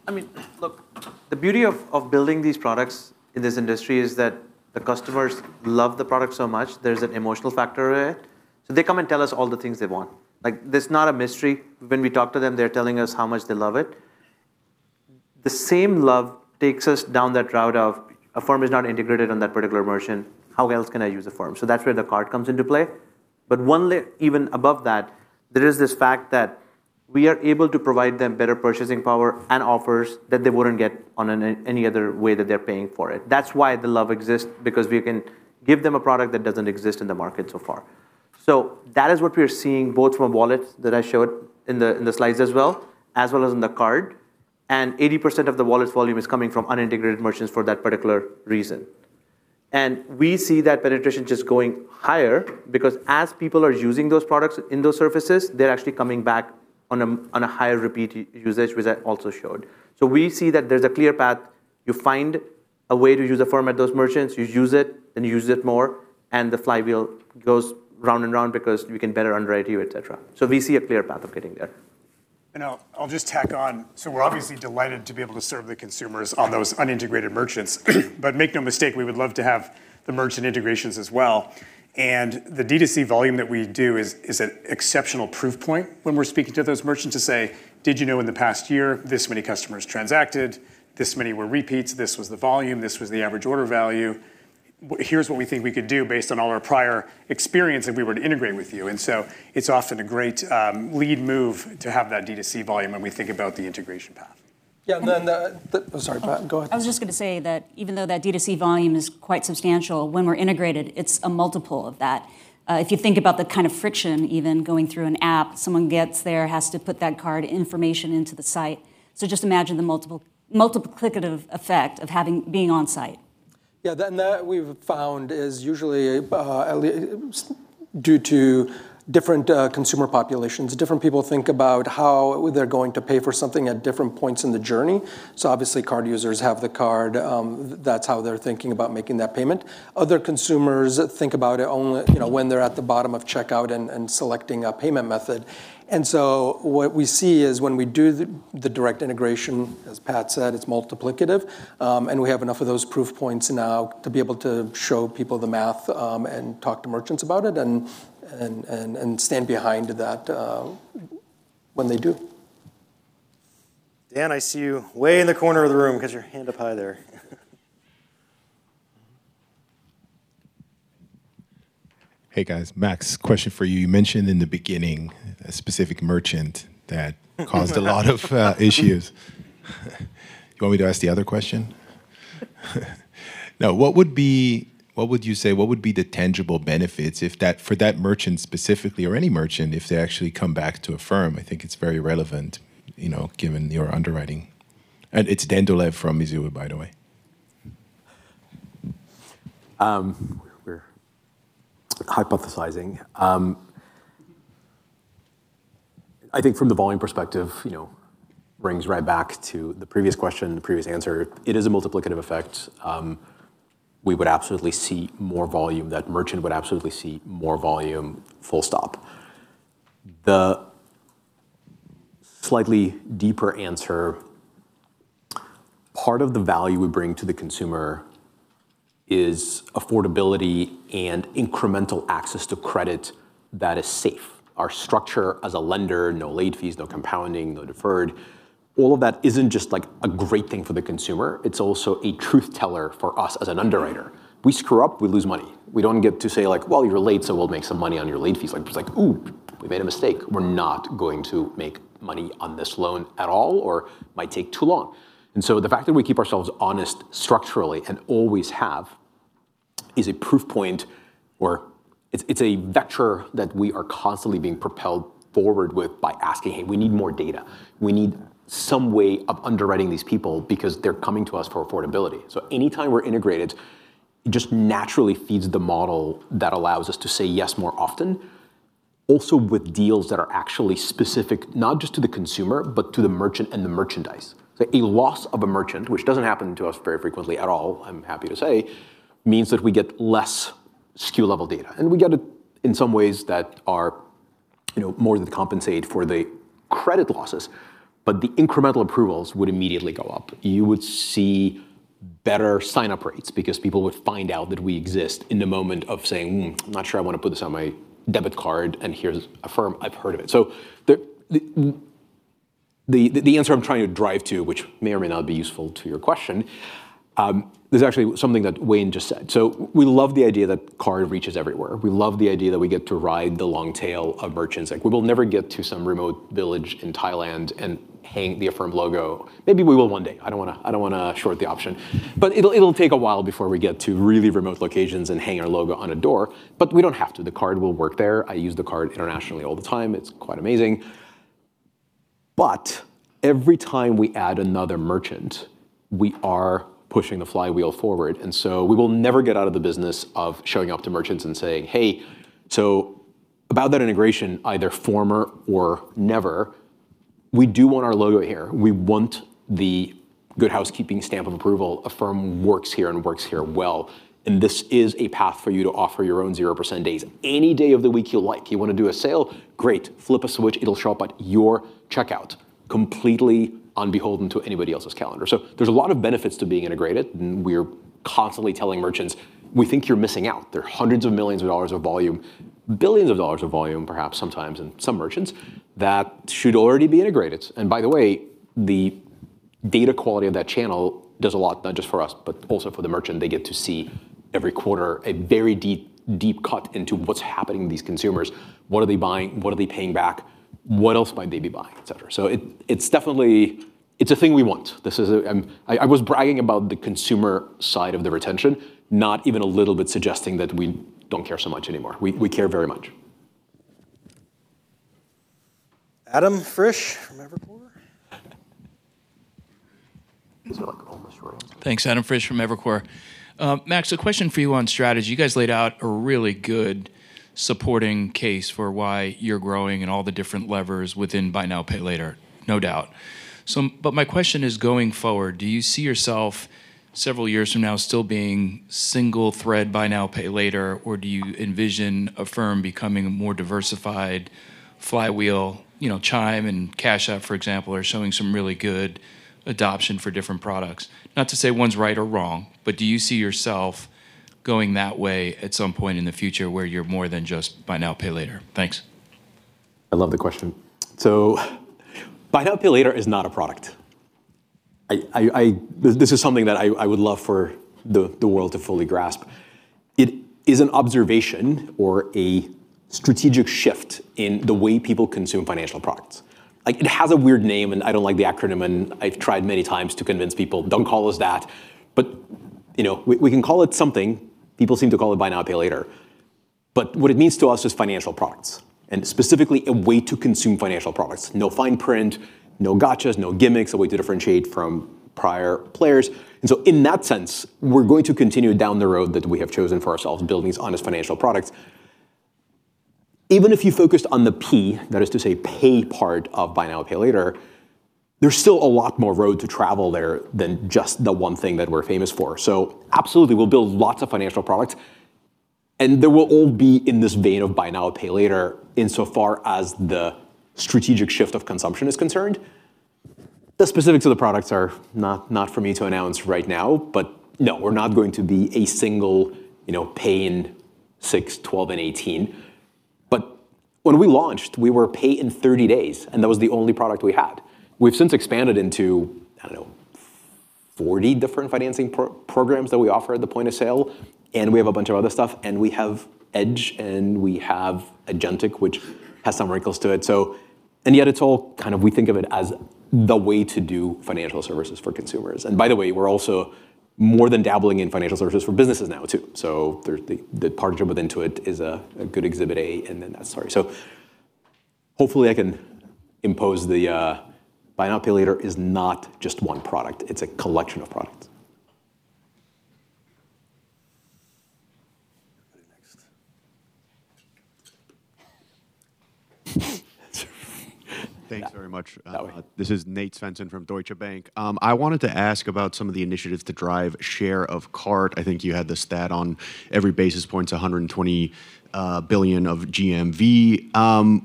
[SPEAKER 7] I mean, look, the beauty of building these products in this industry is that the customers love the product so much, there's an emotional factor to it. They come and tell us all the things they want. Like, there's not a mystery. When we talk to them, they're telling us how much they love it. The same love takes us down that route of Affirm is not integrated on that particular merchant, how else can I use Affirm? That's where the card comes into play. One even above that, there is this fact that we are able to provide them better purchasing power and offers that they wouldn't get on any other way that they're paying for it. That's why the love exists, because we can give them a product that doesn't exist in the market so far. That is what we are seeing both from wallets that I showed in the, in the slides as well, as well as in the card. 80% of the wallet volume is coming from unintegrated merchants for that particular reason. We see that penetration just going higher because as people are using those products in those services, they're actually coming back on a, on a higher repeat usage, which I also showed. We see that there's a clear path. You find a way to use Affirm at those merchants. You use it, then you use it more, and the flywheel goes round and round because we can better underwrite you, et cetera. We see a clear path of getting there.
[SPEAKER 2] I'll just tack on. We're obviously delighted to be able to serve the consumers on those unintegrated merchants. Make no mistake, we would love to have the merchant integrations as well. The D2C volume that we do is an exceptional proof point when we're speaking to those merchants to say, "Did you know in the past year, this many customers transacted, this many were repeats, this was the volume, this was the average order value. Here's what we think we could do based on all our prior experience if we were to integrate with you." It's often a great, lead move to have that D2C volume when we think about the integration path.
[SPEAKER 1] Yeah. Oh, sorry, Pat. Go ahead.
[SPEAKER 10] I was just gonna say that even though that D2C volume is quite substantial, when we're integrated, it's a multiple of that. If you think about the kind of friction even going through an app, someone gets there, has to put that card information into the site. Just imagine the multiplicative effect of being on site.
[SPEAKER 3] Yeah, then that we've found is usually due to different consumer populations. Different people think about how they're going to pay for something at different points in the journey. Obviously card users have the card, that's how they're thinking about making that payment. Other consumers think about it only, you know, when they're at the bottom of checkout and selecting a payment method. What we see is when we do the direct integration, as Pat said, it's multiplicative. We have enough of those proof points now to be able to show people the math and talk to merchants about it and stand behind that when they do.
[SPEAKER 1] Dan, I see you way in the corner of the room, got your hand up high there.
[SPEAKER 16] Hey guys, Max, question for you. You mentioned in the beginning a specific merchant that caused a lot of issues. You want me to ask the other question? What would you say would be the tangible benefits for that merchant specifically or any merchant, if they actually come back to Affirm? I think it's very relevant, you know, given your underwriting. It's Dan Dolev from Mizuho, by the way.
[SPEAKER 2] We're hypothesizing. I think from the volume perspective, you know, brings right back to the previous question, the previous answer. It is a multiplicative effect. We would absolutely see more volume. That merchant would absolutely see more volume, full stop. The slightly deeper answer, part of the value we bring to the consumer is affordability and incremental access to credit that is safe. Our structure as a lender, no late fees, no compounding, no deferred, all of that isn't just like a great thing for the consumer. It's also a truth teller for us as an underwriter. We screw up, we lose money. We don't get to say like, "Well, you're late, so we'll make some money on your late fees." Like, it's like, "Ooh, we made a mistake. We're not going to make money on this loan at all or it might take too long." The fact that we keep ourselves honest structurally and always have, is a proof point or it's a vector that we are constantly being propelled forward with by asking, "Hey, we need more data." We need some way of underwriting these people because they're coming to us for affordability. Anytime we're integrated, it just naturally feeds the model that allows us to say yes more often. Also with deals that are actually specific, not just to the consumer, but to the merchant and the merchandise. A loss of a merchant, which doesn't happen to us very frequently at all, I'm happy to say, means that we get less SKU level data. We get it in some ways that are, you know, more than compensate for the credit losses. The incremental approvals would immediately go up. You would see better sign-up rates because people would find out that we exist in the moment of saying, "Hmm, I'm not sure I want to put this on my debit card, and here's Affirm. I've heard of it." The answer I'm trying to drive to, which may or may not be useful to your question, is actually something that Wayne just said. We love the idea that card reaches everywhere. We love the idea that we get to ride the long tail of merchants. We will never get to some remote village in Thailand and hang the Affirm logo. Maybe we will one day. I don't wanna short the option. It'll take a while before we get to really remote locations and hang our logo on a door, but we don't have to. The card will work there. I use the card internationally all the time. It's quite amazing. Every time we add another merchant, we are pushing the flywheel forward. We will never get out of the business of showing up to merchants and saying, "Hey, so about that integration, either former or never, we do want our logo here. We want the Good Housekeeping stamp of approval. Affirm works here and works here well, and this is a path for you to offer your own 0% days any day of the week you like. You want to do a sale, great. Flip a switch, it'll show up at your checkout, completely unbeholden to anybody else's calendar." There's a lot of benefits to being integrated, and we're constantly telling merchants, "We think you're missing out." There are hundreds of millions of dollars of volume, billions of dollars of volume, perhaps sometimes in some merchants, that should already be integrated. By the way, the data quality of that channel does a lot, not just for us, but also for the merchant. They get to see every quarter a very deep, deep cut into what's happening to these consumers. What are they buying? What are they paying back? What else might they be buying, et cetera. It's definitely, it's a thing we want. I was bragging about the consumer side of the retention, not even a little bit suggesting that we don't care so much anymore. We care very much.
[SPEAKER 1] Adam Frisch from Evercore.
[SPEAKER 2] These are, like, almost ruined.
[SPEAKER 17] Thanks. Adam Frisch from Evercore. Max, a question for you on strategy. You guys laid out a really good supporting case for why you're growing and all the different levers within buy now, pay later, no doubt. But my question is, going forward, do you see yourself several years from now still being single thread buy now, pay later, or do you envision Affirm becoming a more diversified flywheel? You know, Chime and Cash App, for example, are showing some really good adoption for different products. Not to say one's right or wrong, but do you see yourself going that way at some point in the future where you're more than just buy now, pay later? Thanks.
[SPEAKER 2] I love the question. Buy now, pay later is not a product. This is something that I would love for the world to fully grasp. It is an observation or a strategic shift in the way people consume financial products. Like, it has a weird name, and I don't like the acronym, and I've tried many times to convince people, "Don't call us that." You know, we can call it something. People seem to call it buy now, pay later. But what it means to us is financial products, and specifically a way to consume financial products. No fine print, no gotchas, no gimmicks, a way to differentiate from prior players. In that sense, we're going to continue down the road that we have chosen for ourselves, building these honest financial products. Even if you focused on the P, that is to say pay part of buy now, pay later, there's still a lot more road to travel there than just the one thing that we're famous for. Absolutely, we'll build lots of financial products, and they will all be in this vein of buy now, pay later insofar as the strategic shift of consumption is concerned. The specifics of the products are not for me to announce right now, but no, we're not going to be a single, you know, pay in six, 12, and 18. When we launched, we were pay in 30 days, and that was the only product we had. We've since expanded into, I don't know, 40 different financing programs that we offer at the point of sale, and we have a bunch of other stuff, and we have Edge, and we have agentic, which has some wrinkles to it. Yet it's all kind of we think of it as the way to do financial services for consumers. By the way, we're also more than dabbling in financial services for businesses now too. There's the partnership with Intuit is a good exhibit A in that story. Hopefully I can impose the buy now, pay later is not just one product. It's a collection of products.
[SPEAKER 1] Next.
[SPEAKER 18] Thanks very much.
[SPEAKER 1] That way.
[SPEAKER 19] This is Nate Svensson from Deutsche Bank. I wanted to ask about some of the initiatives to drive share of cart. I think you had the stat on every basis point's 120 billion of GMV.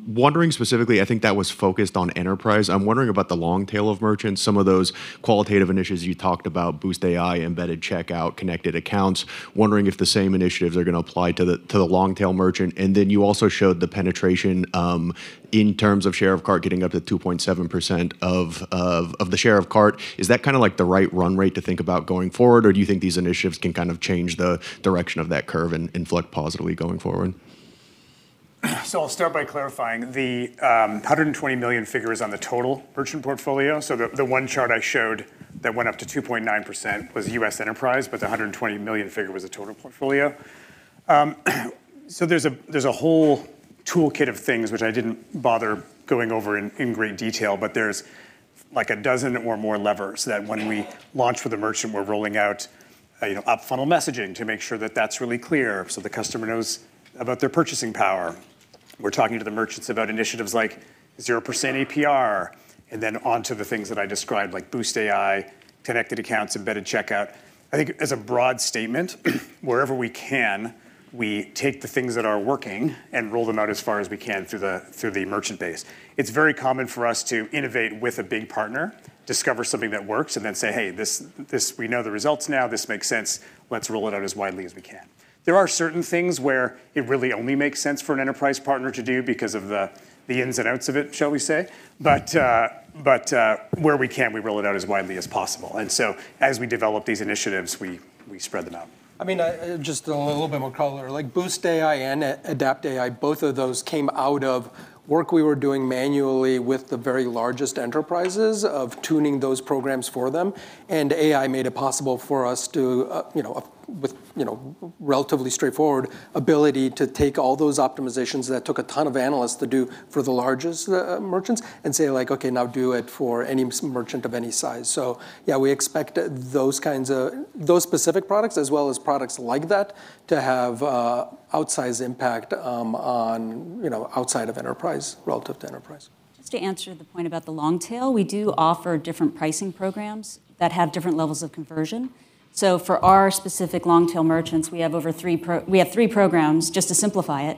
[SPEAKER 19] Wondering specifically, I think that was focused on enterprise. I'm wondering about the long tail of merchants, some of those qualitative initiatives you talked about, BoostAI, embedded checkout, Connected Accounts. Wondering if the same initiatives are gonna apply to the long tail merchant. You also showed the penetration in terms of share of cart getting up to 2.7% of the share of cart. Is that kinda like the right run rate to think about going forward, or do you think these initiatives can kind of change the direction of that curve and flip positively going forward?
[SPEAKER 5] I'll start by clarifying. The $120 million figure is on the total merchant portfolio. The one chart I showed that went up to 2.9% was U.S. enterprise, but the $120 million figure was the total portfolio. There's a whole toolkit of things which I didn't bother going over in great detail, but there's like a dozen or more levers that when we launch with a merchant, we're rolling out, you know, up-funnel messaging to make sure that that's really clear, so the customer knows about their purchasing power. We're talking to the merchants about initiatives like 0% APR, and then onto the things that I described like Boost AI, Connected Accounts, embedded checkout. I think as a broad statement, wherever we can, we take the things that are working and roll them out as far as we can through the merchant base. It's very common for us to innovate with a big partner, discover something that works, and then say, "Hey, this, we know the results now. This makes sense. Let's roll it out as widely as we can." There are certain things where it really only makes sense for an enterprise partner to do because of the ins and outs of it, shall we say. Where we can, we roll it out as widely as possible. As we develop these initiatives, we spread them out.
[SPEAKER 2] I mean, just a little bit more color. Like BoostAI and AdaptAI, both of those came out of work we were doing manually with the very largest enterprises of tuning those programs for them. AI made it possible for us to, you know, with, you know, relatively straightforward ability to take all those optimizations that took a ton of analysts to do for the largest merchants and say like, "Okay, now do it for any merchant of any size." yeah, we expect those kinds of those specific products as well as products like that to have outsized impact, on, you know, outside of enterprise, relative to enterprise.
[SPEAKER 10] Just to answer the point about the long tail, we do offer different pricing programs that have different levels of conversion. For our specific long tail merchants, we have over three programs just to simplify it.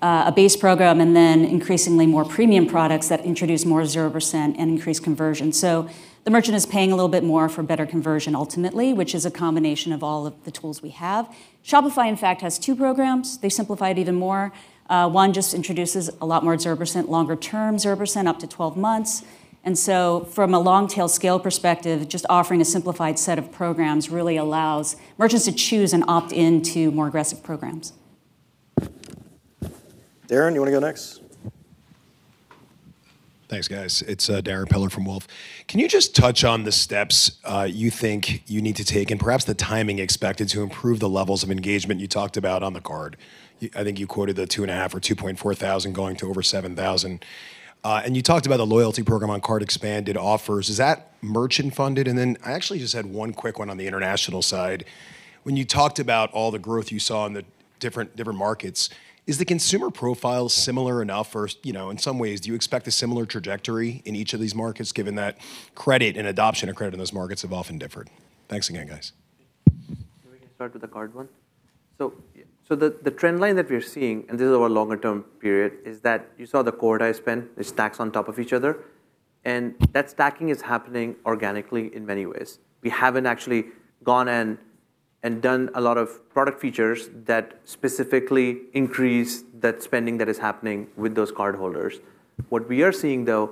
[SPEAKER 10] A base program and then increasingly more premium products that introduce more 0% and increase conversion. The merchant is paying a little bit more for better conversion ultimately, which is a combination of all of the tools we have. Shopify, in fact, has two programs. They simplify it even more. One just introduces a lot more 0%, longer term 0%, up to 12 months. From a long tail scale perspective, just offering a simplified set of programs really allows merchants to choose and opt in to more aggressive programs.
[SPEAKER 1] Darrin, you wanna go next?
[SPEAKER 18] Thanks, guys. It's Darrin Peller from Wolfe. Can you just touch on the steps, you think you need to take, and perhaps the timing expected to improve the levels of engagement you talked about on the card? I think you quoted the 2500 or 2400 going to over 7,000. You talked about the loyalty program on card expanded offers. Is that merchant-funded? I actually just had one quick one on the international side. When you talked about all the growth you saw in the different markets, is the consumer profile similar enough or, you know, in some ways, do you expect a similar trajectory in each of these markets, given that credit and adoption of credit in those markets have often differed? Thanks again, guys.
[SPEAKER 7] We can start with the card one. The trend line that we're seeing, and this is over a longer term period, is that you saw the cohort I spent. It stacks on top of each other. That stacking is happening organically in many ways. We haven't actually gone and done a lot of product features that specifically increase that spending that is happening with those cardholders. What we are seeing, though,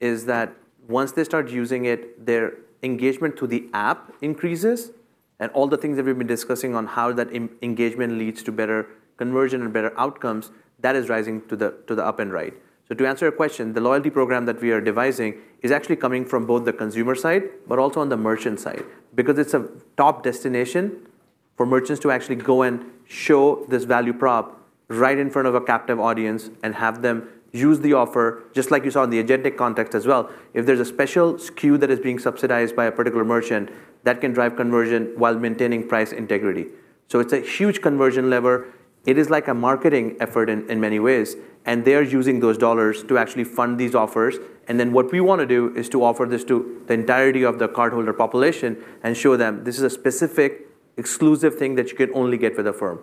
[SPEAKER 7] is that once they start using it, their engagement to the app increases, and all the things that we've been discussing on how that engagement leads to better conversion and better outcomes, that is rising to the up and right. To answer your question, the loyalty program that we are devising is actually coming from both the consumer side, but also on the merchant side, because it's a top destination. For merchants to actually go and show this value prop right in front of a captive audience and have them use the offer, just like you saw in the agentic context as well. If there's a special SKU that is being subsidized by a particular merchant, that can drive conversion while maintaining price integrity. It's a huge conversion lever. It is like a marketing effort in many ways, and they're using those dollars to actually fund these offers. What we wanna do is to offer this to the entirety of the cardholder population and show them this is a specific exclusive thing that you can only get with Affirm.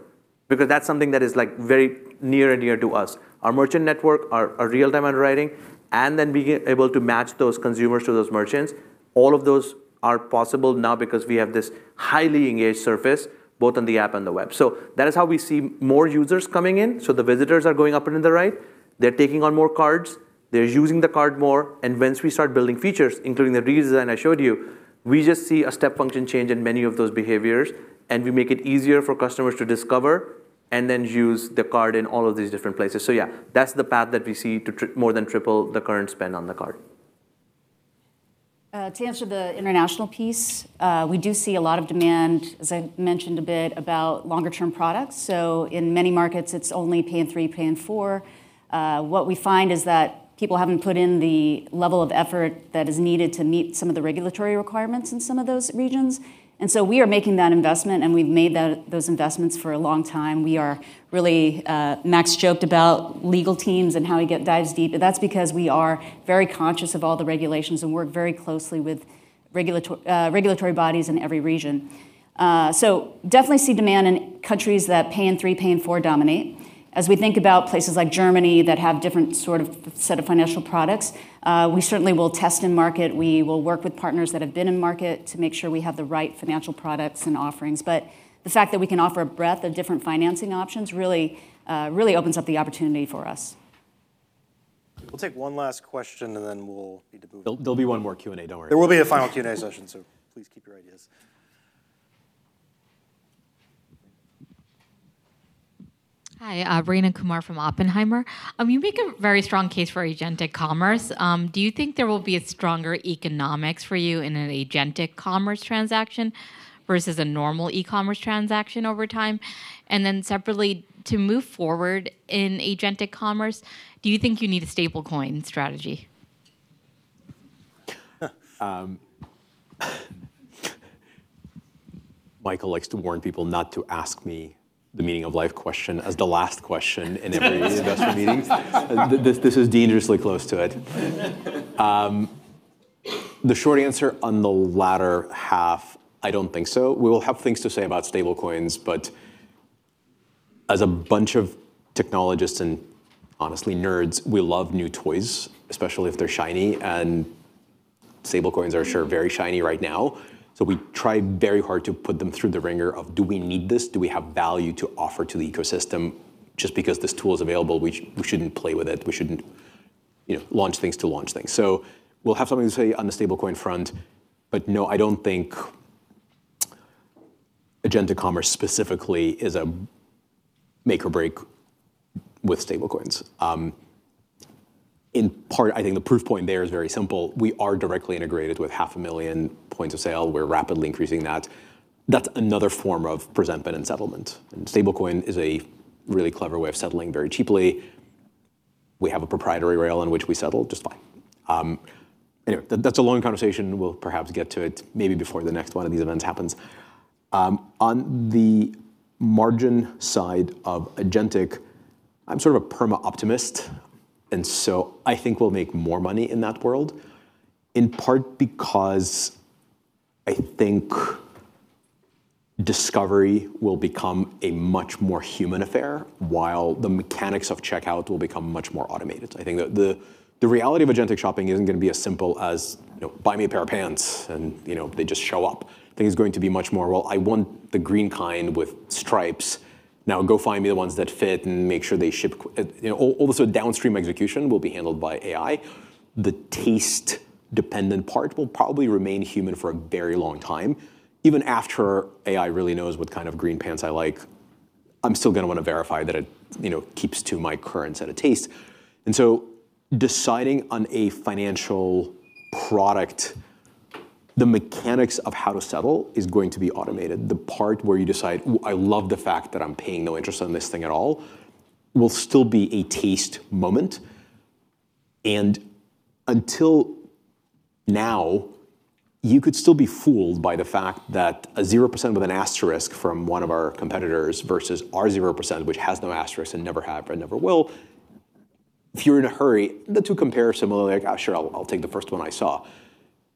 [SPEAKER 7] That's something that is, like, very near and dear to us. Our merchant network, our real-time underwriting, then being able to match those consumers to those merchants, all of those are possible now because we have this highly engaged surface, both on the app and the web. That is how we see more users coming in, so the visitors are going up and to the right. They're taking on more cards. They're using the card more. Once we start building features, including the redesign I showed you, we just see a step function change in many of those behaviors, and we make it easier for customers to discover and then use the card in all of these different places. Yeah, that's the path that we see to more than triple the current spend on the card.
[SPEAKER 10] To answer the international piece, we do see a lot of demand, as I mentioned a bit, about longer term products. In many markets, it's only pay in three, pay in four. What we find is that people haven't put in the level of effort that is needed to meet some of the regulatory requirements in some of those regions. So we are making that investment, and we've made those investments for a long time. We are really, Max joked about legal teams and how he dives deep, but that's because we are very conscious of all the regulations and work very closely with regulatory bodies in every region. Definitely see demand in countries that pay in three, pay in four dominate. As we think about places like Germany that have different sort of set of financial products, we certainly will test in market. We will work with partners that have been in market to make sure we have the right financial products and offerings. The fact that we can offer a breadth of different financing options really opens up the opportunity for us.
[SPEAKER 1] We'll take one last question, and then we'll need to move-
[SPEAKER 2] There'll be one more Q&A, don't worry.
[SPEAKER 1] There will be a final Q&A session, so please keep your ideas.
[SPEAKER 20] Hi, Rayna Kumar from Oppenheimer. You make a very strong case for agentic commerce. Do you think there will be a stronger economics for you in an agentic commerce transaction versus a normal e-commerce transaction over time? Separately, to move forward in agentic commerce, do you think you need a stablecoin strategy?
[SPEAKER 2] Michael likes to warn people not to ask me the meaning of life question as the last question in every investor meeting. This is dangerously close to it. The short answer on the latter half, I don't think so. We will have things to say about stablecoins, but as a bunch of technologists and honestly nerds, we love new toys, especially if they're shiny, and stablecoins are sure very shiny right now. We try very hard to put them through the wringer of, do we need this? Do we have value to offer to the ecosystem? Just because this tool is available, we shouldn't play with it. We shouldn't, you know, launch things to launch things. We'll have something to say on the stablecoin front. No, I don't think agentic commerce specifically is a make or break with stablecoins. In part, I think the proof point there is very simple. We are directly integrated with 500,000 points of sale. We're rapidly increasing that. That's another form of presentment and settlement. Stablecoin is a really clever way of settling very cheaply. We have a proprietary rail in which we settle just fine. Anyway, that's a long conversation. We'll perhaps get to it maybe before the next one of these events happens. On the margin side of agentic, I'm sort of a perma-optimist, and so I think we'll make more money in that world, in part because I think discovery will become a much more human affair while the mechanics of checkout will become much more automated. I think the reality of agentic shopping isn't gonna be as simple as, you know, buy me a pair of pants and, you know, they just show up. I think it's going to be much more, "Well, I want the green kind with stripes. Now go find me the ones that fit and make sure they ship." You know, all the sort of downstream execution will be handled by AI. The taste dependent part will probably remain human for a very long time. Even after AI really knows what kind of green pants I like, I'm still gonna wanna verify that it, you know, keeps to my current set of tastes. Deciding on a financial product, the mechanics of how to settle is going to be automated. The part where you decide, "Ooh, I love the fact that I'm paying no interest on this thing at all." will still be a taste moment. Until now, you could still be fooled by the fact that a 0% with an asterisk from one of our competitors versus our 0%, which has no asterisk and never have and never will. If you're in a hurry, the two compare similarly, like, "Oh, sure, I'll take the first one I saw."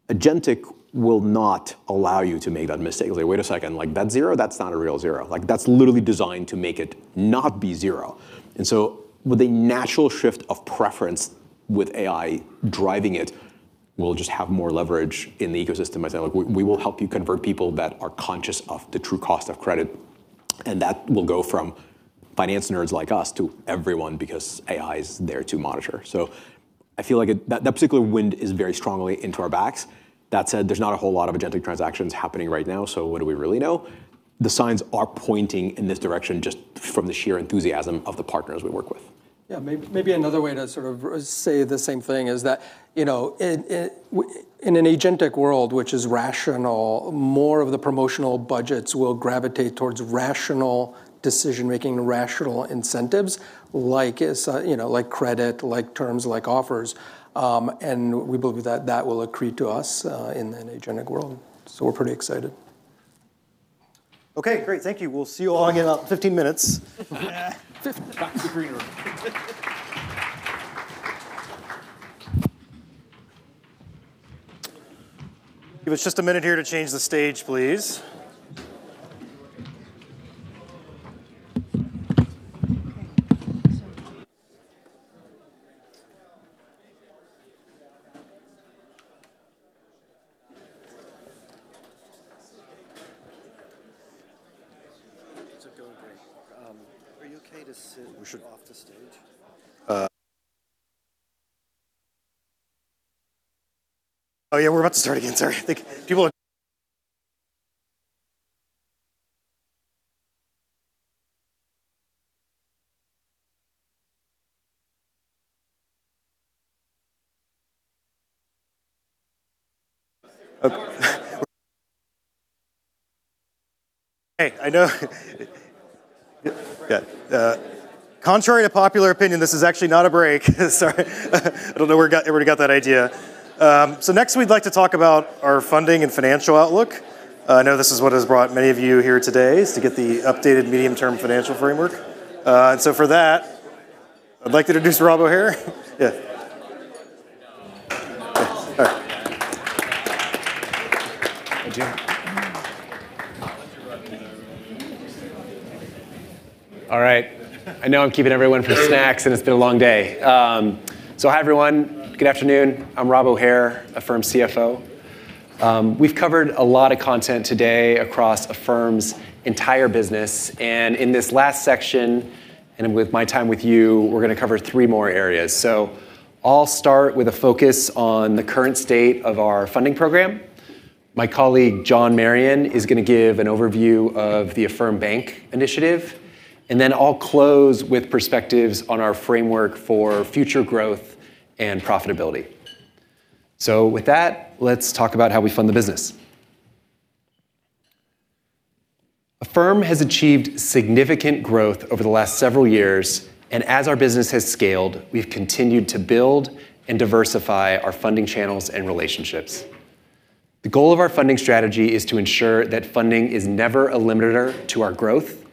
[SPEAKER 2] agentic will not allow you to make that mistake. It'll say, "Wait a second. like, that zero, that's not a real zero. Like, that's literally designed to make it not be zero. With a natural shift of preference with AI driving it, we will just have more leverage in the ecosystem as say, like, we will help you convert people that are conscious of the true cost of credit, and that will go from finance nerds like us to everyone because AI is there to monitor. I feel like that particular wind is very strongly into our backs. That said, there's not a whole lot of agentic transactions happening right now, so what do we really know? The signs are pointing in this direction just from the sheer enthusiasm of the partners we work with.
[SPEAKER 3] Yeah, maybe another way to sort of say the same thing is that, you know, in an agentic world which is rational, more of the promotional budgets will gravitate towards rational decision-making, rational incentives, like, you know, like credit, like terms, like offers. We believe that that will accrete to us in an agentic world. We're pretty excited.
[SPEAKER 1] Okay, great. Thank you. We'll see you all again in about 15 minutes. Back to the green room. Give us just a minute here to change the stage, please. Go ahead.
[SPEAKER 21] We should off the stage?
[SPEAKER 1] Oh, yeah, we're about to start again. Sorry. I think people are. Hey, I know. Yeah. Contrary to popular opinion, this is actually not a break. Sorry. I don't know where everybody got that idea. Next we'd like to talk about our funding and financial outlook. I know this is what has brought many of you here today, is to get the updated medium-term financial framework. For that, I'd like to introduce Rob O'Hare. Yeah. Thank you. All right. I know I'm keeping everyone from snacks, and it's been a long day.
[SPEAKER 21] Hi, everyone. Good afternoon. I'm Rob O'Hare, Affirm CFO. We've covered a lot of content today across Affirm's entire business, and in this last section, and with my time with you, we're gonna cover three more areas. I'll start with a focus on the current state of our funding program. My colleague, John Marion, is gonna give an overview of the Affirm Bank initiative, and then I'll close with perspectives on our framework for future growth and profitability. With that, let's talk about how we fund the business. Affirm has achieved significant growth over the last several years, and as our business has scaled, we've continued to build and diversify our funding channels and relationships. The goal of our funding strategy is to ensure that funding is never a limiter to our growth.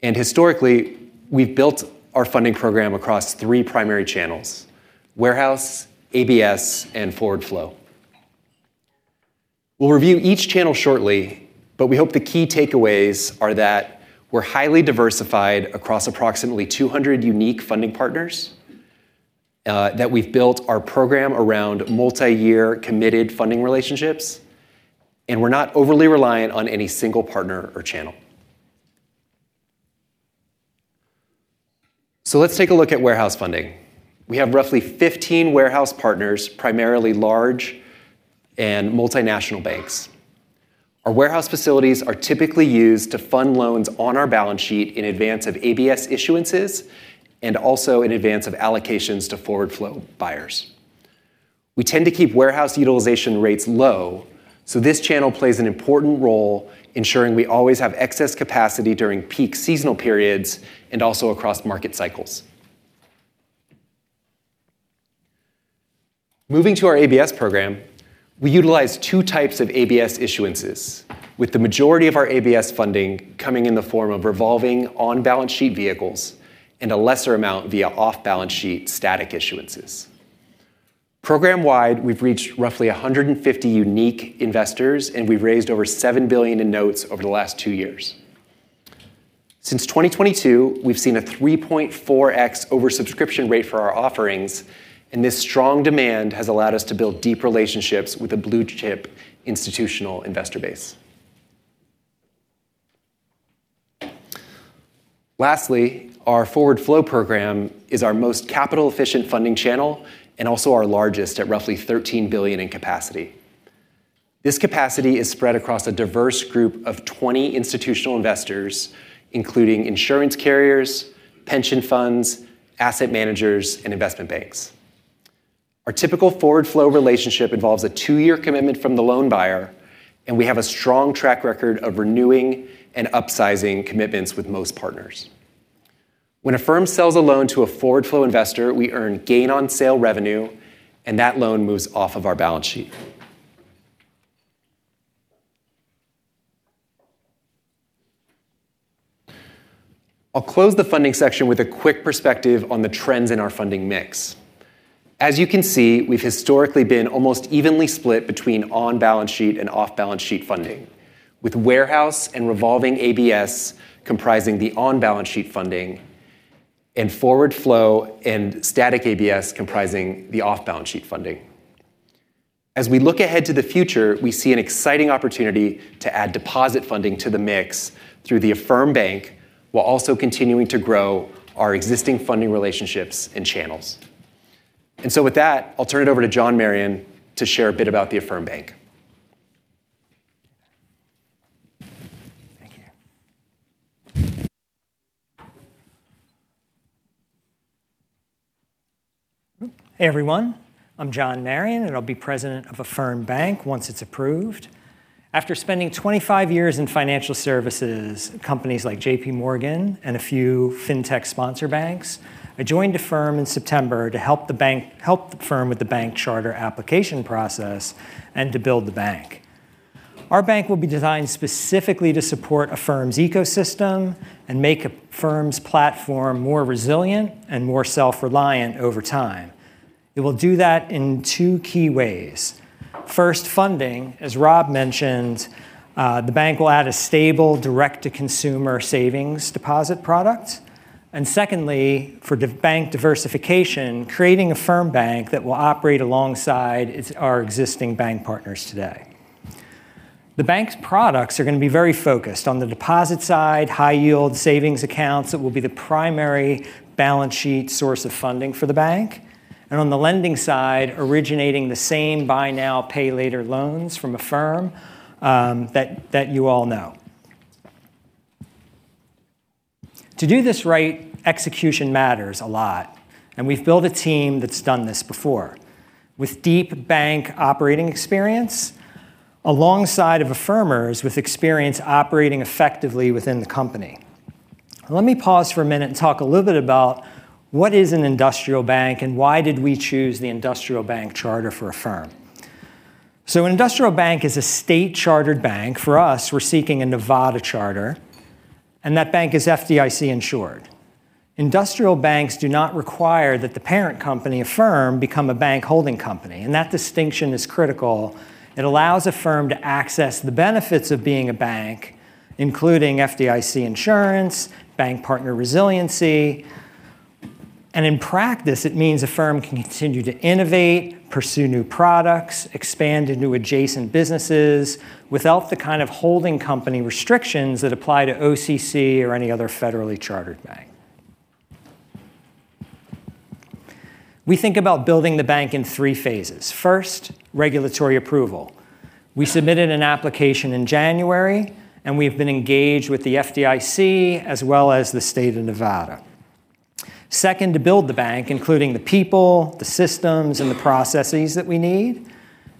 [SPEAKER 21] Historically, we've built our funding program across three primary channels: warehouse, ABS, and forward flow. We'll review each channel shortly, but we hope the key takeaways are that we're highly diversified across approximately 200 unique funding partners, that we've built our program around multi-year committed funding relationships, and we're not overly reliant on any single partner or channel. Let's take a look at warehouse funding. We have roughly 15 warehouse partners, primarily large and multinational banks. Our warehouse facilities are typically used to fund loans on our balance sheet in advance of ABS issuances and also in advance of allocations to forward flow buyers. We tend to keep warehouse utilization rates low, so this channel plays an important role ensuring we always have excess capacity during peak seasonal periods and also across market cycles. Moving to our ABS program, we utilize two types of ABS issuances, with the majority of our ABS funding coming in the form of revolving on-balance sheet vehicles and a lesser amount via off-balance sheet static issuances. Program-wide, we've reached roughly 150 unique investors, and we've raised over $7 billion in notes over the last two years. Since 2022, we've seen a 3.4x oversubscription rate for our offerings, and this strong demand has allowed us to build deep relationships with a blue-chip institutional investor base. Lastly, our forward flow program is our most capital-efficient funding channel and also our largest at roughly $13 billion in capacity. This capacity is spread across a diverse group of 20 institutional investors, including insurance carriers, pension funds, asset managers, and investment banks. Our typical two year commitment from the loan buyer, and we have a strong track record of renewing and upsizing commitments with most partners. When Affirm sells a loan to a forward flow investor, we earn gain on sale revenue, and that loan moves off of our balance sheet. I will close the funding section with a quick perspective on the trends in our funding mix. As you can see, we have historically been almost evenly split between on-balance sheet and off-balance sheet funding, with warehouse and revolving ABS comprising the on-balance sheet funding and forward flow and static ABS comprising the off-balance sheet funding. As we look ahead to the future, we see an exciting opportunity to add deposit funding to the mix through the Affirm Bank, while also continuing to grow our existing funding relationships and channels. With that, I'll turn it over to John Marion to share a bit about the Affirm Bank.
[SPEAKER 22] Hey everyone, I'm John Marion, I'll be president of Affirm Bank once it's approved. After spending 25 years in financial services at companies like JPMorgan and a few fintech sponsor banks, I joined Affirm in September to help Affirm with the bank charter application process and to build the bank. Our bank will be designed specifically to support Affirm's ecosystem and make Affirm's platform more resilient and more self-reliant over time. It will do that in two key ways. First, funding. As Rob mentioned, the bank will add a stable direct-to-consumer savings deposit product. Secondly, for bank diversification, creating Affirm Bank that will operate alongside our existing bank partners today. The bank's products are gonna be very focused. On the deposit side, high-yield savings accounts that will be the primary balance sheet source of funding for the bank, and on the lending side, originating the same buy now, pay later loans from Affirm that you all know. To do this right, execution matters a lot, and we've built a team that's done this before, with deep bank operating experience alongside of Affirmers with experience operating effectively within the company. Let me pause for a minute and talk a little bit about what is an industrial bank, and why did we choose the industrial bank charter for Affirm? An industrial bank is a state-chartered bank. For us, we're seeking a Nevada charter, and that bank is FDIC insured. Industrial banks do not require that the parent company, Affirm, become a bank holding company, and that distinction is critical. It allows Affirm to access the benefits of being a bank, including FDIC insurance, bank partner resiliency, and in practice, it means Affirm can continue to innovate, pursue new products, expand into adjacent businesses without the kind of holding company restrictions that apply to OCC or any other federally chartered bank. We think about building the bank in three phases. First, regulatory approval. We submitted an application in January, and we have been engaged with the FDIC as well as the State of Nevada. Second, to build the bank, including the people, the systems, and the processes that we need.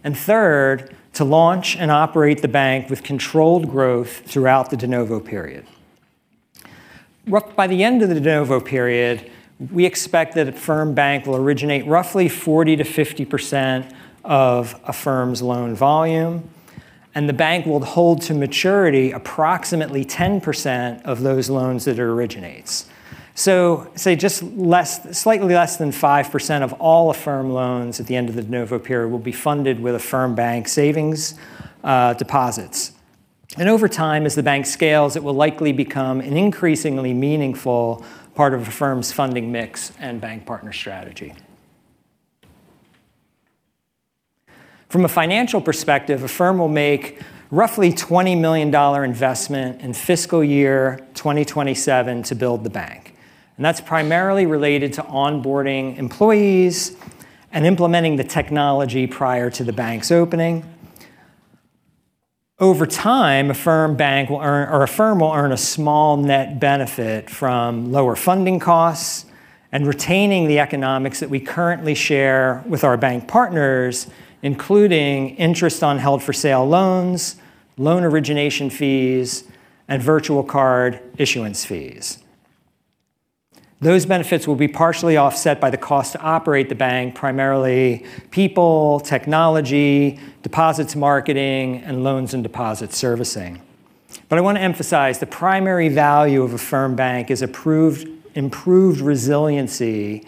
[SPEAKER 22] Third, to launch and operate the bank with controlled growth throughout the De Novo period. By the end of the De Novo period, we expect that Affirm Bank will originate roughly 40%-50% of Affirm's loan volume, and the bank will hold to maturity approximately 10% of those loans that it originates. Slightly less than 5% of all Affirm loans at the end of the De Novo period will be funded with Affirm Bank savings deposits. Over time, as the bank scales, it will likely become an increasingly meaningful part of Affirm's funding mix and bank partner strategy. From a financial perspective, Affirm will make roughly $20 million investment in fiscal year 2027 to build the bank, and that's primarily related to onboarding employees and implementing the technology prior to the bank's opening. Over time, Affirm Bank will earn, or Affirm will earn a small net benefit from lower funding costs and retaining the economics that we currently share with our bank partners, including interest on held for sale loans, loan origination fees, and virtual card issuance fees. Those benefits will be partially offset by the cost to operate the bank, primarily people, technology, deposits marketing, and loans and deposits servicing. I want to emphasize, the primary value of Affirm Bank is approved, improved resiliency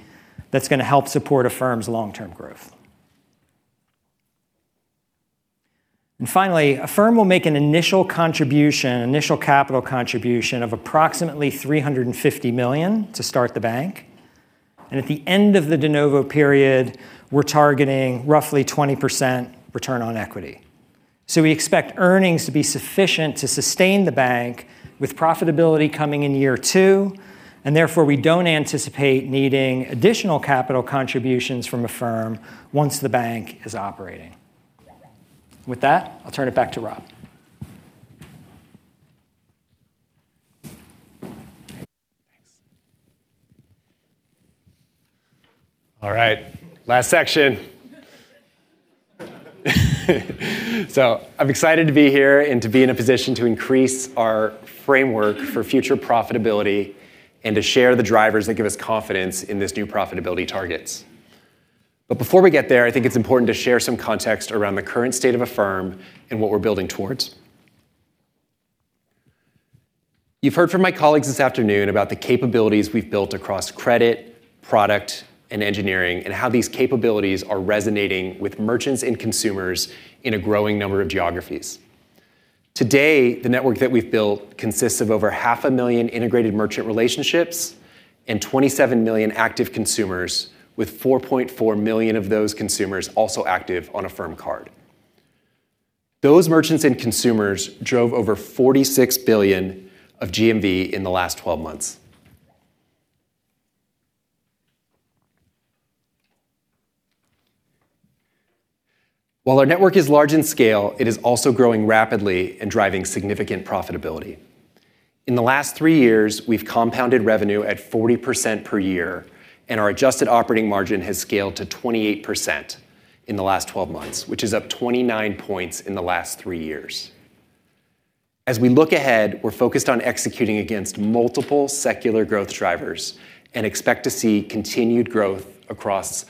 [SPEAKER 22] that's gonna help support Affirm's long-term growth. Finally, Affirm will make an initial contribution, initial capital contribution of approximately $350 million to start the bank, and at the end of the De Novo period, we're targeting roughly 20% return on equity. We expect earnings to be sufficient to sustain the bank, with profitability coming in year two, and therefore, we don't anticipate needing additional capital contributions from Affirm once the bank is operating. With that, I'll turn it back to Rob.
[SPEAKER 21] Thanks. All right, last section. I'm excited to be here and to be in a position to increase our framework for future profitability and to share the drivers that give us confidence in this new profitability targets. Before we get there, I think it's important to share some context around the current state of Affirm and what we're building towards. You've heard from my colleagues this afternoon about the capabilities we've built across credit, product, and engineering, and how these capabilities are resonating with merchants and consumers in a growing number of geographies. Today, the network that we've built consists of over half a million integrated merchant relationships and 27 million active consumers, with 4.4 million of those consumers also active on Affirm Card. Those merchants and consumers drove over $46 billion of GMV in the last 12 months. Our network is large in scale, it is also growing rapidly and driving significant profitability. In the last three years, we've compounded revenue at 40% per year, and our adjusted operating margin has scaled to 28% in the last 12 months, which is up 29 points in the last three years. We look ahead, we're focused on executing against multiple secular growth drivers and expect to see continued growth across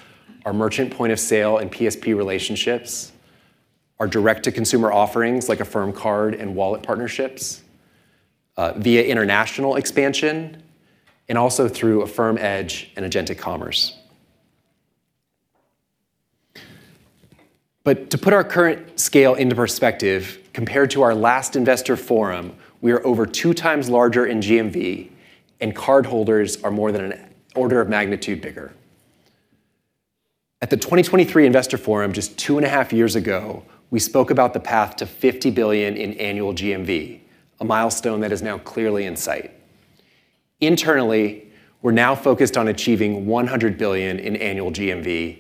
[SPEAKER 21] our merchant point of sale and PSP relationships, our direct-to-consumer offerings, like Affirm Card and Wallet partnerships, via international expansion, and also through Affirm Edge and agentic commerce. To put our current scale into perspective, compared to our last investor forum, we are over two times larger in GMV, and cardholders are more than an order of magnitude bigger. At the 2023 investor forum just 2.5 years ago, we spoke about the path to $50 billion in annual GMV, a milestone that is now clearly in sight. Internally, we're now focused on achieving $100 billion in annual GMV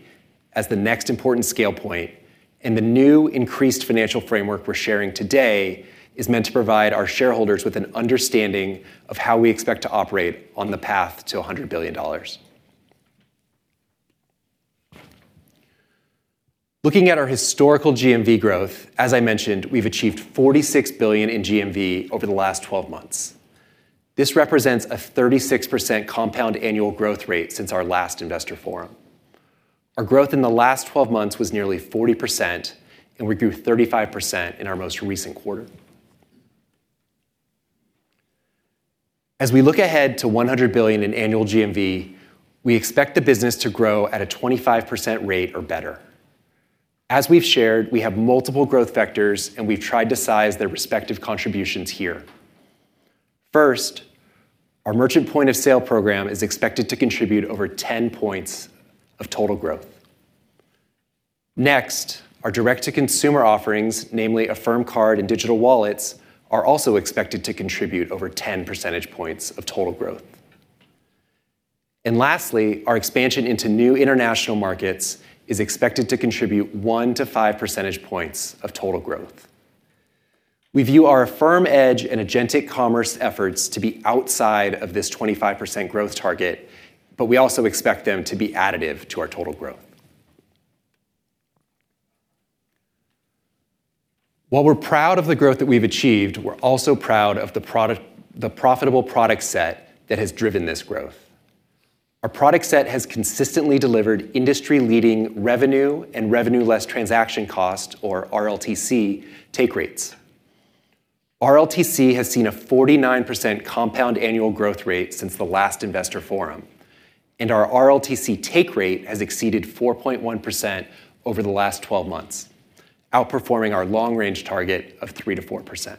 [SPEAKER 21] as the next important scale point, and the new increased financial framework we're sharing today is meant to provide our shareholders with an understanding of how we expect to operate on the path to $100 billion. Looking at our historical GMV growth, as I mentioned, we've achieved $46 billion in GMV over the last 12 months. This represents a 36% compound annual growth rate since our last investor forum. Our growth in the last 12 months was nearly 40%, and we grew 35% in our most recent quarter. As we look ahead to $100 billion in annual GMV, we expect the business to grow at a 25% rate or better. As we've shared, we have multiple growth vectors, we've tried to size their respective contributions here. First, our merchant point of sale program is expected to contribute over 10 points of total growth. Next, our direct-to-consumer offerings, namely Affirm Card and digital wallets, are also expected to contribute over 10 percentage points of total growth. Lastly, our expansion into new international markets is expected to contribute 1 percentage points-5 percentage points of total growth. We view our Affirm Edge and agentic commerce efforts to be outside of this 25% growth target, but we also expect them to be additive to our total growth. While we're proud of the growth that we've achieved, we're also proud of the profitable product set that has driven this growth. Our product set has consistently delivered industry-leading revenue and revenue less transaction cost, or RLTC, take rates. RLTC has seen a 49% compound annual growth rate since the last investor forum, and our RLTC take rate has exceeded 4.1% over the last 12 months, outperforming our long-range target of 3%-4%.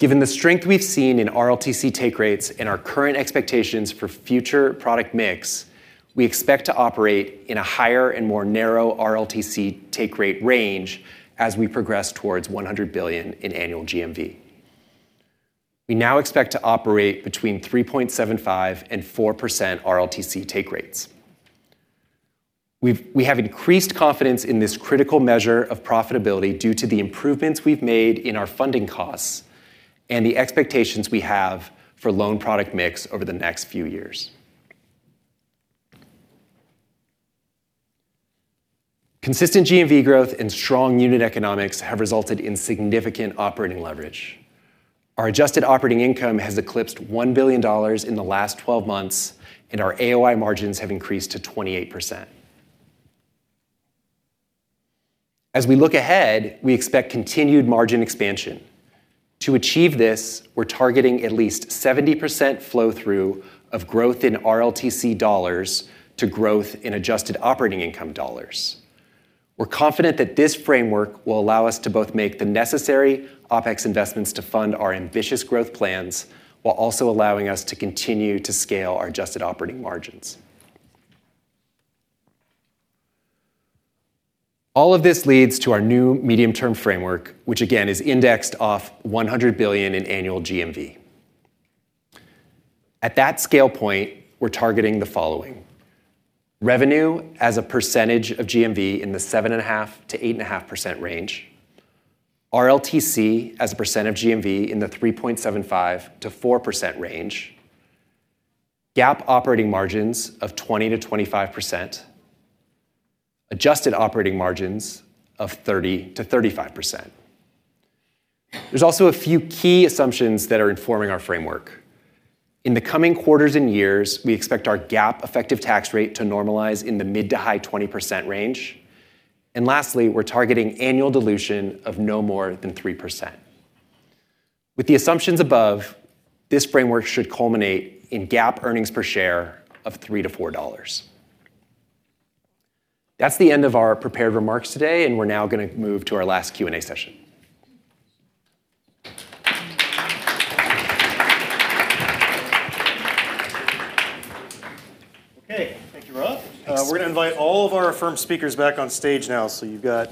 [SPEAKER 21] Given the strength we've seen in RLTC take rates and our current expectations for future product mix, we expect to operate in a higher and more narrow RLTC take rate range as we progress towards $100 billion in annual GMV. We now expect to operate between 3.75% and 4% RLTC take rates. We have increased confidence in this critical measure of profitability due to the improvements we've made in our funding costs and the expectations we have for loan product mix over the next few years. Consistent GMV growth and strong unit economics have resulted in significant operating leverage. Our adjusted operating income has eclipsed $1 billion in the last 12 months, and our AOI margins have increased to 28%. As we look ahead, we expect continued margin expansion. To achieve this, we're targeting at least 70% flow-through of growth in RLTC dollars to growth in adjusted operating income dollars. We're confident that this framework will allow us to both make the necessary OpEx investments to fund our ambitious growth plans while also allowing us to continue to scale our adjusted operating margins. All of this leads to our new medium-term framework, which again, is indexed off $100 billion in annual GMV. At that scale point, we're targeting the following: revenue as a percentage of GMV in the 7.5%-8.5% range, RLTC as a percent of GMV in the 3.75%-4% range, GAAP operating margins of 20%-25%, adjusted operating margins of 30%-35%. There's also a few key assumptions that are informing our framework. In the coming quarters and years, we expect our GAAP effective tax rate to normalize in the mid-to-high 20% range. Lastly, we're targeting annual dilution of no more than 3%. With the assumptions above, this framework should culminate in GAAP earnings per share of $3-$4. That's the end of our prepared remarks today, and we're now going to move to our last Q&A session.
[SPEAKER 1] Okay. Thank you, Rob.
[SPEAKER 21] Thanks.
[SPEAKER 1] We're going to invite all of our Affirm speakers back on stage now. You've got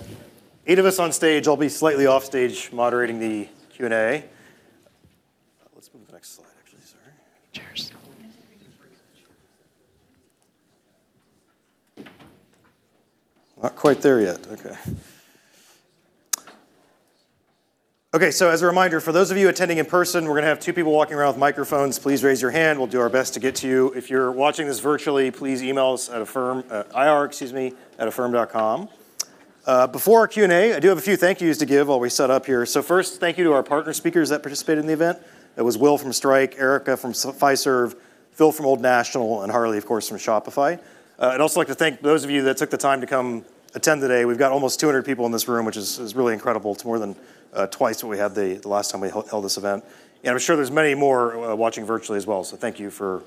[SPEAKER 1] eight of us on stage. I'll be slightly off stage moderating the Q&A. Next slide, actually, sorry. Chairs.
[SPEAKER 11] Not quite there yet. Okay. Okay, as a reminder, for those of you attending in person, we are going to have two people walking around with microphones. Please raise your hand, we'll do our best to get to you. If you're watching this virtually, please email us at Affirm ir@affirm.com. Before our Q&A, I do have a few thank yous to give while we set up here. First, thank you to our partner speakers that participated in the event. That was Will from Stripe, Arika from Fiserv, Phil from Old National, and Harley, of course, from Shopify. I'd also like to thank those of you that took the time to come attend today. We've got almost 200 people in this room, which is really incredible. It's more than twice what we had the last time we held this event.
[SPEAKER 1] I'm sure there's many more watching virtually as well, so thank you for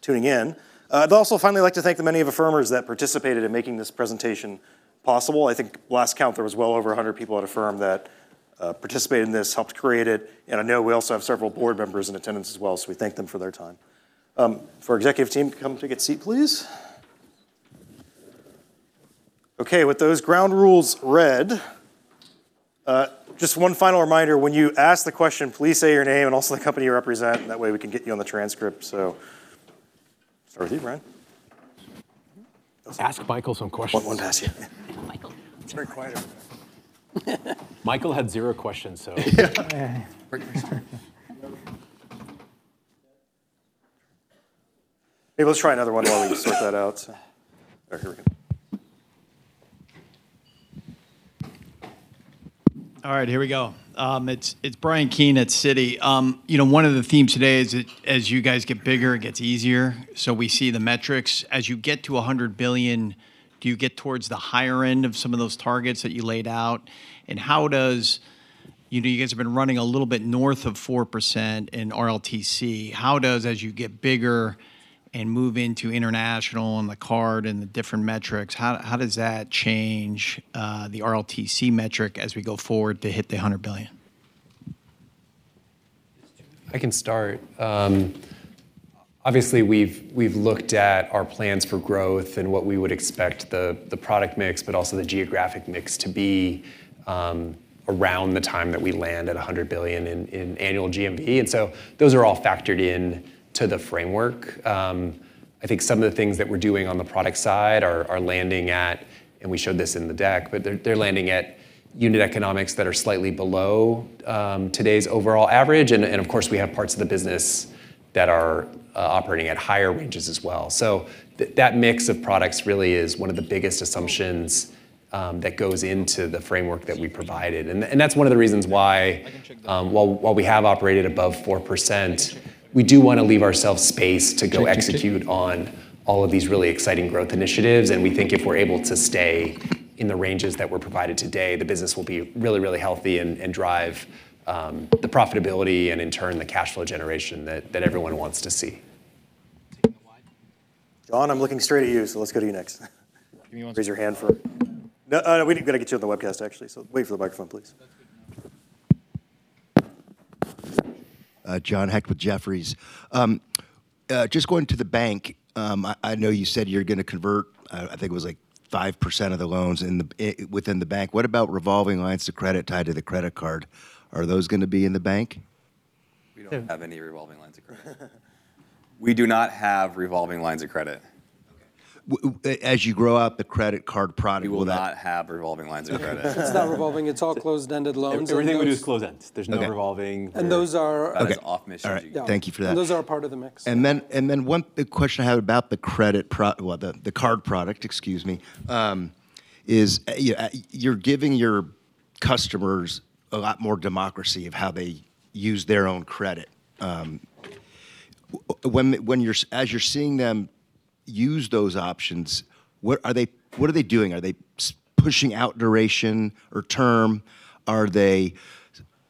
[SPEAKER 1] tuning in. I'd also finally like to thank the many Affirmers that participated in making this presentation possible. I think last count, there was well over 100 people at Affirm that participated in this, helped create it. I know we also have several board members in attendance as well, so we thank them for their time. For our executive team, come take a seat, please. Okay, with those ground rules read, just one final reminder, when you ask the question, please say your name and also the company you represent, and that way we can get you on the transcript. Start with you, Bryan.
[SPEAKER 2] Ask Michael some questions.
[SPEAKER 1] I want to ask you.
[SPEAKER 3] Michael.
[SPEAKER 2] It's very quiet over there. Michael had zero questions, so.
[SPEAKER 1] Maybe let's try another one while we sort that out. There, here we go.
[SPEAKER 23] All right, here we go. It's Bryan Keane at Citi. You know, one of the themes today is as you guys get bigger, it gets easier, so we see the metrics. As you get to $100 billion, do you get towards the higher end of some of those targets that you laid out? How does You know, you guys have been running a little bit north of 4% in RLTC. How does, as you get bigger and move into international and the card and the different metrics, how does that change the RLTC metric as we go forward to hit the $100 billion?
[SPEAKER 21] I can start. Obviously we've looked at our plans for growth and what we would expect the product mix, but also the geographic mix to be around the time that we land at $100 billion in annual GMV. Those are all factored into the framework. I think some of the things that we're doing on the product side are landing at, and we showed this in the deck, but they're landing at unit economics that are slightly below today's overall average. Of course, we have parts of the business that are operating at higher ranges as well. That mix of products really is one of the biggest assumptions that goes into the framework that we provided. That's one of the reasons why, while we have operated above 4%, we do want to leave ourselves space to go execute on all of these really exciting growth initiatives. We think if we're able to stay in the ranges that were provided today, the business will be really, really healthy and drive the profitability and in turn, the cash flow generation that everyone wants to see.
[SPEAKER 1] John, I'm looking straight at you, let's go to you next.
[SPEAKER 2] Give me one second.
[SPEAKER 1] Raise your hand for No, we gotta get you on the webcast, actually, so wait for the microphone, please.
[SPEAKER 2] That's good to know.
[SPEAKER 24] John Hecht with Jefferies. just going to the bank, I know you said you're gonna convert, I think it was like 5% of the loans within the bank. What about revolving lines of credit tied to the credit card? Are those gonna be in the bank?
[SPEAKER 21] We don't have any revolving lines of credit. We do not have revolving lines of credit.
[SPEAKER 24] Okay. As you grow out the credit card product, will that?
[SPEAKER 21] We will not have revolving lines of credit.
[SPEAKER 3] It's not revolving. It's all closed-ended loans, and those-
[SPEAKER 1] Everything we do is closed-end.
[SPEAKER 24] Okay.
[SPEAKER 1] There's no revolving.
[SPEAKER 3] And those are-
[SPEAKER 21] That is off missions.
[SPEAKER 24] All right. Thank you for that.
[SPEAKER 3] Those are a part of the mix.
[SPEAKER 24] The question I have about the credit product, excuse me, you're giving your customers a lot more democracy of how they use their own credit. When you're, as you're seeing them use those options, what are they doing? Are they pushing out duration or term? Are they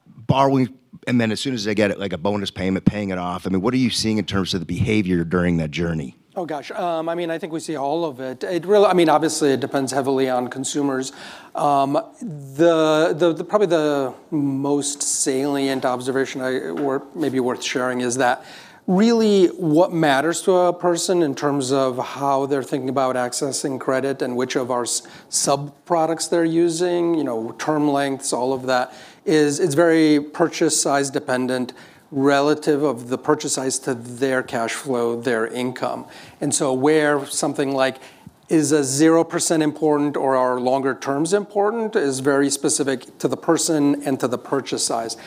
[SPEAKER 24] borrowing, and then as soon as they get, like, a bonus payment, paying it off? I mean, what are you seeing in terms of the behavior during that journey?
[SPEAKER 3] Oh, gosh. I mean, I think we see all of it. It really, I mean, obviously it depends heavily on consumers. The most salient observation worth sharing is that really what matters to a person in terms of how they're thinking about accessing credit and which of our sub-products they're using, you know, term lengths, all of that is it's very purchase size dependent, relative of the purchase size to their cash flow, their income. Where something like is a 0% important or are longer terms important is very specific to the person and to the purchase size.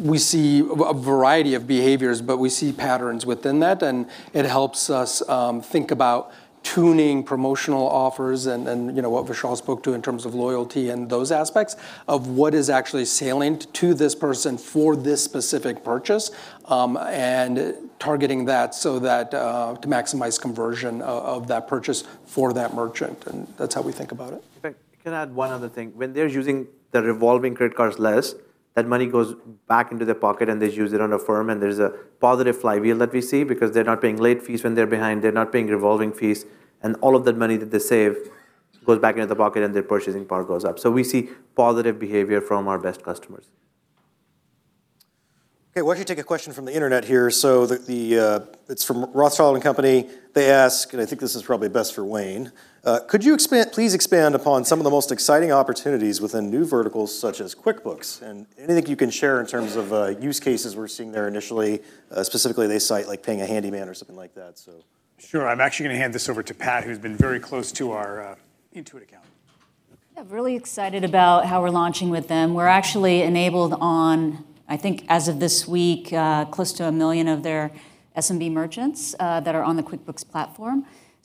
[SPEAKER 3] We see a variety of behaviors, but we see patterns within that, and it helps us think about tuning promotional offers and, you know, what Vishal spoke to in terms of loyalty and those aspects of what is actually salient to this person for this specific purchase, and targeting that so that to maximize conversion of that purchase for that merchant, and that's how we think about it.
[SPEAKER 7] In fact, can I add one other thing? When they're using the revolving credit cards less, that money goes back into their pocket and they use it on Affirm, and there's a positive flywheel that we see because they're not paying late fees when they're behind, they're not paying revolving fees, and all of that money that they save goes back into their pocket, and their purchasing power goes up. We see positive behavior from our best customers.
[SPEAKER 1] Okay, why don't you take a question from the internet here? It's from Rothstein & Co., CPA's. They ask, and I think this is probably best for Wayne, please expand upon some of the most exciting opportunities within new verticals such as QuickBooks? Anything you can share in terms of use cases we're seeing there initially, specifically they cite, like, paying a handyman or something like that.
[SPEAKER 5] Sure. I'm actually gonna hand this over to Pat, who's been very close to our Intuit account.
[SPEAKER 10] Yeah, really excited about how we're launching with them. We're actually enabled on, I think as of this week, close to a million of their SMB merchants that are on the QuickBooks platform.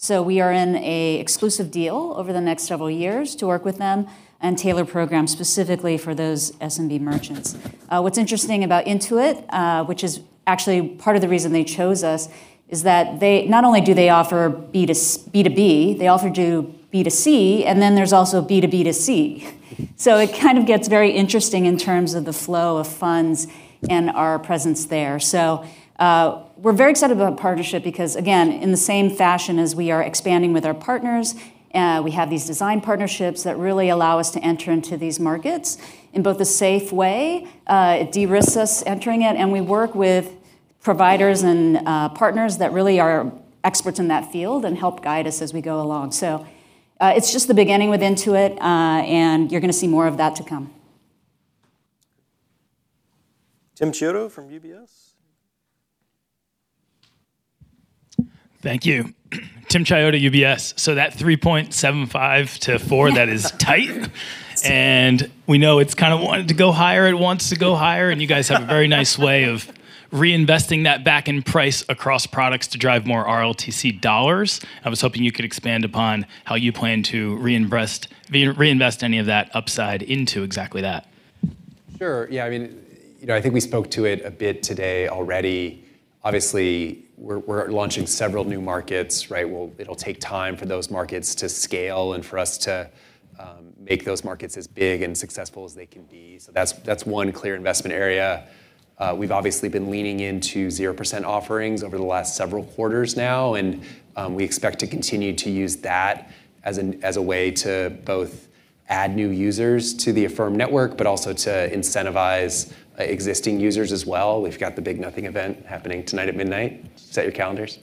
[SPEAKER 10] We are in a exclusive deal over the next several years to work with them and tailor programs specifically for those SMB merchants. What's interesting about Intuit, which is actually part of the reason they chose us, is that they, not only do they offer B2B, they also do B2C, and then there's also B2B2C. It kind of gets very interesting in terms of the flow of funds and our presence there. We're very excited about partnership because, again, in the same fashion as we are expanding with our partners, we have these design partnerships that really allow us to enter into these markets in both a safe way, it de-risks us entering it, and we work with providers and partners that really are experts in that field and help guide us as we go along. It's just the beginning with Intuit, and you're going to see more of that to come.
[SPEAKER 2] Timothy Chiodo from UBS.
[SPEAKER 25] Thank you. Timothy Chiodo, UBS. That 3.75-4, that is tight. We know it's kind of wanting to go higher, it wants to go higher. You guys have a very nice way of reinvesting that back in price across products to drive more RLTC $. I was hoping you could expand upon how you plan to reinvest any of that upside into exactly that.
[SPEAKER 21] Sure, yeah, I mean, you know, I think we spoke to it a bit today already. Obviously, we're launching several new markets, right? It'll take time for those markets to scale and for us to make those markets as big and successful as they can be. That's one clear investment area. We've obviously been leaning into 0% offerings over the last several quarters now, and we expect to continue to use that as a way to both add new users to the Affirm network, but also to incentivize existing users as well. We've got The Big Nothing event happening tonight at midnight. Set your calendars.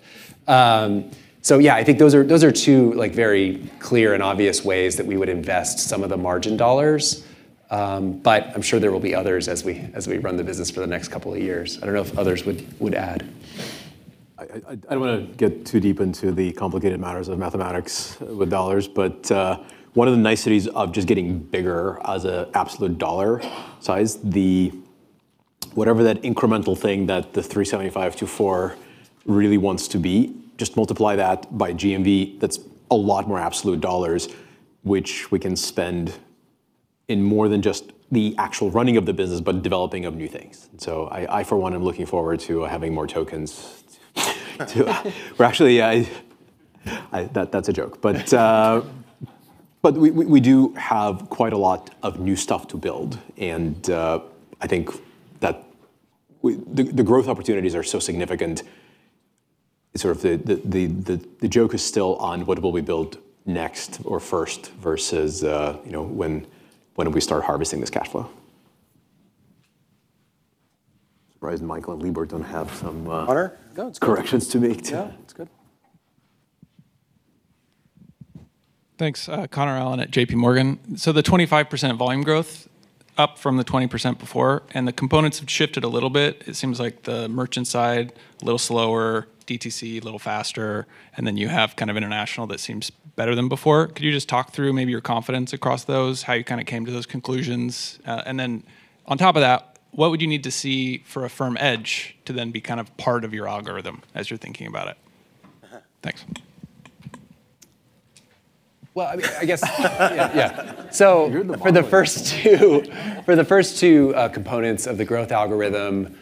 [SPEAKER 21] Yeah, I think those are two, like, very clear and obvious ways that we would invest some of the margin dollars, but I'm sure there will be others as we run the business for the next couple of years. I don't know if others would add.
[SPEAKER 2] I don't wanna get too deep into the complicated matters of mathematics with dollars, but one of the niceties of just getting bigger as an absolute dollar size, whatever that incremental thing that the 3.75-4 really wants to be, just multiply that by GMV. That's a lot more absolute dollars, which we can spend in more than just the actual running of the business, but developing of new things. I for one am looking forward to having more tokens. That's a joke. We do have quite a lot of new stuff to build and I think that the growth opportunities are so significant, sort of the joke is still on what will we build next or first versus, you know, when do we start harvesting this cash flow?
[SPEAKER 21] Surprised Michael and Libor don't have some.
[SPEAKER 2] Connor? No, it's good.
[SPEAKER 21] Corrections to make.
[SPEAKER 2] Yeah. No, it's good.
[SPEAKER 26] Thanks. Connor Allen at JPMorgan. The 25% volume growth, up from the 20% before, and the components have shifted a little bit. It seems like the merchant side, a little slower, DTC a little faster, and then you have kind of international that seems better than before. Could you just talk through maybe your confidence across those, how you kinda came to those conclusions? And then on top of that, what would you need to see for Affirm Edge to then be kind of part of your algorithm as you're thinking about it? Thanks.
[SPEAKER 21] Well, I mean, Yeah.
[SPEAKER 2] You're the P&L.
[SPEAKER 21] For the first two components of the growth algorithm,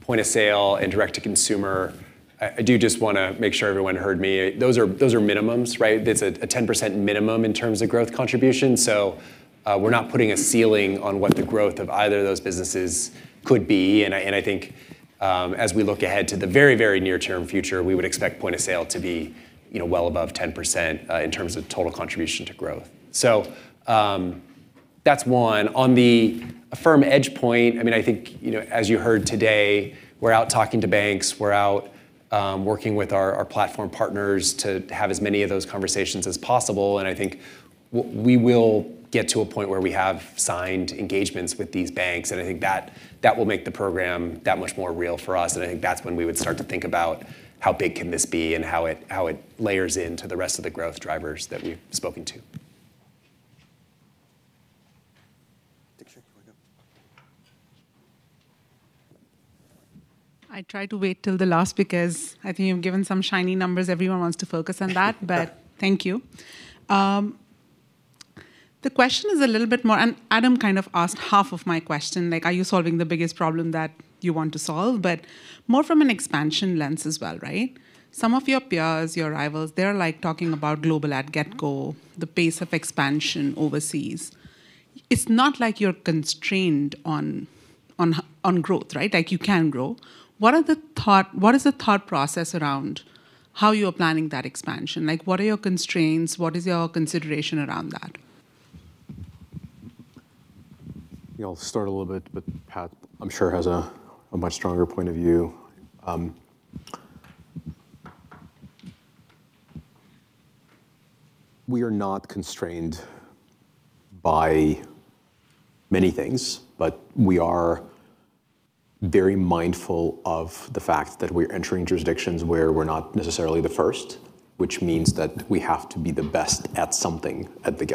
[SPEAKER 21] point of sale and direct to consumer, I do just wanna make sure everyone heard me. Those are minimums, right? There's a 10% minimum in terms of growth contribution. We're not putting a ceiling on what the growth of either of those businesses could be. I think, as we look ahead to the very, very near-term future, we would expect point of sale to be, you know, well above 10% in terms of total contribution to growth. That's one. On the Affirm Edge point, I mean, I think, you know, as you heard today, we're out talking to banks, we're out working with our platform partners to have as many of those conversations as possible, and I think we will get to a point where we have signed engagements with these banks, and I think that will make the program that much more real for us, and I think that's when we would start to think about how big can this be and how it layers into the rest of the growth drivers that we've spoken to.
[SPEAKER 1] Diksha, here we go.
[SPEAKER 27] I tried to wait till the last because I think you've given some shiny numbers, everyone wants to focus on that.
[SPEAKER 21] Yeah.
[SPEAKER 27] Thank you. The question is a little bit more, and Adam kind of asked half of my question, like, are you solving the biggest problem that you want to solve? More from an expansion lens as well, right? Some of your peers, your rivals, they're, like, talking about global at get-go, the pace of expansion overseas. It's not like you're constrained on growth, right? Like, you can grow. What is the thought process around how you're planning that expansion? Like, what are your constraints? What is your consideration around that?
[SPEAKER 2] Yeah, I'll start a little bit, but Pat, I'm sure, has a much stronger point of view. We are not constrained by many things, but we are very mindful of the fact that we're entering jurisdictions where we're not necessarily the first, which means that we have to be the best at something at the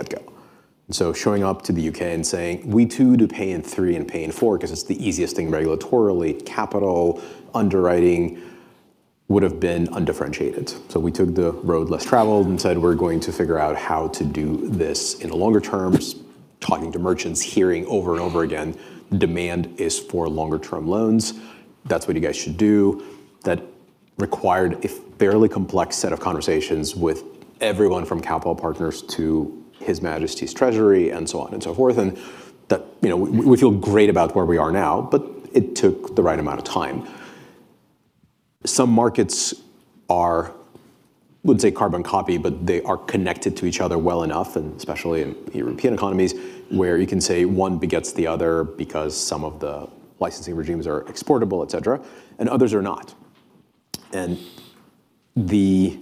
[SPEAKER 2] get-go. showing up to the U.K. and saying, "We too do pay in three and pay in four 'cause it's the easiest thing regulatorily, capital underwriting," would've been undifferentiated. We took the road less traveled and said we're going to figure out how to do this in the longer terms, talking to merchants, hearing over and over again, "The demand is for longer term loans. That's what you guys should do." That required a fairly complex set of conversations with everyone from capital partners to His Majesty's Treasury and so on and so forth. That, you know, we feel great about where we are now, but it took the right amount of time. Some markets are, I wouldn't say carbon copy, but they are connected to each other well enough, especially in European economies, where you can say one begets the other because some of the licensing regimes are exportable, et cetera, and others are not. The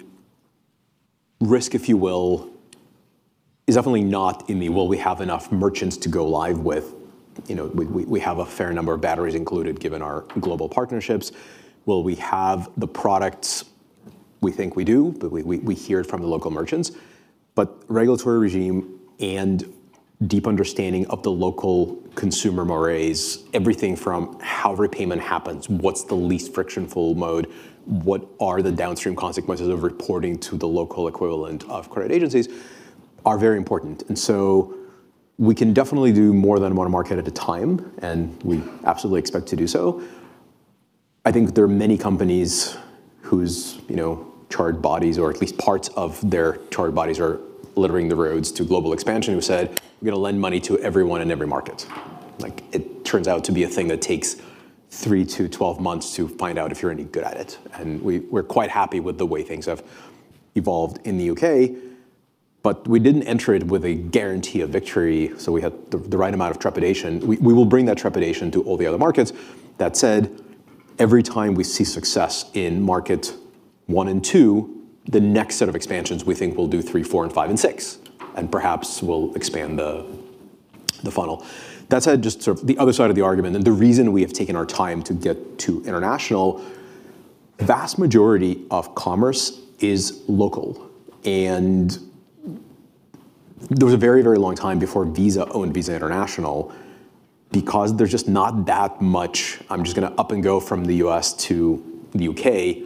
[SPEAKER 2] risk, if you will, is definitely not in the will we have enough merchants to go live with. You know, we have a fair number of batteries included given our global partnerships. Will we have the products? We think we do, but we hear it from the local merchants. Regulatory regime and deep understanding of the local consumer mores, everything from how repayment happens, what's the least friction full mode, what are the downstream consequences of reporting to the local equivalent of credit agencies, are very important. We can definitely do more than one market at a time, and we absolutely expect to do so. I think there are many companies whose, you know, charred bodies or at least parts of their charred bodies are littering the roads to global expansion who said, "We're gonna lend money to everyone in every market." It turns out to be a thing that takes three to 12 months to find out if you're any good at it. We're quite happy with the way things have evolved in the U.K., but we didn't enter it with a guarantee of victory, we had the right amount of trepidation. We will bring that trepidation to all the other markets. That said, every time we see success in market one and two, the next set of expansions we think will do three, four, and five, and six, and perhaps we'll expand the funnel. That said, just sort of the other side of the argument and the reason we have taken our time to get to international, vast majority of commerce is local. There was a very, very long time before Visa owned Visa International because there's just not that much, I'm just gonna up and go from the U.S. to the U.K.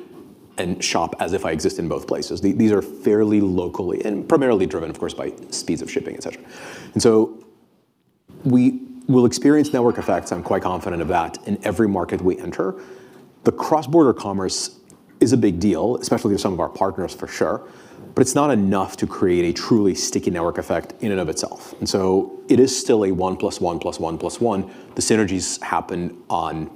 [SPEAKER 2] and shop as if I exist in both places. These are fairly locally and primarily driven, of course, by speeds of shipping, et cetera. We will experience network effects, I'm quite confident of that, in every market we enter. The cross-border commerce is a big deal, especially for some of our partners for sure, but it's not enough to create a truly sticky network effect in and of itself. It is still a one plus one plus one plus one. The synergies happen on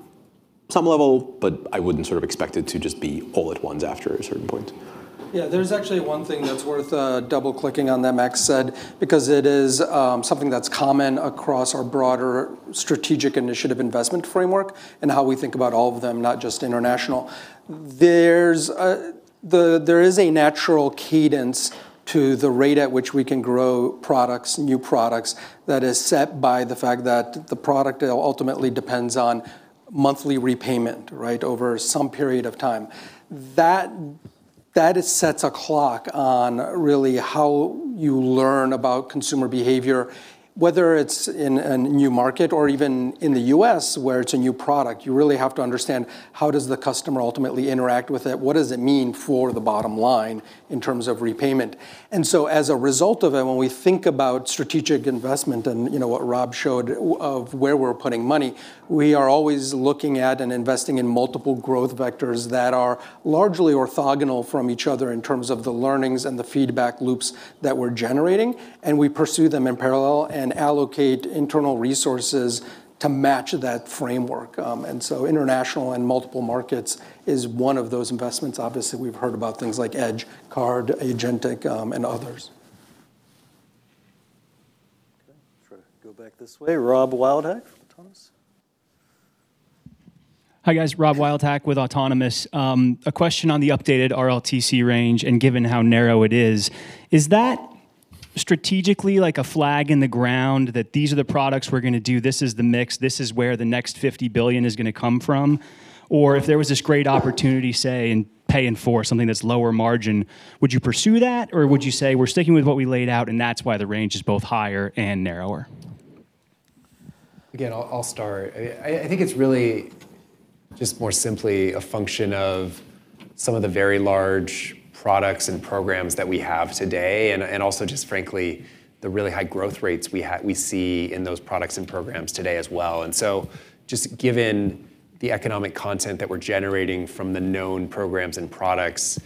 [SPEAKER 2] some level, but I wouldn't sort of expect it to just be all at once after a certain point.
[SPEAKER 3] There's actually one thing that's worth double-clicking on that Max said because it is something that's common across our broader strategic initiative investment framework and how we think about all of them, not just international. There is a natural cadence to the rate at which we can grow products, new products, that is set by the fact that the product ultimately depends on monthly repayment, right, over some period of time. That sets a clock on really how you learn about consumer behavior, whether it's in a new market or even in the U.S. where it's a new product. You really have to understand how does the customer ultimately interact with it? What does it mean for the bottom line in terms of repayment? As a result of it, when we think about strategic investment and, you know, what Rob showed of where we're putting money, we are always looking at and investing in multiple growth vectors that are largely orthogonal from each other in terms of the learnings and the feedback loops that we're generating, and we pursue them in parallel and allocate internal resources to match that framework. International and multiple markets is one of those investments. Obviously, we've heard about things like Edge, Card, agentic, and others.
[SPEAKER 1] Okay. Try to go back this way. Rob Wildhack from Autonomous.
[SPEAKER 28] Hi, guys. Rob Wildhack with Autonomous. A question on the updated RLTC range and given how narrow it is. Is that strategically like a flag in the ground that these are the products we're gonna do, this is the mix, this is where the next $50 billion is gonna come from? If there was this great opportunity, say, in pay in four, something that's lower margin, would you pursue that, or would you say we're sticking with what we laid out and that's why the range is both higher and narrower?
[SPEAKER 21] Again, I'll start. I think it's really just more simply a function of some of the very large products and programs that we have today and also just frankly the really high growth rates we see in those products and programs today as well. Just given the economic content that we're generating from the known programs and products,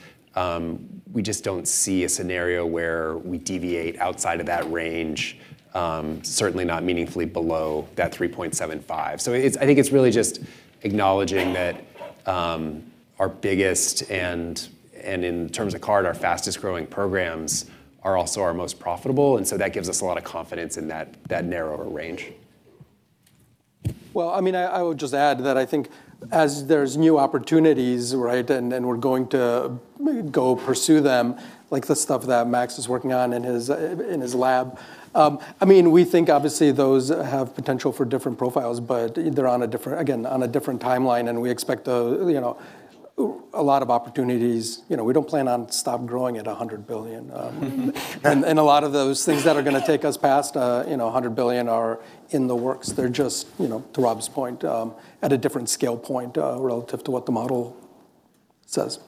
[SPEAKER 21] we just don't see a scenario where we deviate outside of that range, certainly not meaningfully below that 3.75. I think it's really just acknowledging that our biggest and in terms of card, our fastest growing programs are also our most profitable, that gives us a lot of confidence in that narrower range.
[SPEAKER 4] Well, I mean, I would just add that I think as there's new opportunities, right? We're going to go pursue them, like the stuff that Max is working on in his lab. I mean, we think obviously those have potential for different profiles, but they're on a different timeline, and we expect a, you know, a lot of opportunities. You know, we don't plan on stop growing at $100 billion. A lot of those things that are gonna take us past, you know, $100 billion are in the works. They're just, you know, to Rob's point, at a different scale point, relative to what the model says.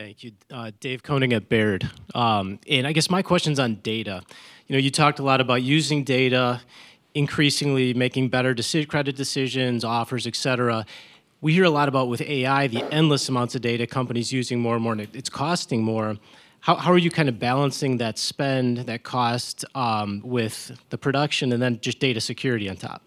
[SPEAKER 1] Go ahead, sir.
[SPEAKER 29] Thank you. David Koning at Baird. I guess my question's on data. You know, you talked a lot about using data increasingly making better credit decisions, offers, et cetera. We hear a lot about with AI, the endless amounts of data companies using more and more, and it's costing more. How are you kind of balancing that spend, that cost, with the production and then just data security on top?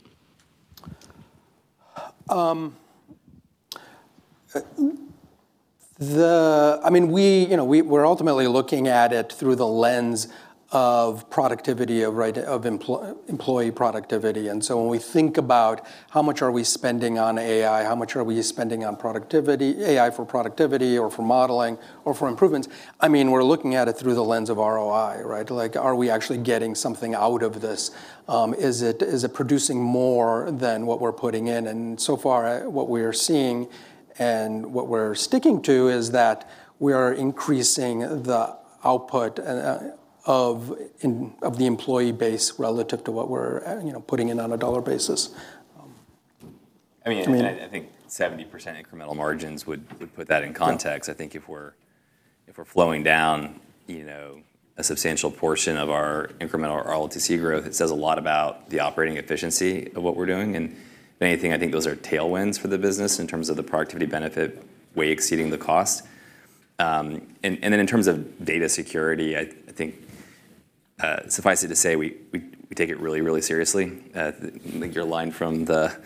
[SPEAKER 4] I mean, we, you know, we're ultimately looking at it through the lens of productivity of, right, of employee productivity. When we think about how much are we spending on AI, how much are we spending on productivity, AI for productivity or for modeling or for improvements, I mean, we're looking at it through the lens of ROI, right? Like, are we actually getting something out of this? Is it producing more than what we're putting in? What we are seeing and what we're sticking to is that we are increasing the output of the employee base relative to what we're, you know, putting in on a dollar basis. I mean, I think 70% incremental margins would put that in context. I think if we're flowing down, you know, a substantial portion of our incremental RLTC growth, it says a lot about the operating efficiency of what we're doing. If anything, I think those are tailwinds for the business in terms of the productivity benefit way exceeding the cost. And then in terms of data security, I think suffice it to say, we take it really seriously. I think your line from the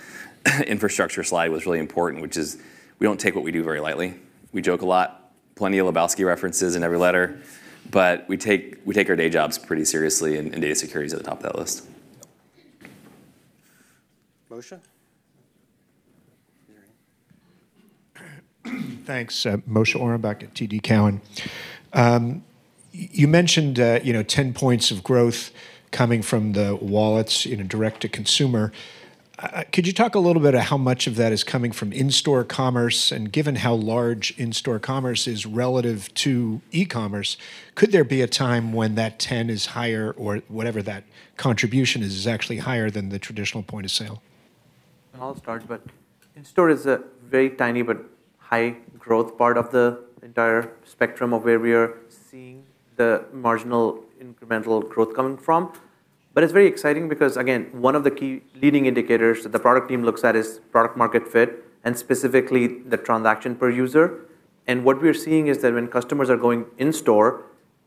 [SPEAKER 4] infrastructure slide was really important, which is we don't take what we do very lightly. We joke a lot, plenty of Lebowski references in every letter, we take our day jobs pretty seriously, and data security is at the top of that list.
[SPEAKER 1] Moshe? You're here.
[SPEAKER 30] Thanks. Moshe Orenbuch at TD Cowen. You mentioned, you know, 10 points of growth coming from the wallets in a Direct-to-Consumer. Could you talk a little bit of how much of that is coming from in-store commerce? Given how large in-store commerce is relative to e-commerce, could there be a time when that 10 is higher or whatever that contribution is actually higher than the traditional point of sale?
[SPEAKER 7] I'll start, in store is a very tiny but high growth part of the entire spectrum of where we are seeing the marginal incremental growth coming from. It's very exciting because, again, one of the key leading indicators that the product team looks at is product market fit and specifically the transaction per user. What we are seeing is that when customers are going in store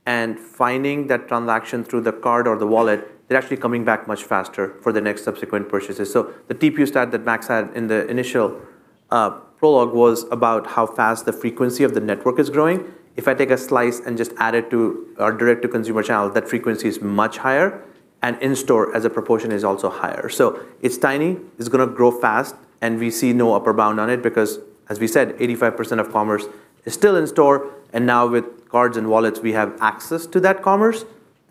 [SPEAKER 7] and finding that transaction through the card or the wallet, they're actually coming back much faster for the next subsequent purchases. The TPU stat that Max had in the initial prologue was about how fast the frequency of the network is growing. If I take a slice and just add it to our direct to consumer channel, that frequency is much higher, and in-store as a proportion is also higher. It's tiny, it's gonna grow fast, and we see no upper bound on it because, as we said, 85% of commerce is still in store, and now with cards and wallets, we have access to that commerce.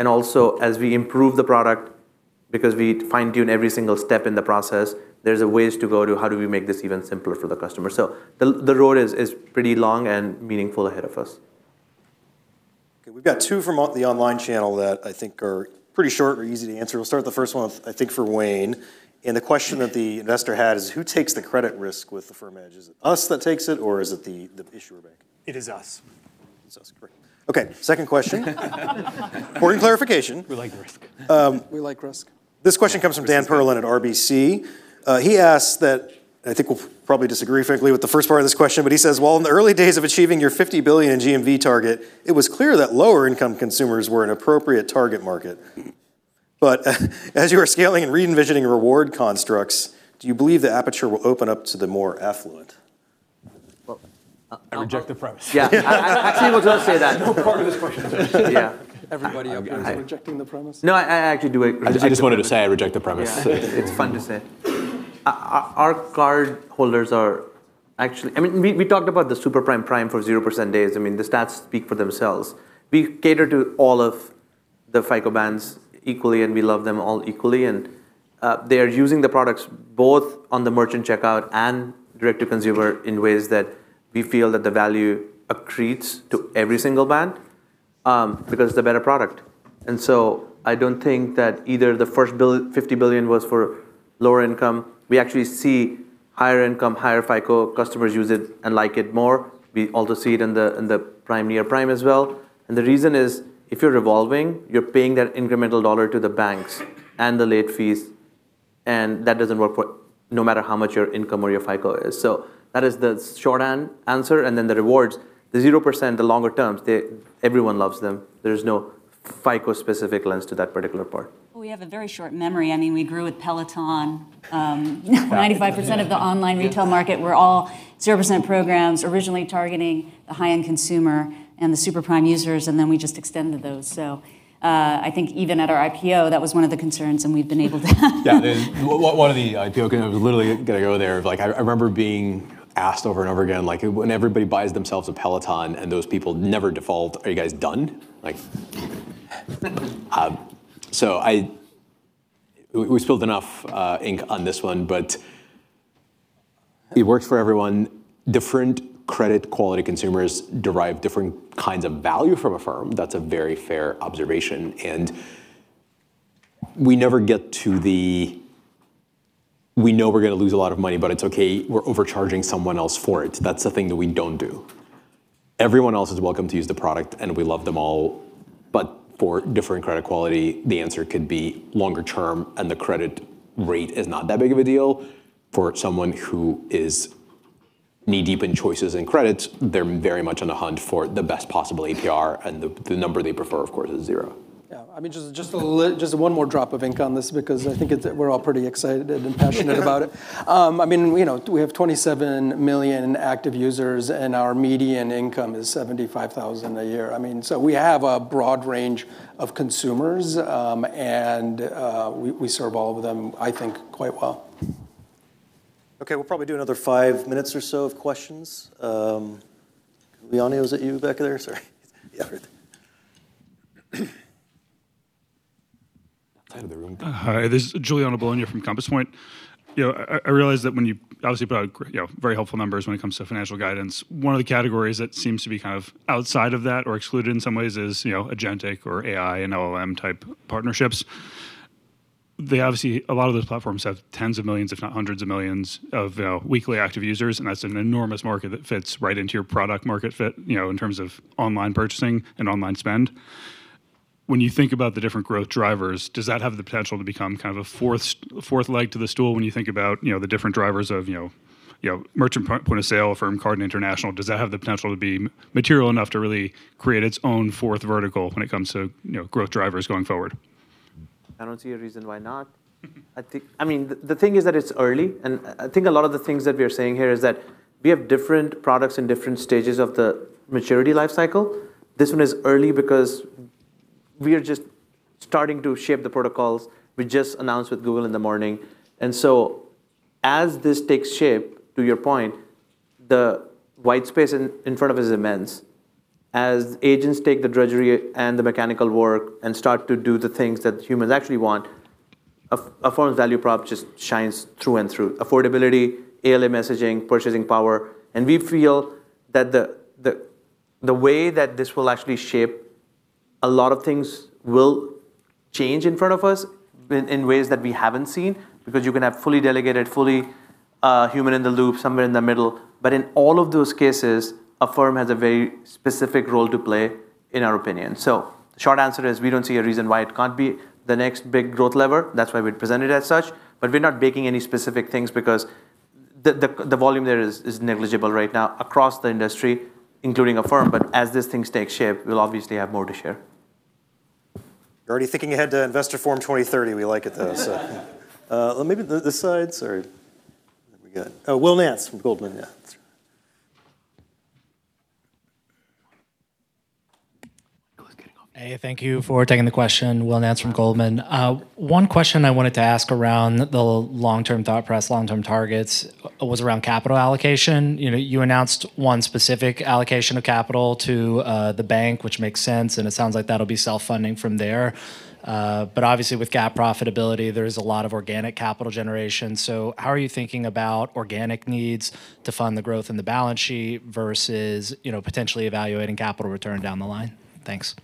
[SPEAKER 7] Also, as we improve the product, because we fine-tune every single step in the process, there's a ways to go to how do we make this even simpler for the customer. The road is pretty long and meaningful ahead of us.
[SPEAKER 1] Okay, we've got two from the online channel that I think are pretty short or easy to answer. We'll start the first one, I think, for Wayne. The question that the investor had is, who takes the credit risk with the Affirm Edge? Is it us that takes it, or is it the issuer bank?
[SPEAKER 5] It is us.
[SPEAKER 1] It's us. Great. Okay, second question. Important clarification.
[SPEAKER 4] We like the risk.
[SPEAKER 5] We like risk.
[SPEAKER 1] This question comes from Daniel Perlin at RBC. He asks that, I think we'll probably disagree frankly with the first part of this question, but he says, "Well, in the early days of achieving your $50 billion GMV target, it was clear that lower income consumers were an appropriate target market. As you are scaling and re-envisioning reward constructs, do you believe the aperture will open up to the more affluent?
[SPEAKER 4] Well, uh-
[SPEAKER 7] I reject the premise.
[SPEAKER 4] Yeah. I actually will just say that.
[SPEAKER 2] No part of this question is interesting.
[SPEAKER 4] Yeah. Everybody agrees, rejecting the premise. No, I actually do agree.
[SPEAKER 2] I just wanted to say I reject the premise.
[SPEAKER 7] Yeah, it's fun to say. Our card holders are actually I mean, we talked about the super prime for 0% days. I mean, the stats speak for themselves. We cater to all of the FICO bands equally, and we love them all equally. They are using the products both on the merchant checkout and direct to consumer in ways that we feel that the value accretes to every single band because it's a better product. I don't think that either the first $50 billion was for lower income. We actually see higher income, higher FICO customers use it and like it more. We also see it in the prime, near prime as well. The reason is, if you're revolving, you're paying that incremental dollar to the banks and the late fees, and that doesn't work for no matter how much your income or your FICO is. That is the short answer, then the rewards. The 0%, the longer terms, Everyone loves them. FICO specific lens to that particular part.
[SPEAKER 10] We have a very short memory. I mean, we grew with Peloton, 95% of the online retail market were all 0% programs originally targeting the high-end consumer and the super prime users. We just extended those. I think even at our IPO, that was one of the concerns.
[SPEAKER 2] Yeah, one of the IPO, I was literally gonna go there, like I remember being asked over and over again, like when everybody buys themselves a Peloton and those people never default, are you guys done? Like It works for everyone. Different credit quality consumers derive different kinds of value from Affirm. That's a very fair observation. We never get to the, we know we're gonna lose a lot of money, it's okay, we're overcharging someone else for it. That's a thing that we don't do. Everyone else is welcome to use the product, we love them all. For different credit quality, the answer could be longer term. The credit rate is not that big of a deal. For someone who is knee-deep in choices and credits, they're very much on the hunt for the best possible APR, and the number they prefer, of course, is zero.
[SPEAKER 3] Yeah, I mean, just one more drop of ink on this because I think it we're all pretty excited and passionate about it. I mean, you know, we have 27 million active users and our median income is $75,000 a year. I mean, we have a broad range of consumers, and we serve all of them, I think, quite well.
[SPEAKER 1] We'll probably do another five minutes or so of questions. Liani, was it you back there? Sorry. Yeah. Side of the room.
[SPEAKER 31] Hi, this is Giuliano Bologna from Compass Point. You know, I realize that when you obviously put out, you know, very helpful numbers when it comes to financial guidance, one of the categories that seems to be kind of outside of that or excluded in some ways is, you know, agentic or AI and LLM type partnerships. They obviously, a lot of those platforms have tens of millions, if not hundreds of millions of weekly active users, and that's an enormous market that fits right into your product market fit, you know, in terms of online purchasing and online spend. When you think about the different growth drivers, does that have the potential to become kind of a fourth leg to the stool when you think about, you know, the different drivers of, you know, merchant point of sale, Affirm Card and international? Does that have the potential to be material enough to really create its own fourth vertical when it comes to, you know, growth drivers going forward?
[SPEAKER 7] I don't see a reason why not. I think I mean, the thing is that it's early, and I think a lot of the things that we are saying here is that we have different products in different stages of the maturity life cycle. This one is early because we are just starting to shape the protocols. We just announced with Google in the morning. As this takes shape, to your point, the white space in front of us is immense. As agents take the drudgery and the mechanical work and start to do the things that humans actually want, Affirm's value prop just shines through and through. Affordability, ALA messaging, purchasing power. We feel that the way that this will actually shape a lot of things will change in front of us in ways that we haven't seen because you can have fully delegated, fully human in the loop, somewhere in the middle. In all of those cases, Affirm has a very specific role to play in our opinion. Short answer is we don't see a reason why it can't be the next big growth lever. That's why we presented it as such. We're not baking any specific things because the volume there is negligible right now across the industry, including Affirm. As these things take shape, we'll obviously have more to share.
[SPEAKER 1] You're already thinking ahead to Investor Forum 2030. We like it though. Maybe the side. Sorry. What have we got? Will Nance from Goldman. Yeah. Will's getting off.
[SPEAKER 32] Hey, thank you for taking the question. Will Nance from Goldman. One question I wanted to ask around the long-term thought process, long-term targets was around capital allocation. You know, you announced one specific allocation of capital to the bank, which makes sense, and it sounds like that'll be self-funding from there. But obviously with GAAP profitability, there is a lot of organic capital generation. How are you thinking about organic needs to fund the growth in the balance sheet versus, you know, potentially evaluating capital return down the line? Thanks.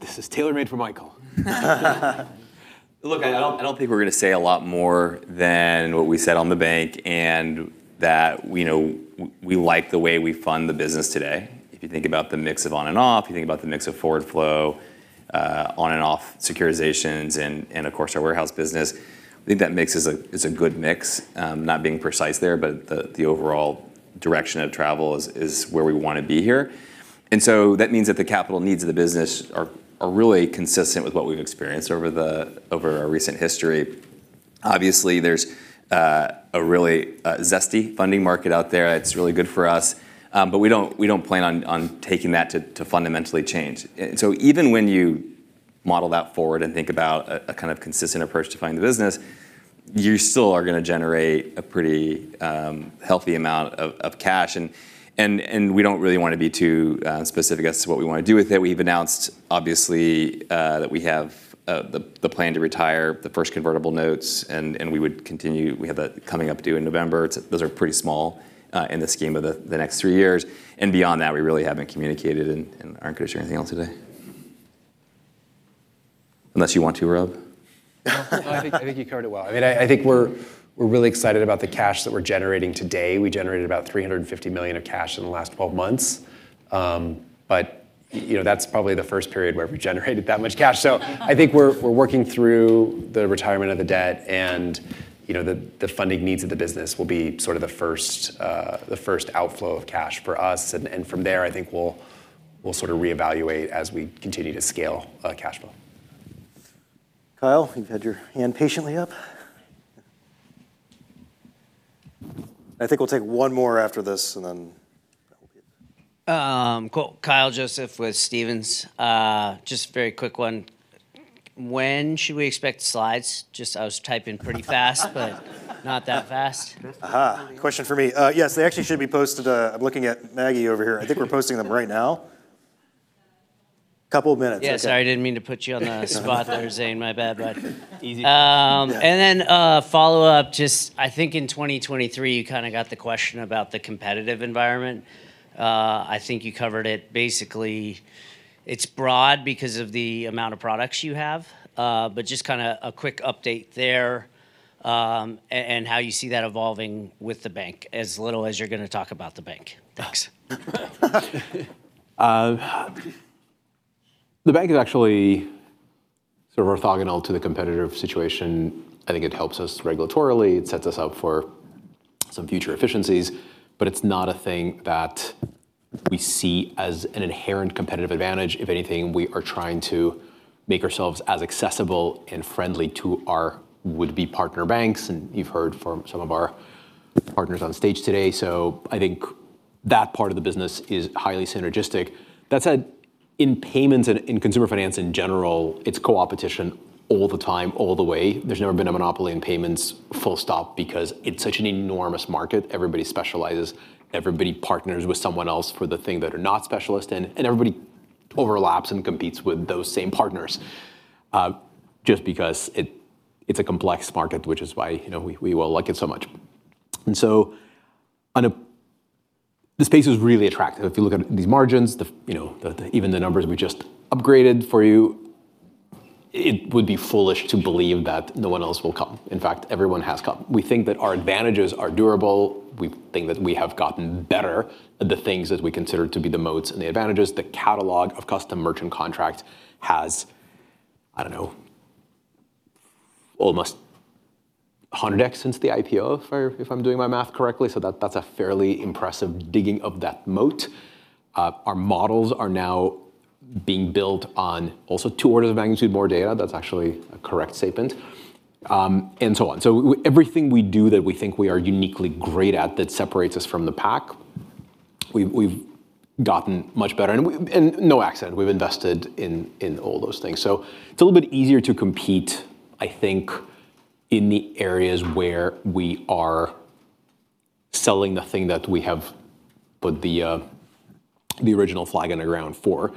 [SPEAKER 1] This is tailor-made for Michael.
[SPEAKER 4] Look, I don't think we're gonna say a lot more than what we said on the bank and that, you know, we like the way we fund the business today. If you think about the mix of on and off, you think about the mix of forward flow, on and off securitizations and of course, our warehouse business, I think that mix is a good mix. Not being precise there, the overall direction of travel is where we wanna be here. That means that the capital needs of the business are really consistent with what we've experienced over our recent history. Obviously, there's a really zesty funding market out there. It's really good for us. We don't plan on taking that to fundamentally change. Even when you model that forward and think about a kind of consistent approach to finding the business, you still are gonna generate a pretty healthy amount of cash. We don't really wanna be too specific as to what we wanna do with it. We've announced, obviously, that we have the plan to retire the first convertible notes. We would continue. We have that coming up due in November. Those are pretty small in the scheme of the next three years. Beyond that, we really haven't communicated and aren't gonna share anything else today. Unless you want to, Rob.
[SPEAKER 21] No. I think, I think you covered it well. I mean, I think we're really excited about the cash that we're generating today. We generated about $350 million of cash in the last 12 months. But, you know, that's probably the first period where we generated that much cash. I think we're working through the retirement of the debt and, you know, the funding needs of the business will be sort of the first, the first outflow of cash for us. From there, I think we'll sort of reevaluate as we continue to scale, cash flow.
[SPEAKER 1] Kyle, you've had your hand patiently up. I think we'll take one more after this and then.
[SPEAKER 33] Cool. Kyle Joseph with Stephens. Just a very quick one. When should we expect slides? Just I was typing pretty fast, not that fast.
[SPEAKER 1] Question for me. Yes, they actually should be posted, I'm looking at Maggie over here. I think we're posting them right now. Couple of minutes.
[SPEAKER 33] Yeah, sorry, I didn't mean to put you on the spot there, Zane. My bad.
[SPEAKER 1] Easy.
[SPEAKER 33] Follow up, just I think in 2023 you kinda got the question about the competitive environment. I think you covered it. Basically, it's broad because of the amount of products you have. Just kinda a quick update there, and how you see that evolving with the Bank, as little as you're gonna talk about the Bank. Thanks.
[SPEAKER 2] The bank is actually sort of orthogonal to the competitive situation. I think it helps us regulatorily. It sets us up for some future efficiencies, but it's not a thing that we see as an inherent competitive advantage. If anything, we are trying to make ourselves as accessible and friendly to our would-be partner banks, and you've heard from some of our partners on stage today. I think that part of the business is highly synergistic. That said, in payments and in consumer finance in general, it's co-opetition all the time, all the way. There's never been a monopoly in payments full stop because it's such an enormous market. Everybody specializes. Everybody partners with someone else for the thing they're not specialist in, and everybody overlaps and competes with those same partners, just because it's a complex market, which is why, you know, we all like it so much. The space is really attractive. If you look at these margins, you know, even the numbers we just upgraded for you, it would be foolish to believe that no one else will come. In fact, everyone has come. We think that our advantages are durable. We think that we have gotten better at the things that we consider to be the moats and the advantages. The catalog of custom merchant contract has, I don't know, almost 100x since the IPO, if I'm doing my math correctly, so that's a fairly impressive digging of that moat. Our models are now being built on also two orders of magnitude more data. That's actually a correct statement. Everything we do that we think we are uniquely great at, that separates us from the pack, we've gotten much better and no accident. We've invested in all those things. It's a little bit easier to compete, I think, in the areas where we are selling the thing that we have put the original flag in the ground for.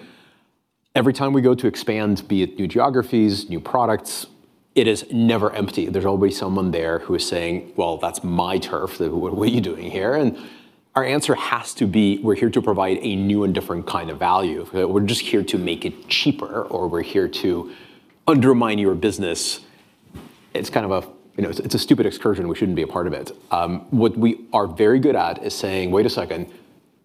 [SPEAKER 2] Every time we go to expand, be it new geographies, new products, it is never empty. There's always someone there who is saying, "Well, that's my turf. What are you doing here?" Our answer has to be, "We're here to provide a new and different kind of value." If we're just here to make it cheaper, or we're here to undermine your business, it's kind of, you know, it's a stupid excursion. We shouldn't be a part of it. What we are very good at is saying, "Wait a second.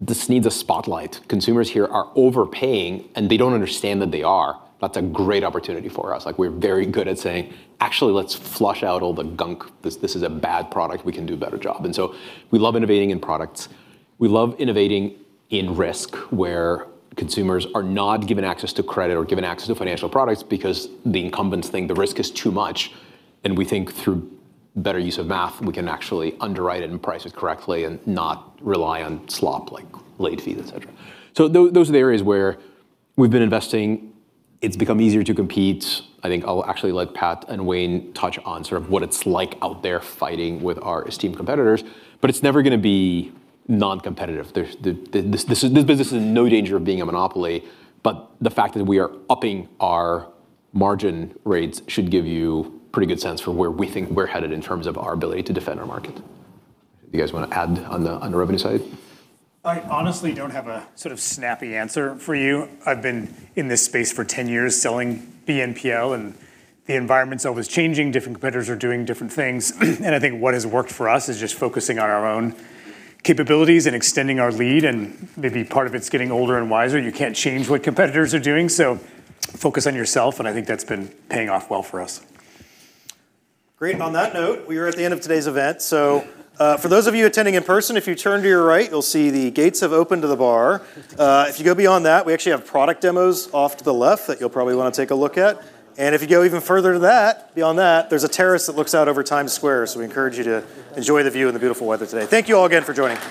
[SPEAKER 2] This needs a spotlight." Consumers here are overpaying. They don't understand that they are. That's a great opportunity for us. Like we're very good at saying, "Actually, let's flush out all the gunk. This is a bad product. We can do a better job." We love innovating in products. We love innovating in risk, where consumers are not given access to credit or given access to financial products because the incumbents think the risk is too much. We think through better use of math, we can actually underwrite it and price it correctly and not rely on slop like late fees, et cetera. Those are the areas where we've been investing. It's become easier to compete. I think I'll actually let Pat and Wayne touch on sort of what it's like out there fighting with our esteemed competitors, but it's never going to be non-competitive. This business is in no danger of being a monopoly, but the fact that we are upping our margin rates should give you a pretty good sense for where we think we're headed in terms of our ability to defend our market. You guys want to add on the revenue side?
[SPEAKER 5] I honestly don't have a sort of snappy answer for you. I've been in this space for 10 years selling BNPL, and the environment's always changing. Different competitors are doing different things. I think what has worked for us is just focusing on our own capabilities and extending our lead, and maybe part of it's getting older and wiser. You can't change what competitors are doing, so focus on yourself, and I think that's been paying off well for us.
[SPEAKER 1] Great. On that note, we are at the end of today's event. For those of you attending in person, if you turn to your right, you'll see the gates have opened to the bar. If you go beyond that, we actually have product demos off to the left that you'll probably want to take a look at. If you go even further to that, beyond that, there's a terrace that looks out over Times Square. We encourage you to enjoy the view and the beautiful weather today. Thank you all again for joining us